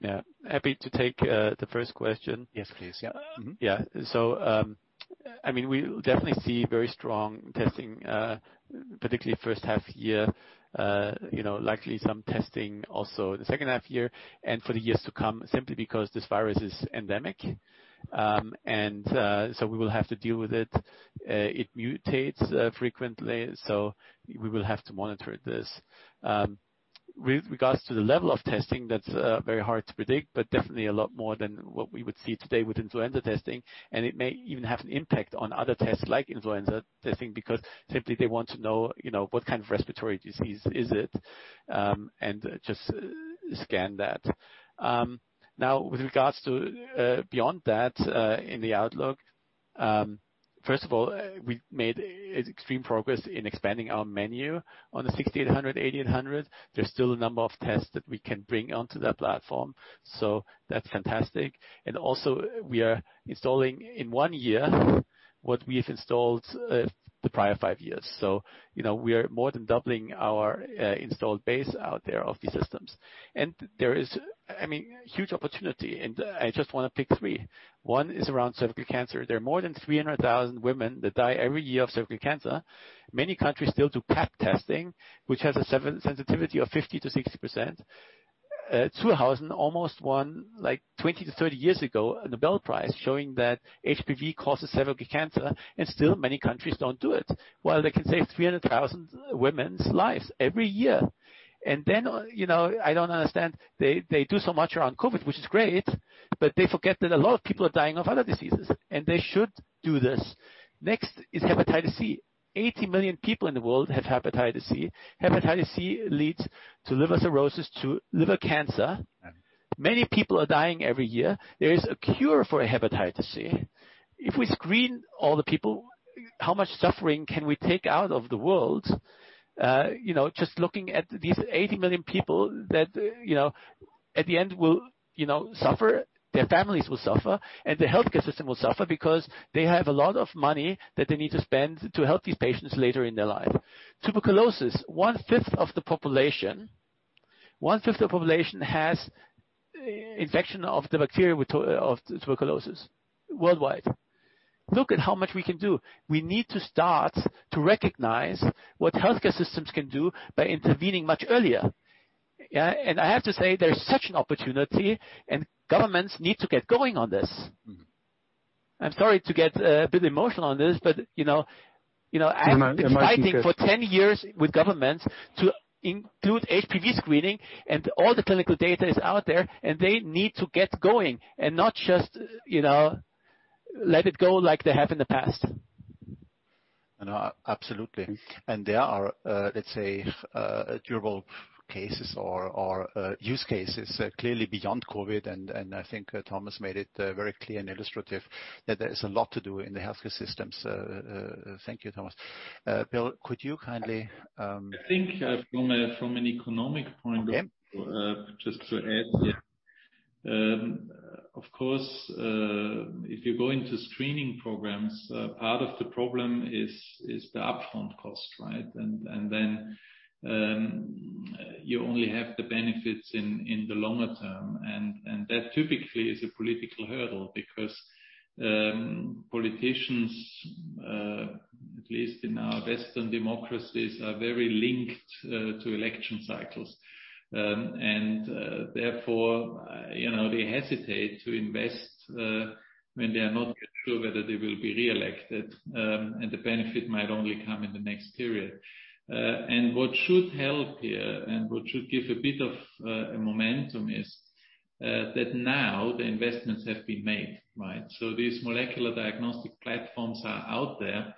Yeah. Happy to take the first question. Yes, please. Yeah. Mm-hmm. Yeah. We definitely see very strong testing, particularly first half year, likely some testing also the second half year and for the years to come, simply because this virus is endemic. We will have to deal with it. It mutates frequently, so we will have to monitor this. With regards to the level of testing, that's very hard to predict, but definitely a lot more than what we would see today with influenza testing. It may even have an impact on other tests like influenza testing, because simply they want to know what kind of respiratory disease is it, and just scan that. With regards to beyond that, in the outlook, first of all, we made extreme progress in expanding our menu on the 6800, 8800. There's still a number of tests that we can bring onto that platform. That's fantastic. Also we are installing in one year what we have installed the prior five years. We are more than doubling our installed base out there of the systems. There is a huge opportunity, and I just want to pick three. One is around cervical cancer. There are more than 300,000 women that die every year of cervical cancer. Many countries still do Pap testing, which has a sensitivity of 50%-60%. Zur Hausen almost won, 20-30 years ago, a Nobel Prize showing that HPV causes cervical cancer, and still many countries don't do it. While they can save 300,000 women's lives every year. Then, I don't understand, they do so much around COVID, which is great, but they forget that a lot of people are dying of other diseases, and they should do this. Next is hepatitis C. 80 million people in the world have hepatitis C. Hepatitis C leads to liver cirrhosis, to liver cancer. Yeah. Many people are dying every year. There is a cure for Hepatitis C. If we screen all the people, how much suffering can we take out of the world? Just looking at these 80 million people that, at the end will suffer, their families will suffer, and the healthcare system will suffer because they have a lot of money that they need to spend to help these patients later in their life. Tuberculosis, 1/5 of the population has infection of the bacteria of tuberculosis worldwide. Look at how much we can do. We need to start to recognize what healthcare systems can do by intervening much earlier. Yeah. I have to say, there's such an opportunity and governments need to get going on this. I'm sorry to get a bit emotional on this. No, I imagine- I have been fighting for 10 years with governments to include HPV screening. All the clinical data is out there, and they need to get going and not just let it go like they have in the past. No, absolutely. There are, let's say, durable cases or use cases clearly beyond COVID, and I think Thomas made it very clear and illustrative that there is a lot to do in the healthcare systems. Thank you, Thomas. Bill, could you kindly- I think from an economic point of view. Okay Just to add, yeah. If you go into screening programs, part of the problem is the upfront cost, right? You only have the benefits in the longer term. That typically is a political hurdle because politicians, at least in our Western democracies, are very linked to election cycles. Therefore, they hesitate to invest when they are not yet sure whether they will be reelected, and the benefit might only come in the next period. What should help here, and what should give a bit of a momentum is, that now the investments have been made, right? These molecular diagnostic platforms are out there.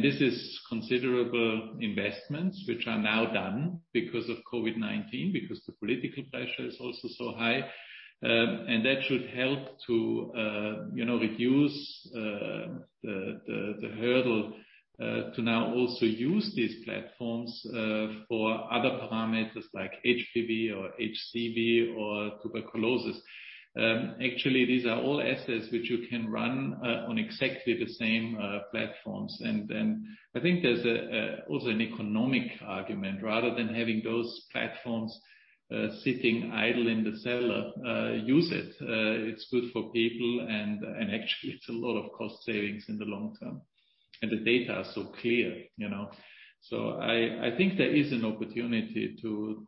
This is considerable investments, which are now done because of COVID-19, because the political pressure is also so high. That should help to reduce the hurdle to now also use these platforms for other parameters like HPV or HCV or tuberculosis. Actually, these are all assets which you can run on exactly the same platforms. Then I think there's also an economic argument. Rather than having those platforms sitting idle in the cellar, use it. It's good for people and actually it's a lot of cost savings in the long term. The data are so clear. I think there is an opportunity to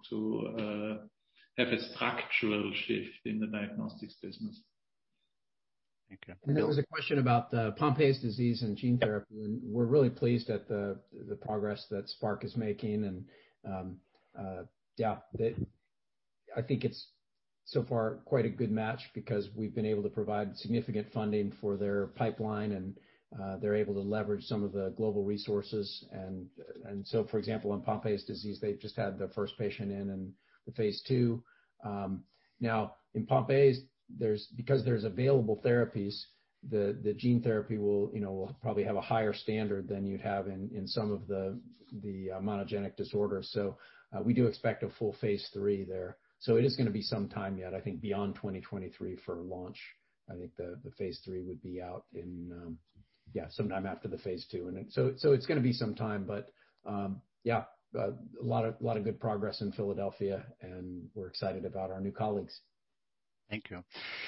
have a structural shift in the diagnostics business. Thank you. There was a question about the Pompe disease and gene therapy, and we're really pleased at the progress that Spark is making. Yeah. I think it's so far quite a good match because we've been able to provide significant funding for their pipeline and they're able to leverage some of the global resources. For example, in Pompe disease, they've just had their first patient in the phase II. Now, in Pompe, because there's available therapies, the gene therapy will probably have a higher standard than you'd have in some of the monogenic disorders. We do expect a full phase III there. It is going to be some time yet, I think beyond 2023 for launch. I think the phase III would be out sometime after the phase II. It's going to be some time, but yeah. A lot of good progress in Philadelphia and we're excited about our new colleagues. Thank you.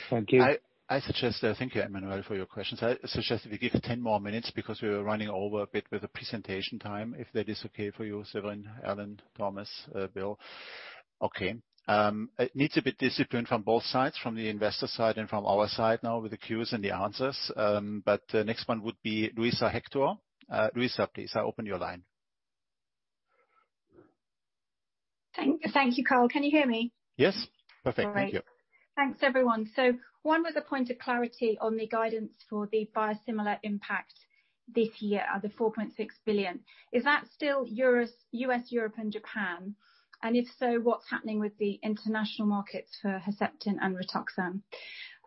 Thank you. Thank you, Emmanuel, for your questions. I suggest that we give 10 more minutes because we were running over a bit with the presentation time, if that is okay for you, Severin, Alan, Thomas, Bill. Okay. It needs a bit discipline from both sides, from the investor side and from our side now with the Qs and the answers. Next one would be Luisa Hector. Luisa, please. I open your line. Thank you, Karl. Can you hear me? Yes. Perfect. Thank you. All right. Thanks, everyone. One was a point of clarity on the guidance for the biosimilar impact this year of the CHF $4.6 billion. Is that still U.S., Europe, and Japan? If so, what's happening with the international markets for Herceptin and Rituxan?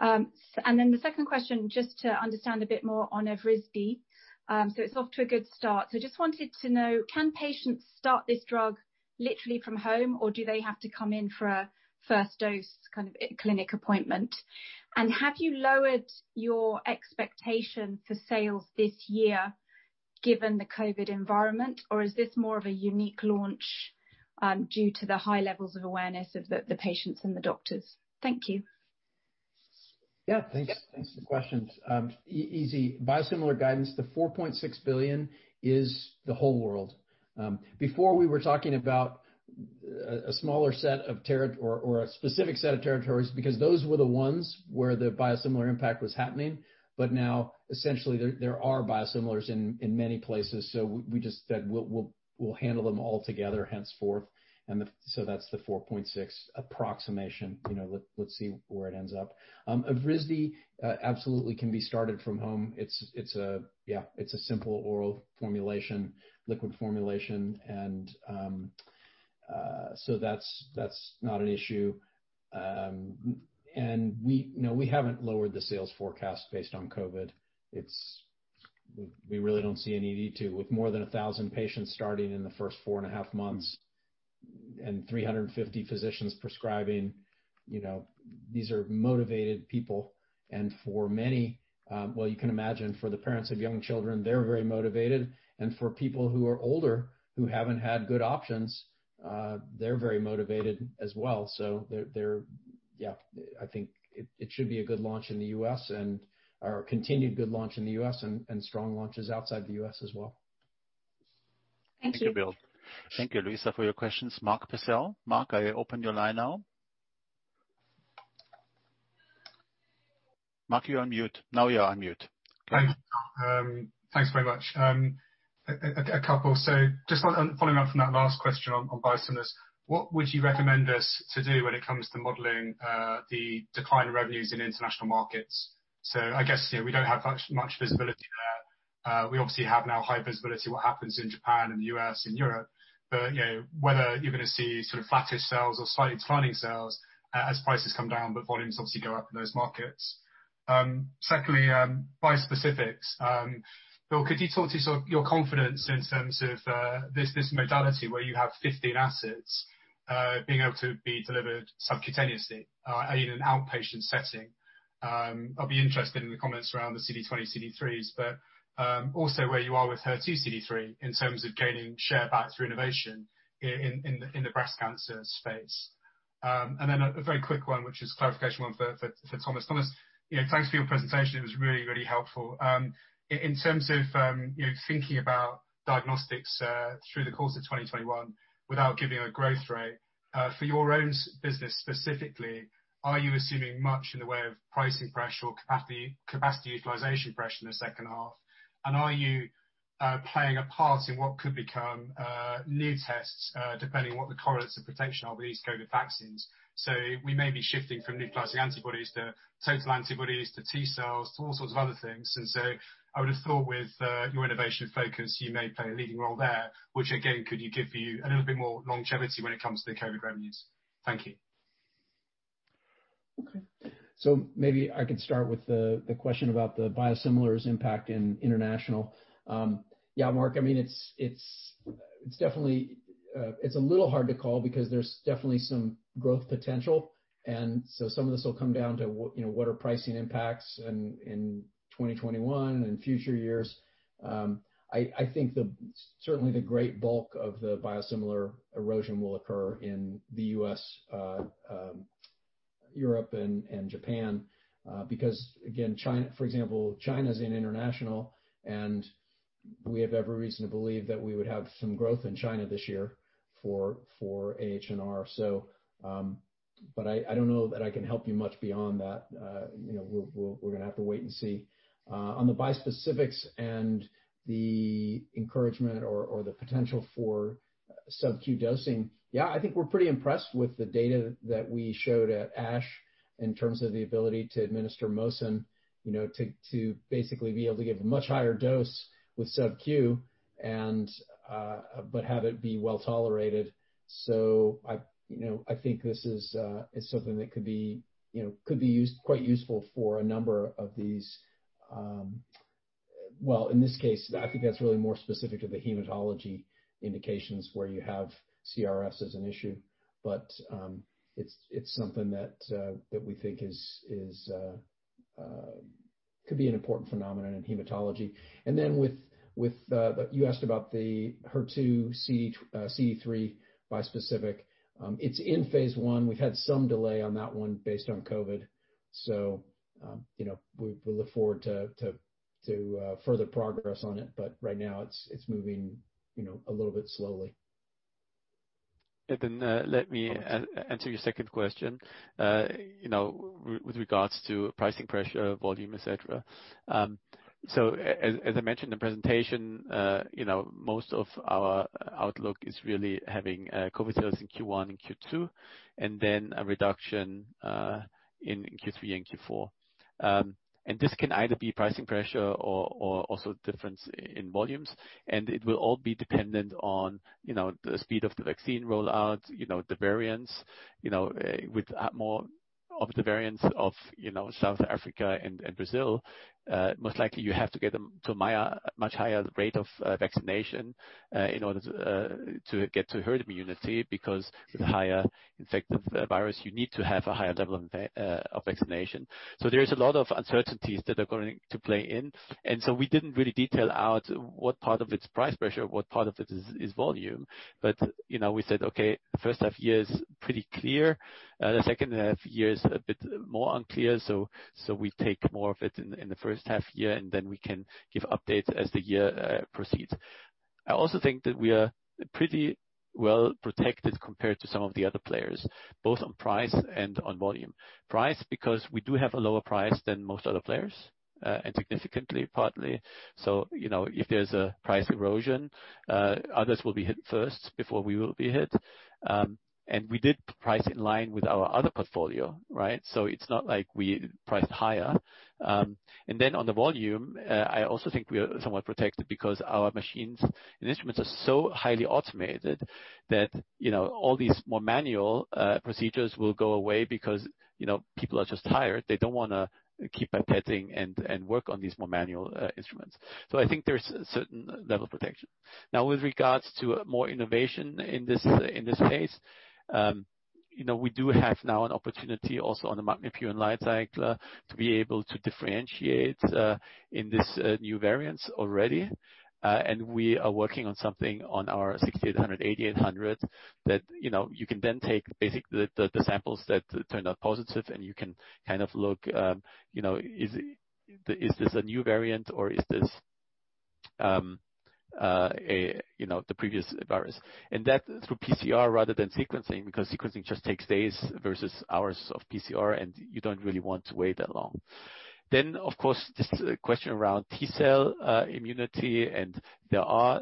The second question, just to understand a bit more on Evrysdi. It's off to a good start. Just wanted to know, can patients start this drug literally from home, or do they have to come in for a first dose kind of clinic appointment? Have you lowered your expectation for sales this year given the COVID environment, or is this more of a unique launch due to the high levels of awareness of the patients and the doctors? Thank you. Yeah. Thanks for the questions. Easy. Biosimilar guidance, the $4.6 billion is the whole world. Before we were talking about a specific set of territories, because those were the ones where the biosimilar impact was happening. Now, essentially, there are biosimilars in many places. We just said we'll handle them all together henceforth. That's the $4.6 approximation. Let's see where it ends up. Evrysdi absolutely can be started from home. It's a simple oral formulation, liquid formulation. That's not an issue. No, we haven't lowered the sales forecast based on COVID. We really don't see any need to, with more than 1,000 patients starting in the first 4.5 Months and 350 physicians prescribing. These are motivated people, and for many, well, you can imagine for the parents of young children, they're very motivated. For people who are older, who haven't had good options, they're very motivated as well. Yeah. I think it should be a good launch in the U.S., or a continued good launch in the U.S. and strong launches outside the U.S. as well. Thank you. Thank you, Bill. Thank you, Luisa, for your questions. Mark Purcell. Mark, I open your line now. Mark, you're on mute. Now you're on mute. Go ahead. Thanks very much. Just following on from that last question on biosimilars, what would you recommend us to do when it comes to modeling the decline in revenues in international markets? I guess, we don't have much visibility there. We obviously have now high visibility what happens in Japan and the U.S. and Europe. Whether you're going to see sort of flattish sales or slightly declining sales as prices come down, but volumes obviously go up in those markets. Secondly, bispecifics. Bill, could you talk to your confidence in terms of this modality where you have 15 assets being able to be delivered subcutaneously in an outpatient setting? I'll be interested in the comments around the CD20/CD3s, but also where you are with HER2 CD3 in terms of gaining share back through innovation in the breast cancer space. A very quick one, which is a clarification one for Thomas. Thomas, thanks for your presentation. It was really helpful. In terms of thinking about diagnostics through the course of 2021, without giving a growth rate, for your own business specifically, are you assuming much in the way of pricing pressure or capacity utilization pressure in the second half? Are you playing a part in what could become new tests, depending on what the correlates of protection are with these COVID vaccines? We may be shifting from nucleocapsid antibodies to total antibodies, to T cells, to all sorts of other things. I would have thought with your innovation focus, you may play a leading role there, which again, could give you a little bit more longevity when it comes to the COVID revenues. Thank you. Okay. Maybe I could start with the question about the biosimilars impact in international. Yeah, Mark, it's a little hard to call because there's definitely some growth potential. Some of this will come down to what are pricing impacts in 2021 and future years. I think certainly the great bulk of the biosimilar erosion will occur in the U.S., Europe and Japan. Again, for example, China's in international, and we have every reason to believe that we would have some growth in China this year for AHNR. I don't know that I can help you much beyond that. We're going to have to wait and see. On the bispecifics and the encouragement or the potential for sub-Q dosing, yeah, I think we're pretty impressed with the data that we showed at ASH in terms of the ability to administer Mosun, to basically be able to give a much higher dose with sub-Q but have it be well-tolerated. I think this is something that could be quite useful for a number of these Well, in this case, I think that's really more specific to the hematology indications where you have CRS as an issue. It's something that we think could be an important phenomenon in hematology. You asked about the HER2 CD3 bispecific. It's in phase I. We've had some delay on that one based on COVID. We look forward to further progress on it. But right now it's moving a little bit slowly. Let me answer your second question with regards to pricing pressure, volume, et cetera. As I mentioned in the presentation, most of our outlook is really having COVID sales in Q1 and Q2, and then a reduction in Q3 and Q4. This can either be pricing pressure or also difference in volumes, and it will all be dependent on the speed of the vaccine rollout, the variants. With more of the variants of South Africa and Brazil, most likely you have to get a much higher rate of vaccination in order to get to herd immunity, because with the higher infective virus, you need to have a higher level of vaccination. There is a lot of uncertainties that are going to play in. We didn't really detail out what part of it's price pressure, what part of it is volume. We said, okay, first half year is pretty clear. The second half year is a bit more unclear, so we take more of it in the first half year, and then we can give updates as the year proceeds. I also think that we are pretty well-protected compared to some of the other players, both on price and on volume. Price, because we do have a lower price than most other players, and significantly, partly. If there's a price erosion, others will be hit first before we will be hit. We did price in line with our other portfolio, right? It's not like we priced higher. On the volume, I also think we are somewhat protected because our machines and instruments are so highly automated that all these more manual procedures will go away because people are just tired. They don't want to keep pipetting and work on these more manual instruments. I think there's a certain level of protection. With regards to more innovation in this space. We do have now an opportunity also on the MagNA Pure and LightCycler to be able to differentiate in this new variants already. We are working on something on our 6800, 8800 that you can then take basically the samples that turned out positive, and you can kind of look, is this a new variant or is this the previous virus? That through PCR rather than sequencing, because sequencing just takes days versus hours of PCR, and you don't really want to wait that long. Of course, this question around T-cell immunity, and there are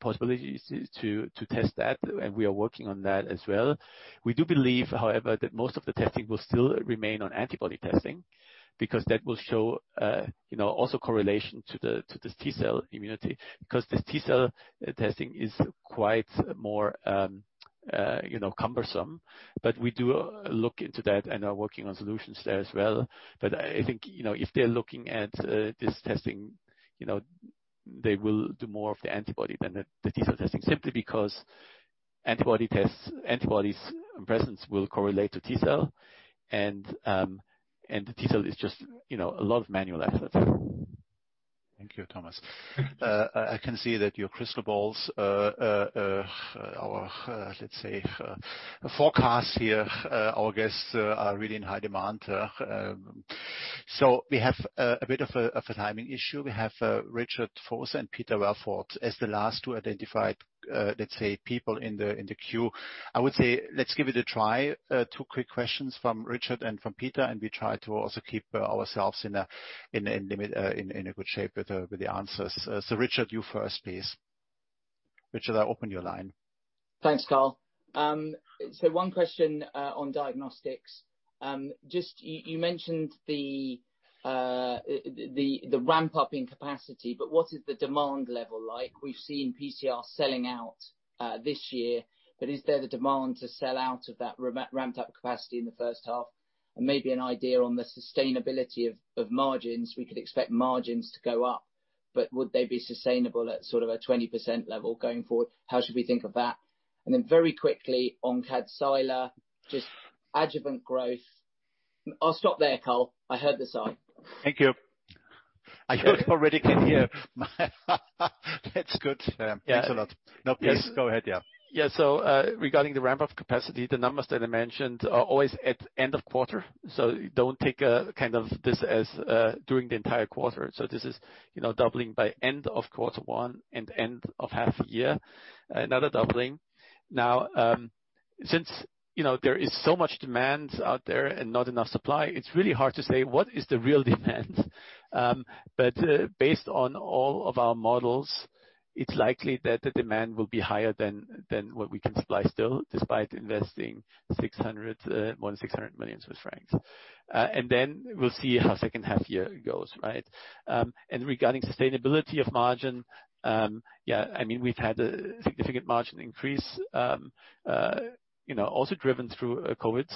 possibilities to test that, and we are working on that as well. We do believe, however, that most of the testing will still remain on antibody testing, because that will show also correlation to this T-cell immunity. This T-cell testing is quite more cumbersome. We do look into that and are working on solutions there as well. I think, if they're looking at this testing, they will do more of the antibody than the T-cell testing, simply because antibody tests, antibodies presence will correlate to T-cell. The T-cell is just a lot of manual effort. Thank you, Thomas. I can see that your crystal balls or let's say, forecasts here, August are really in high demand. We have a bit of a timing issue. We have Richard Vosser and Peter Welford as the last two identified, let's say, people in the queue. I would say, let's give it a try. Two quick questions from Richard and from Peter, and we try to also keep ourselves in a good shape with the answers. Richard, you first, please. Richard, I open your line. Thanks, Karl. One question on diagnostics. You mentioned the ramp-up in capacity, what is the demand level like? We've seen PCR selling out this year, is there the demand to sell out of that ramped-up capacity in the first half? Maybe an idea on the sustainability of margins. We could expect margins to go up, would they be sustainable at sort of a 20% level going forward? How should we think of that? Very quickly on Tecentriq, just adjuvant growth. I'll stop there, Karl. I heard the sigh. Thank you. I already can hear that's good. Thanks a lot. No, please go ahead, yeah. Regarding the ramp-up capacity, the numbers that I mentioned are always at end of quarter. Don't take this as during the entire quarter. This is doubling by end of quarter one and end of half year, another doubling. Now, since there is so much demand out there and not enough supply, it's really hard to say what is the real demand. Based on all of our models, it's likely that the demand will be higher than what we can supply still, despite investing more than 600 million Swiss francs. We'll see how second half year goes, right? Regarding sustainability of margin, yeah, we've had a significant margin increase, also driven through COVID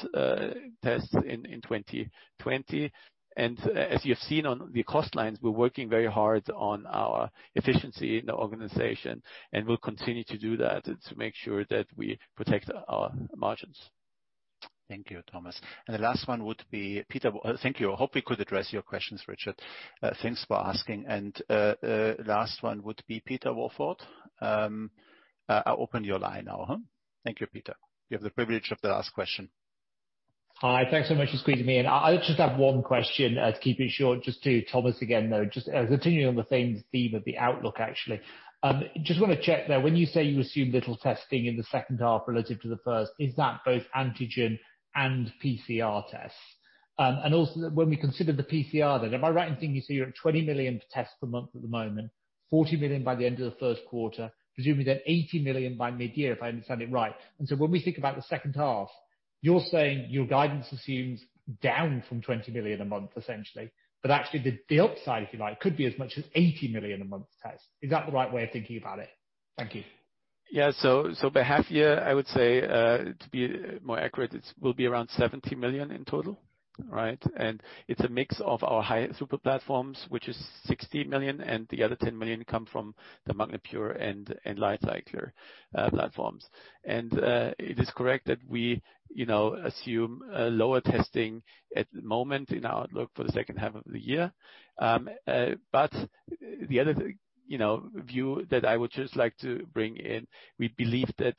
tests in 2020. As you have seen on the cost lines, we're working very hard on our efficiency in the organization, and we'll continue to do that to make sure that we protect our margins. Thank you, Thomas. The last one would be Peter. Thank you. I hope we could address your questions, Richard. Thanks for asking. Last one would be Peter Welford. I'll open your line now. Thank you, Peter. You have the privilege of the last question. Hi. Thanks so much for squeezing me in. I just have one question, keeping it short, just to Thomas again, though, just continuing on the theme of the outlook, actually. Just want to check there. When you say you assume little testing in the second half relative to the first, is that both antigen and PCR tests? When we consider the PCR then, am I right in thinking you said you're at 20 million tests a month at the moment, 40 million by the end of the first quarter, presumably then 80 million by mid-year, if I understand it right? When we think about the second half, you're saying your guidance assumes down from 20 million a month, essentially. Actually the upside, if you like, could be as much as 80 million a month tests. Is that the right way of thinking about it? Thank you. Yeah. By half year, I would say, to be more accurate, it will be around 70 million in total. Right. It's a mix of our highest super platforms, which is 60 million, and the other 10 million come from the MagNA Pure and LightCycler platforms. It is correct that we assume lower testing at the moment in our outlook for the second half of the year. The other view that I would just like to bring in, we believe that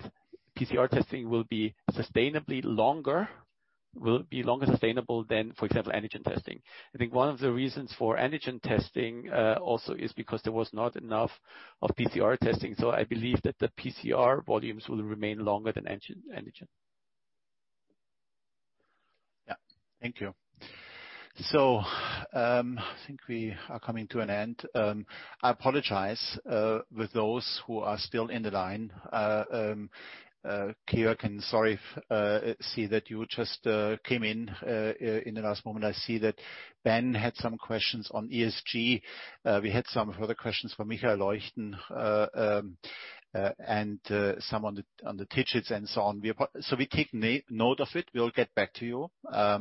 PCR testing will be sustainably longer, will be longer sustainable than, for example, antigen testing. I think one of the reasons for antigen testing also is because there was not enough of PCR testing. I believe that the PCR volumes will remain longer than antigen. Yeah. Thank you. I think we are coming to an end. I apologize with those who are still in the line. Keirnan, sorry, see that you just came in in the last moment. I see that Ben had some questions on ESG. We had some further questions from Michael Leuchten and some on the digits and so on. We take note of it. We'll get back to you. I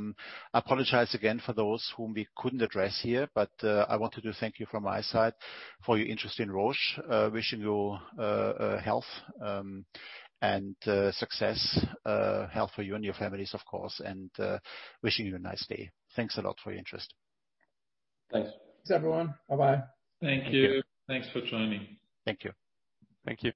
apologize again for those whom we couldn't address here. I want to do thank you from my side for your interest in Roche. Wishing you health and success, health for you and your families of course, and wishing you a nice day. Thanks a lot for your interest. Thanks. Thanks, everyone. Bye-bye. Thank you. Thanks for joining. Thank you. Thank you.